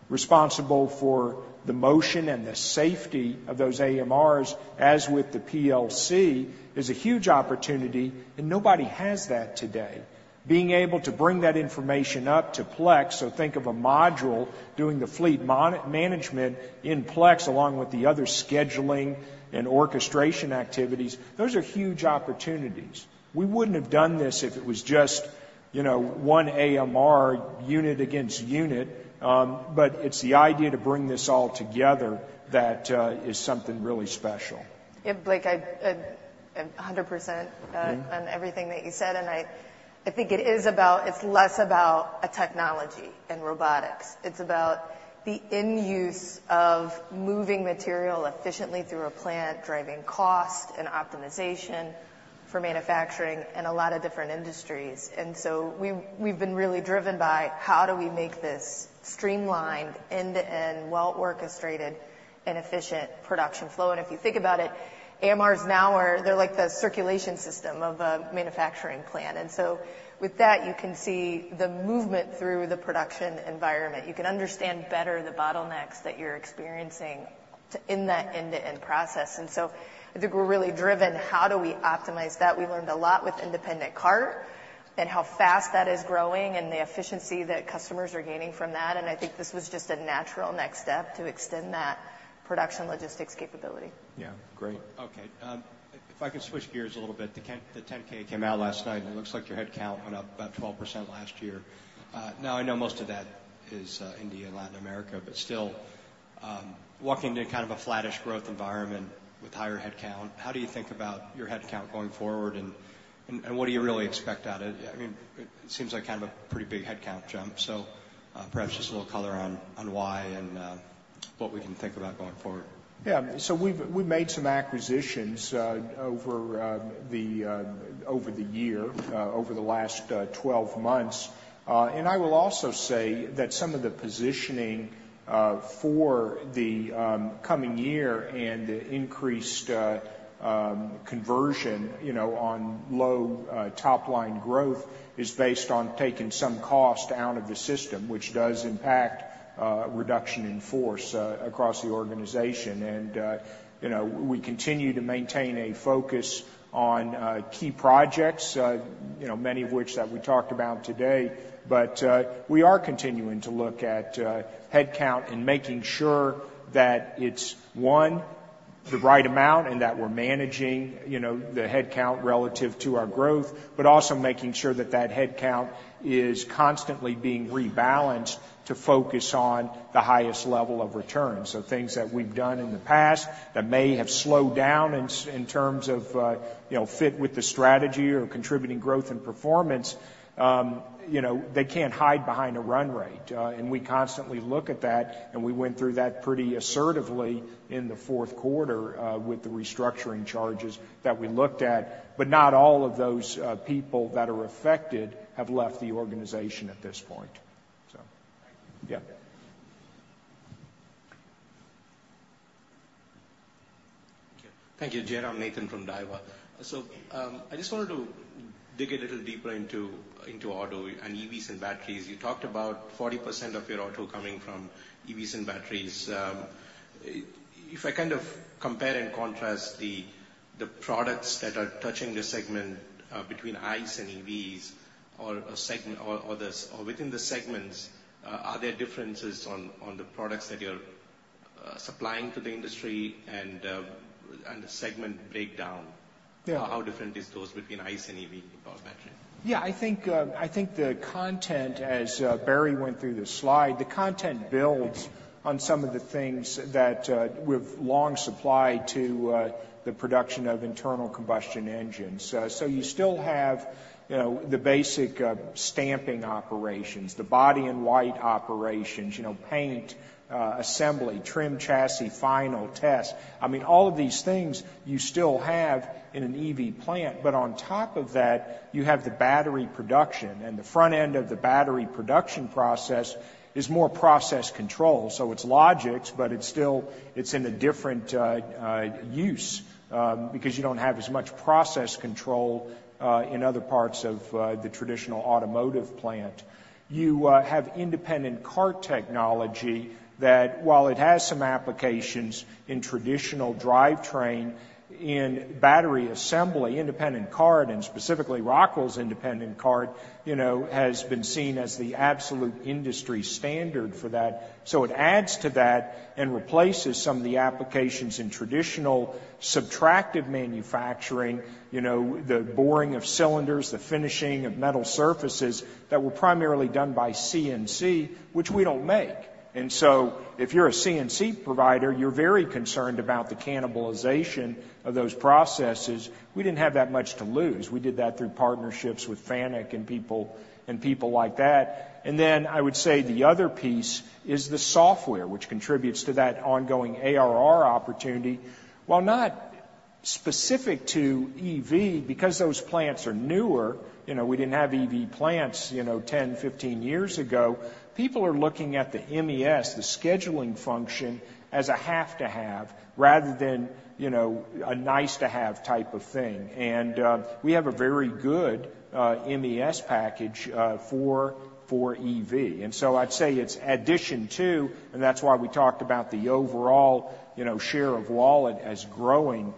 responsible for the motion and the safety of those AMRs, as with the PLC, is a huge opportunity, and nobody has that today. Being able to bring that information up to Plex, so think of a module doing the fleet management in Plex, along with the other scheduling and orchestration activities, those are huge opportunities. We wouldn't have done this if it was just, you know, one AMR unit against unit, but it's the idea to bring this all together that is something really special. Yeah, Blake, I, 100%- Mm-hmm. On everything that you said, and I, I think it is about... It's less about a technology and robotics. It's about the end use of moving material efficiently through a plant, driving cost and optimization for manufacturing in a lot of different industries. And so we've, we've been really driven by: How do we make this streamlined, end-to-end, well-orchestrated, and efficient production flow? And if you think about it, AMRs now are, they're like the circulation system of a manufacturing plant. And so with that, you can see the movement through the production environment. You can understand better the bottlenecks that you're experiencing in that end-to-end process. And so I think we're really driven, how do we optimize that? We learned a lot with Independent Cart and how fast that is growing and the efficiency that customers are gaining from that, and I think this was just a natural next step to extend that production logistics capability. Yeah. Great. Okay, if I could switch gears a little bit, the 10-K came out last night, and it looks like your headcount went up about 12% last year. Now I know most of that is India and Latin America, but still, walking into kind of a flattish growth environment with higher headcount. How do you think about your headcount going forward, and what do you really expect out of it? I mean, it seems like kind of a pretty big headcount jump, so perhaps just a little color on why and what we can think about going forward. Yeah. So we've made some acquisitions over the last 12 months. And I will also say that some of the positioning for the coming year and the increased conversion, you know, on low top-line growth is based on taking some cost out of the system, which does impact reduction in force across the organization. And you know, we continue to maintain a focus on key projects, you know, many of which that we talked about today. But we are continuing to look at headcount and making sure that it's, one, the right amount and that we're managing, you know, the headcount relative to our growth, but also making sure that that headcount is constantly being rebalanced to focus on the highest level of return. So things that we've done in the past that may have slowed down in terms of, you know, fit with the strategy or contributing growth and performance, you know, they can't hide behind a run rate. And we constantly look at that, and we went through that pretty assertively in the fourth quarter, with the restructuring charges that we looked at. But not all of those people that are affected have left the organization at this point, so. Thank you. Yeah. Thank you, Jay. I'm Nathan from Daiwa. So, I just wanted to dig a little deeper into auto and EVs and batteries. You talked about 40% of your auto coming from EVs and batteries. If I kind of compare and contrast the products that are touching the segment between ICEs and EVs or within the segments, are there differences on the products that you're supplying to the industry and the segment breakdown? Yeah. How different is those between ICE and EV power battery? Yeah, I think, I think the content, as Barry went through the slide, the content builds on some of the things that we've long supplied to the production of internal combustion engines. So you still have, you know, the basic stamping operations, the body and white operations, you know, paint, assembly, trim, chassis, final test. I mean, all of these things you still have in an EV plant, but on top of that, you have the battery production, and the front end of the battery production process is more process control. So it's Logix, but it's still, it's in a different use, because you don't have as much process control in other parts of the traditional automotive plant. You have Independent Cart Technology that, while it has some applications in traditional drivetrain, in battery assembly, Independent Cart, and specifically Rockwell's Independent Cart, you know, has been seen as the absolute industry standard for that. So it adds to that and replaces some of the applications in traditional subtractive manufacturing, you know, the boring of cylinders, the finishing of metal surfaces, that were primarily done by CNC, which we don't make. And so if you're a CNC provider, you're very concerned about the cannibalization of those processes. We didn't have that much to lose. We did that through partnerships with FANUC and people, and people like that. And then I would say the other piece is the software, which contributes to that ongoing ARR opportunity. While not specific to EV, because those plants are newer, you know, we didn't have EV plants, you know, 10, 15 years ago. People are looking at the MES, the scheduling function, as a have to have, rather than, you know, a nice to have type of thing. And we have a very good MES package for, for EV. And so I'd say it's addition to, and that's why we talked about the overall, you know, share of wallet as growing,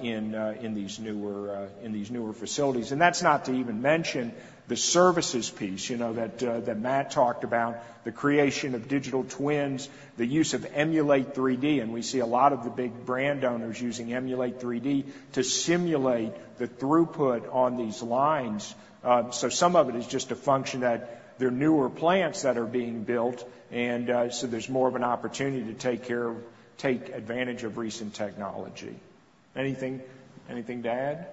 in, in these newer, in these newer facilities. And that's not to even mention the services piece, you know, that, that Matt talked about, the creation of digital twins, the use of Emulate3D, and we see a lot of the big brand owners using Emulate3D to simulate the throughput on these lines. So some of it is just a function that they're newer plants that are being built, and so there's more of an opportunity to take care of... Take advantage of recent technology. Anything, anything to add?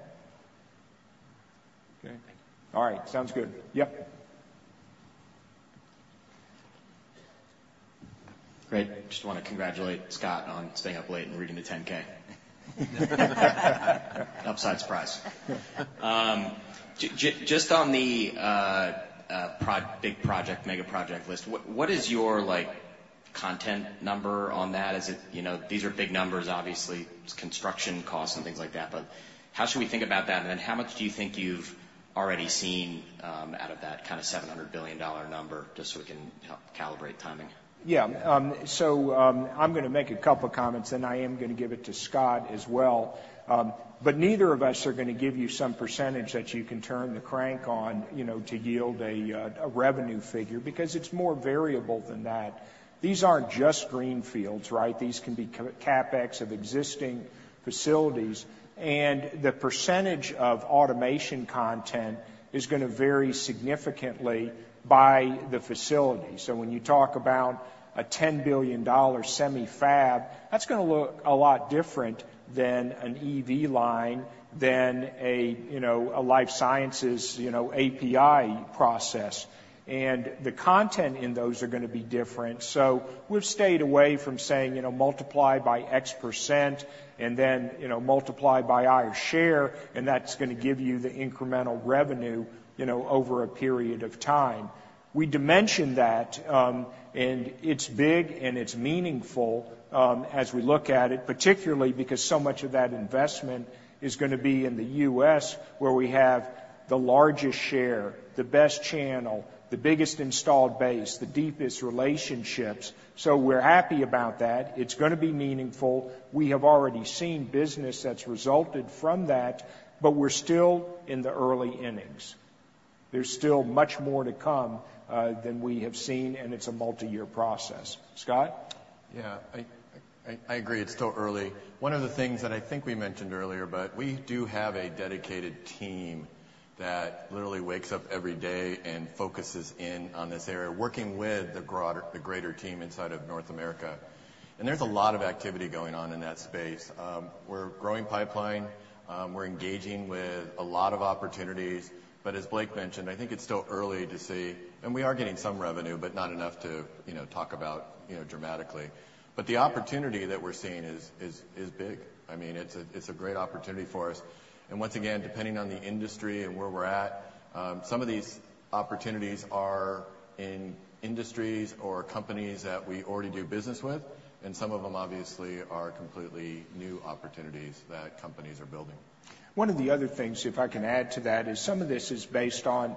Okay. Thank you. All right. Sounds good. Yep. Great. Just want to congratulate Scott on staying up late and reading the 10-K. Upside surprise. Just on the big project, mega project list, what, what is your, like, content number on that? Is it, you know, these are big numbers, obviously, construction costs and things like that, but how should we think about that? And then how much do you think you've already seen out of that kind of $700 billion number, just so we can help calibrate timing? Yeah. So, I'm gonna make a couple comments, and I am gonna give it to Scott as well. But neither of us are gonna give you some percentage that you can turn the crank on, you know, to yield a revenue figure, because it's more variable than that. These aren't just greenfields, right? These can be CapEx of existing facilities, and the percentage of automation content is gonna vary significantly by the facility. So when you talk about a $10 billion semi fab, that's gonna look a lot different than an EV line, than a, you know, a life sciences, you know, API process. And the content in those are gonna be different. So we've stayed away from saying, you know, multiply by X%, and then, you know, multiply by our share, and that's gonna give you the incremental revenue, you know, over a period of time. We dimension that, and it's big, and it's meaningful, as we look at it, particularly because so much of that investment is gonna be in the U.S., where we have the largest share, the best channel, the biggest installed base, the deepest relationships. So we're happy about that. It's gonna be meaningful. We have already seen business that's resulted from that, but we're still in the early innings. There's still much more to come than we have seen, and it's a multiyear process. Scott? Yeah, I agree, it's still early. One of the things that I think we mentioned earlier, but we do have a dedicated team that literally wakes up every day and focuses in on this area, working with the broader, the greater team inside of North America. And there's a lot of activity going on in that space. We're growing pipeline, we're engaging with a lot of opportunities, but as Blake mentioned, I think it's still early to say, and we are getting some revenue, but not enough to, you know, talk about, you know, dramatically. But the opportunity that we're seeing is big. I mean, it's a great opportunity for us, and once again, depending on the industry and where we're at, some of these opportunities are in industries or companies that we already do business with, and some of them, obviously, are completely new opportunities that companies are building. One of the other things, if I can add to that, is some of this is based on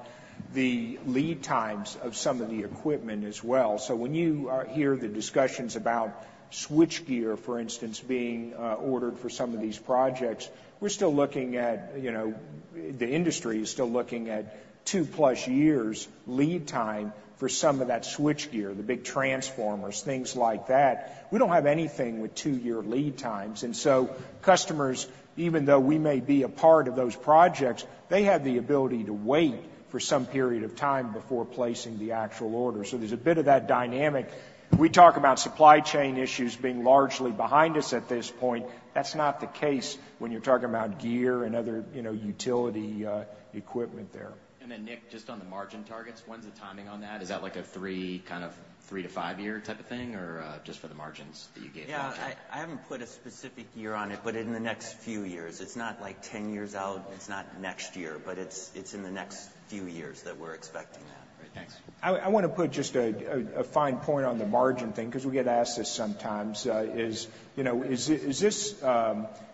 the lead times of some of the equipment as well. So when you hear the discussions about switchgear, for instance, being ordered for some of these projects, we're still looking at, you know, the industry is still looking at two plus years' lead time for some of that switchgear, the big transformers, things like that. We don't have anything with two year lead times, and so customers, even though we may be a part of those projects, they have the ability to wait for some period of time before placing the actual order. So there's a bit of that dynamic. We talk about supply chain issues being largely behind us at this point. That's not the case when you're talking about gear and other, you know, utility equipment there. Then, Nick, just on the margin targets, when's the timing on that? Is that, like, a 3, kind of three to five year type of thing, or just for the margins that you gave? Yeah, I haven't put a specific year on it, but in the next few years. It's not, like, 10 years out, it's not next year, but it's in the next few years that we're expecting that. Great. Thanks. I wanna put just a fine point on the margin thing, 'cause we get asked this sometimes, you know, is this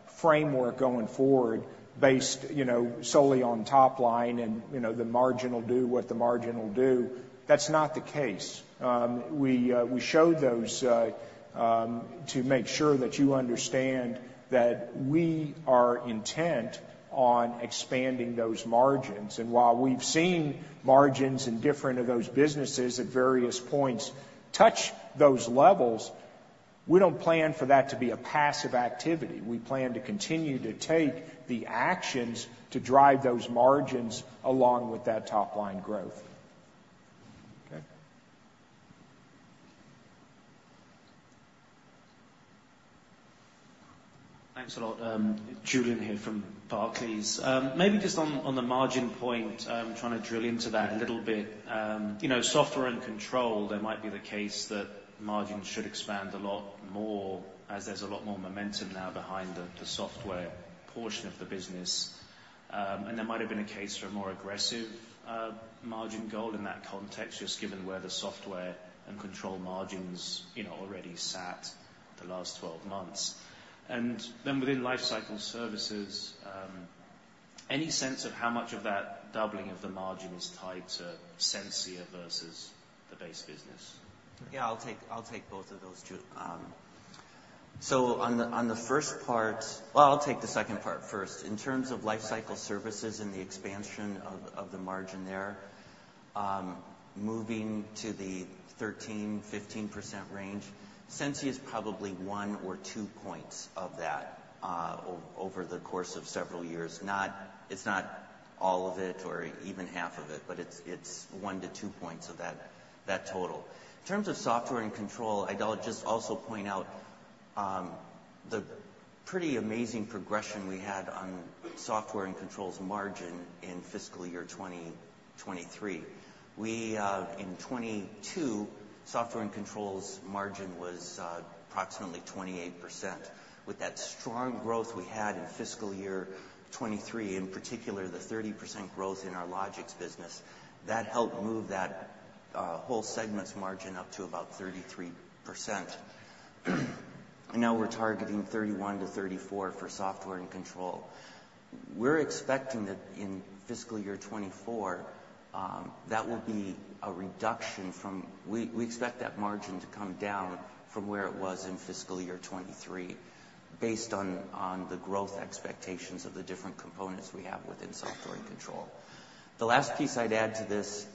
framework going forward based, you know, solely on top line, and, you know, the margin will do what the margin will do? That's not the case. We showed those to make sure that you understand that we are intent on expanding those margins, and while we've seen margins in different of those businesses at various points touch those levels, we don't plan for that to be a passive activity. We plan to continue to take the actions to drive those margins, along with that top-line growth. Okay? Thanks a lot. Julian here from Barclays. Maybe just on, on the margin point, I'm trying to drill into that a little bit. You know, Software and Control, there might be the case that margins should expand a lot more, as there's a lot more momentum now behind the, the software portion of the business. And there might have been a case for a more aggressive, margin goal in that context, just given where the Software and Control margins, you know, already sat the last 12 months. Then within Lifecycle Services, any sense of how much of that doubling of the margin is tied to Sensia versus the base business? Yeah, I'll take both of those, Julian. So on the first part... Well, I'll take the second part first. In terms of Lifecycle Services and the expansion of the margin there, moving to the 13%-15% range, Sensia is probably one or two points of that over the course of several years. It's not all of it or even half of it, but it's one to two points of that total. In terms of Software and Control, I'd just also point out the pretty amazing progression we had on Software and Control margin in fiscal year 2023. We in 2022, Software and Control margin was approximately 28%. With that strong growth we had in fiscal year 2023, in particular, the 30% growth in our Logix business, that helped move that whole segment's margin up to about 33%. Now we're targeting 31%-34% for Software and Control. We're expecting that in fiscal year 2024, that will be a reduction from- We, we expect that margin to come down from where it was in fiscal year 2023, based on the growth expectations of the different components we have within Software and Control. The last piece I'd add to this,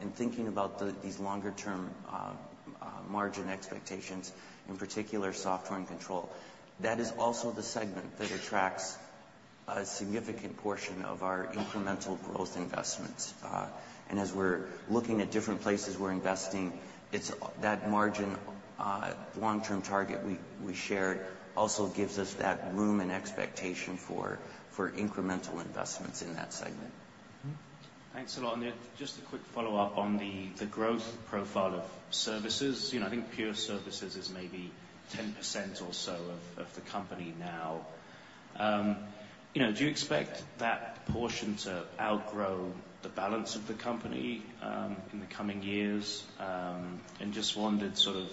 in thinking about these longer-term margin expectations, in particular, Software and Control, that is also the segment that attracts a significant portion of our incremental growth investments. And as we're looking at different places we're investing, it's that margin long-term target we shared, also gives us that room and expectation for incremental investments in that segment. Thanks a lot, Nick. Just a quick follow-up on the growth profile of services. You know, I think pure services is maybe 10% or so of the company now. You know, do you expect that portion to outgrow the balance of the company in the coming years? And just wondered, sort of,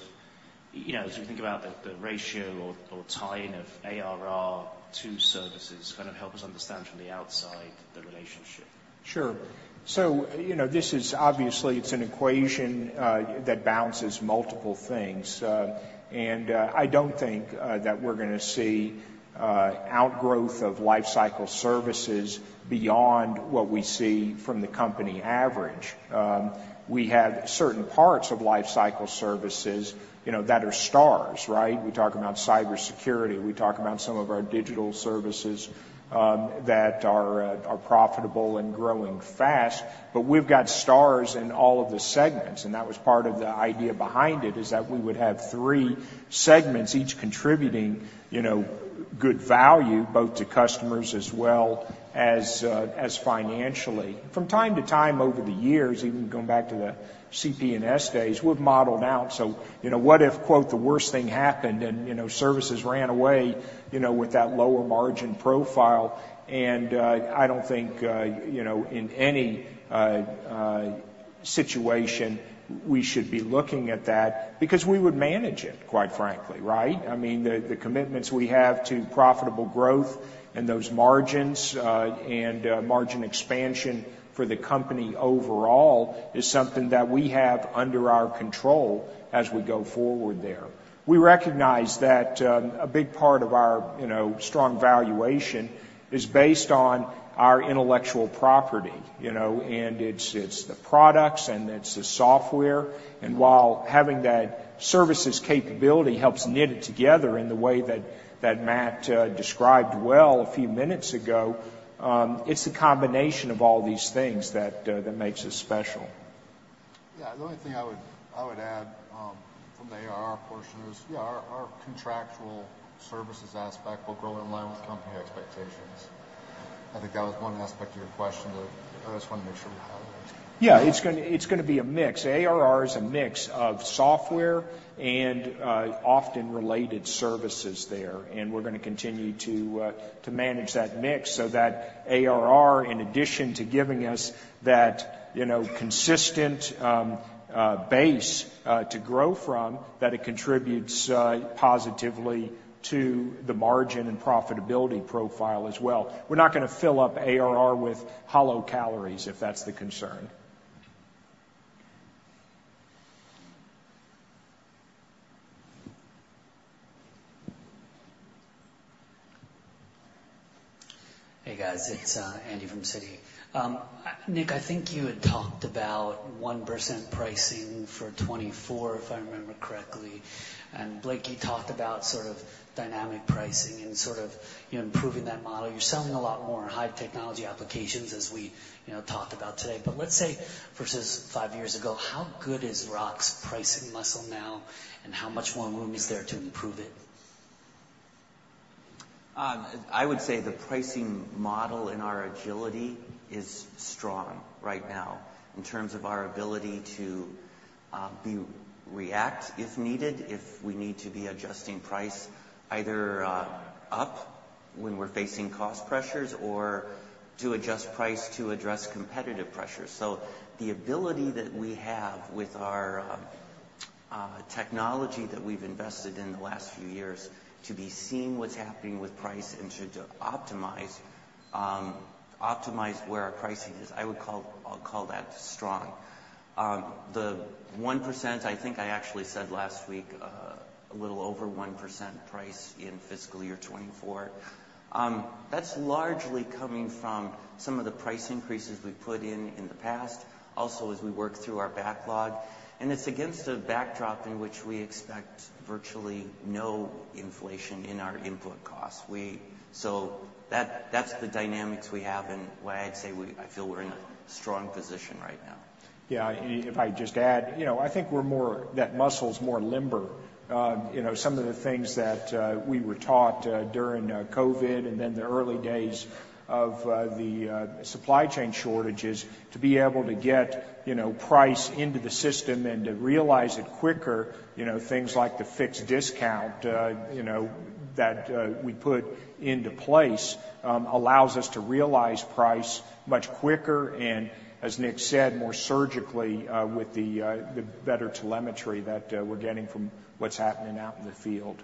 you know, as we think about the ratio or tying of ARR to services, kind of help us understand from the outside, the relationship. Sure. So, you know, this is obviously, it's an equation that balances multiple things. And I don't think that we're gonna see outgrowth of Lifecycle Services beyond what we see from the company average. We have certain parts of Lifecycle Services, you know, that are stars, right? We talk about cybersecurity, we talk about some of our digital services that are profitable and growing fast, but we've got stars in all of the segments, and that was part of the idea behind it, is that we would have three segments, each contributing, you know, good value, both to customers as well as financially. From time to time over the years, even going back to the CP&S days, we've modeled out. So, you know, what if, quote, "the worst thing happened," and, you know, services ran away, you know, with that lower margin profile? And, I don't think, you know, in any situation, we should be looking at that because we would manage it, quite frankly, right? I mean, the commitments we have to profitable growth and those margins, and margin expansion for the company overall, is something that we have under our control as we go forward there. We recognize that, a big part of our, you know, strong valuation is based on our intellectual property, you know, and it's the products, and it's the software. While having that services capability helps knit it together in the way that that Matt described well a few minutes ago, it's a combination of all these things that that makes us special. Yeah, the only thing I would, I would add from the ARR portion is, yeah, our, our contractual services aspect will grow in line with company expectations. I think that was one aspect of your question that I just wanna make sure we highlighted. Yeah, it's gonna, it's gonna be a mix. ARR is a mix of software and often related services there, and we're gonna continue to manage that mix so that ARR, in addition to giving us that, you know, consistent base to grow from, that it contributes positively to the margin and profitability profile as well. We're not gonna fill up ARR with hollow calories, if that's the concern. Hey, guys, it's Andy from Citi. Nick, I think you had talked about 1% pricing for 2024, if I remember correctly. Blake, you talked about sort of dynamic pricing and sort of, you know, improving that model. You're selling a lot more high technology applications, as we, you know, talked about today. But let's say, versus five years ago, how good is Rockwell's pricing muscle now, and how much more room is there to improve it? I would say the pricing model in our agility is strong right now, in terms of our ability to react if needed, if we need to be adjusting price either up, when we're facing cost pressures, or to adjust price to address competitive pressures. So the ability that we have with our technology that we've invested in the last few years, to be seeing what's happening with price and to optimize where our pricing is, I would call—I'll call that strong. The 1%, I think I actually said last week, a little over 1% price in fiscal year 2024. That's largely coming from some of the price increases we've put in in the past, also as we work through our backlog, and it's against a backdrop in which we expect virtually no inflation in our input costs. So that's the dynamics we have and why I'd say we—I feel we're in a strong position right now. Yeah, if I just add, you know, I think we're more... That muscle's more limber. You know, some of the things that we were taught during COVID and then the early days of the supply chain shortages, to be able to get, you know, price into the system and to realize it quicker, you know, things like the fixed discount that we put into place allows us to realize price much quicker, and as Nick said, more surgically, with the better telemetry that we're getting from what's happening out in the field.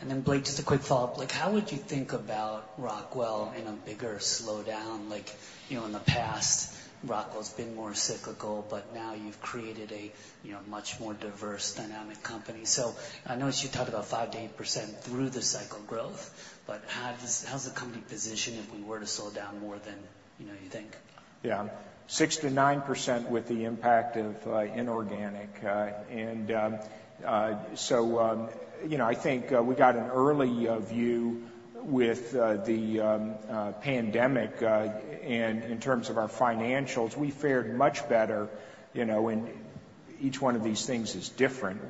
And then Blake, just a quick follow-up. Like, how would you think about Rockwell in a bigger slowdown? Like, you know, in the past, Rockwell's been more cyclical, but now you've created a, you know, much more diverse, dynamic company. So I noticed you talked about 5%-8% through the cycle growth, but how does, how's the company positioned if we were to slow down more than, you know, you think? Yeah. 6%-9% with the impact of inorganic. And so you know, I think we got an early view with the pandemic, and in terms of our financials, we fared much better, you know, and each one of these things is different.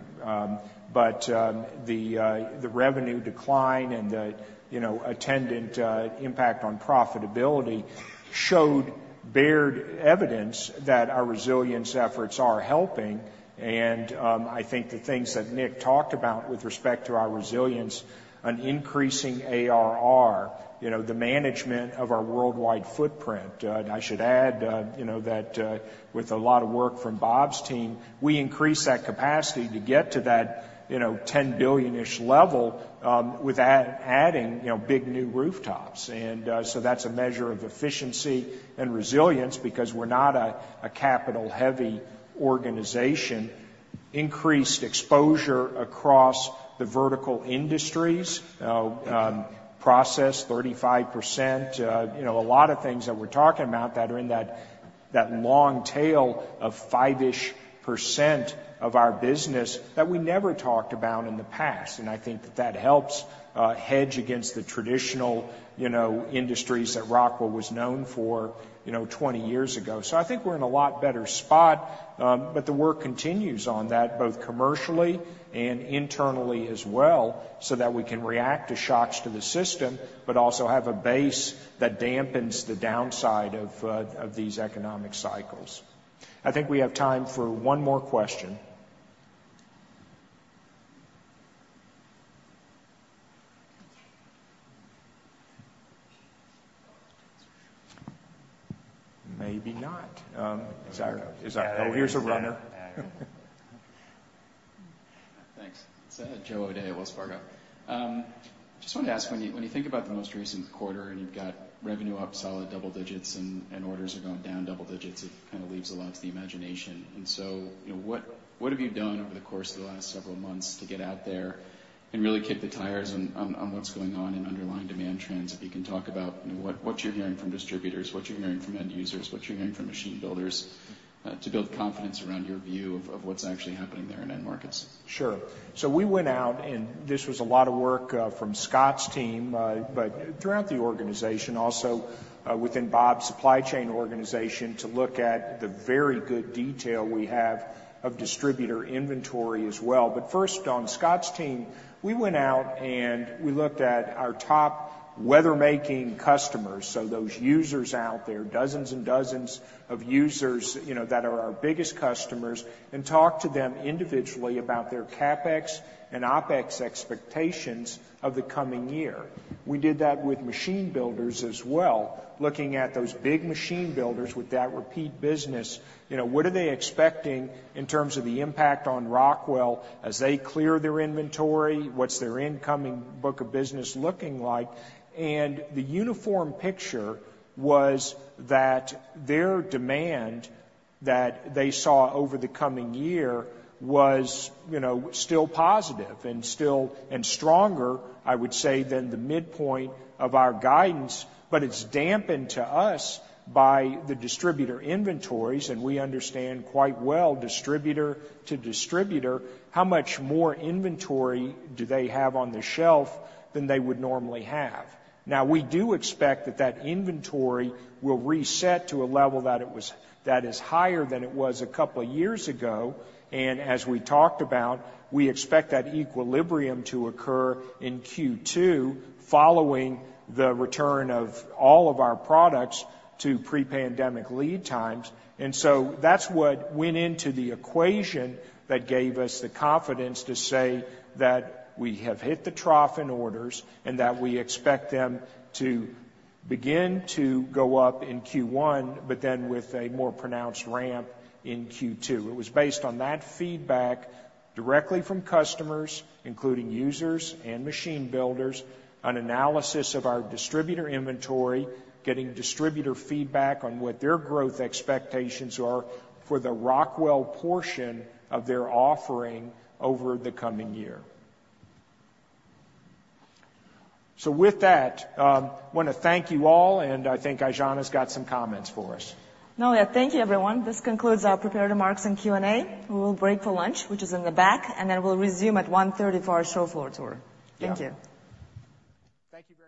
But the revenue decline and the, you know, attendant impact on profitability showed bare evidence that our resilience efforts are helping, and I think the things that Nick talked about with respect to our resilience, an increasing ARR, you know, the management of our worldwide footprint. And I should add, you know, that with a lot of work from Bob's team, we increased that capacity to get to that, you know, 10 billion level, without adding, you know, big new rooftops. So that's a measure of efficiency and resilience because we're not a capital-heavy organization. Increased exposure across the vertical industries. Process, 35%, you know, a lot of things that we're talking about that are in that long tail of five-ish% of our business that we never talked about in the past, and I think that helps hedge against the traditional, you know, industries that Rockwell was known for, you know, 20 years ago. So I think we're in a lot better spot, but the work continues on that, both commercially and internally as well, so that we can react to shocks to the system, but also have a base that dampens the downside of these economic cycles. I think we have time for one more question. Maybe not. Is there? Oh, here's a runner. Thanks. It's Joe O'Dea, Wells Fargo. Just wanted to ask, when you think about the most recent quarter, and you've got revenue up solid double digits, and orders are going down double digits, it kind of leaves a lot to the imagination. So, you know, what have you done over the course of the last several months to get out there and really kick the tires on what's going on in underlying demand trends? If you can talk about what you're hearing from distributors, what you're hearing from end users, what you're hearing from machine builders to build confidence around your view of what's actually happening there in end markets. Sure. So we went out, and this was a lot of work from Scott's team, but throughout the organization, also, within Bob's supply chain organization, to look at the very good detail we have of distributor inventory as well. But first, on Scott's team, we went out, and we looked at our top revenue-making customers, so those users out there, dozens and dozens of users, you know, that are our biggest customers, and talked to them individually about their CapEx and OpEx expectations of the coming year. We did that with machine builders as well, looking at those big machine builders with that repeat business. You know, what are they expecting in terms of the impact on Rockwell as they clear their inventory? What's their incoming book of business looking like? The uniform picture was that their demand that they saw over the coming year was, you know, still positive and still—and stronger, I would say, than the midpoint of our guidance, but it's dampened to us by the distributor inventories, and we understand quite well, distributor to distributor, how much more inventory do they have on the shelf than they would normally have. Now, we do expect that that inventory will reset to a level that it was—that is higher than it was a couple of years ago, and as we talked about, we expect that equilibrium to occur in Q2, following the return of all of our products to pre-pandemic lead times. And so that's what went into the equation that gave us the confidence to say that we have hit the trough in orders and that we expect them to begin to go up in Q1, but then with a more pronounced ramp in Q2. It was based on that feedback directly from customers, including users and machine builders, on analysis of our distributor inventory, getting distributor feedback on what their growth expectations are for the Rockwell portion of their offering over the coming year. So with that, I wanna thank you all, and I think Aijana's got some comments for us. No, yeah, thank you, everyone. This concludes our prepared remarks and Q&A. We will break for lunch, which is in the back, and then we'll resume at 1:30 P.M. for our show floor tour. Yeah. Thank you. Thank you very much.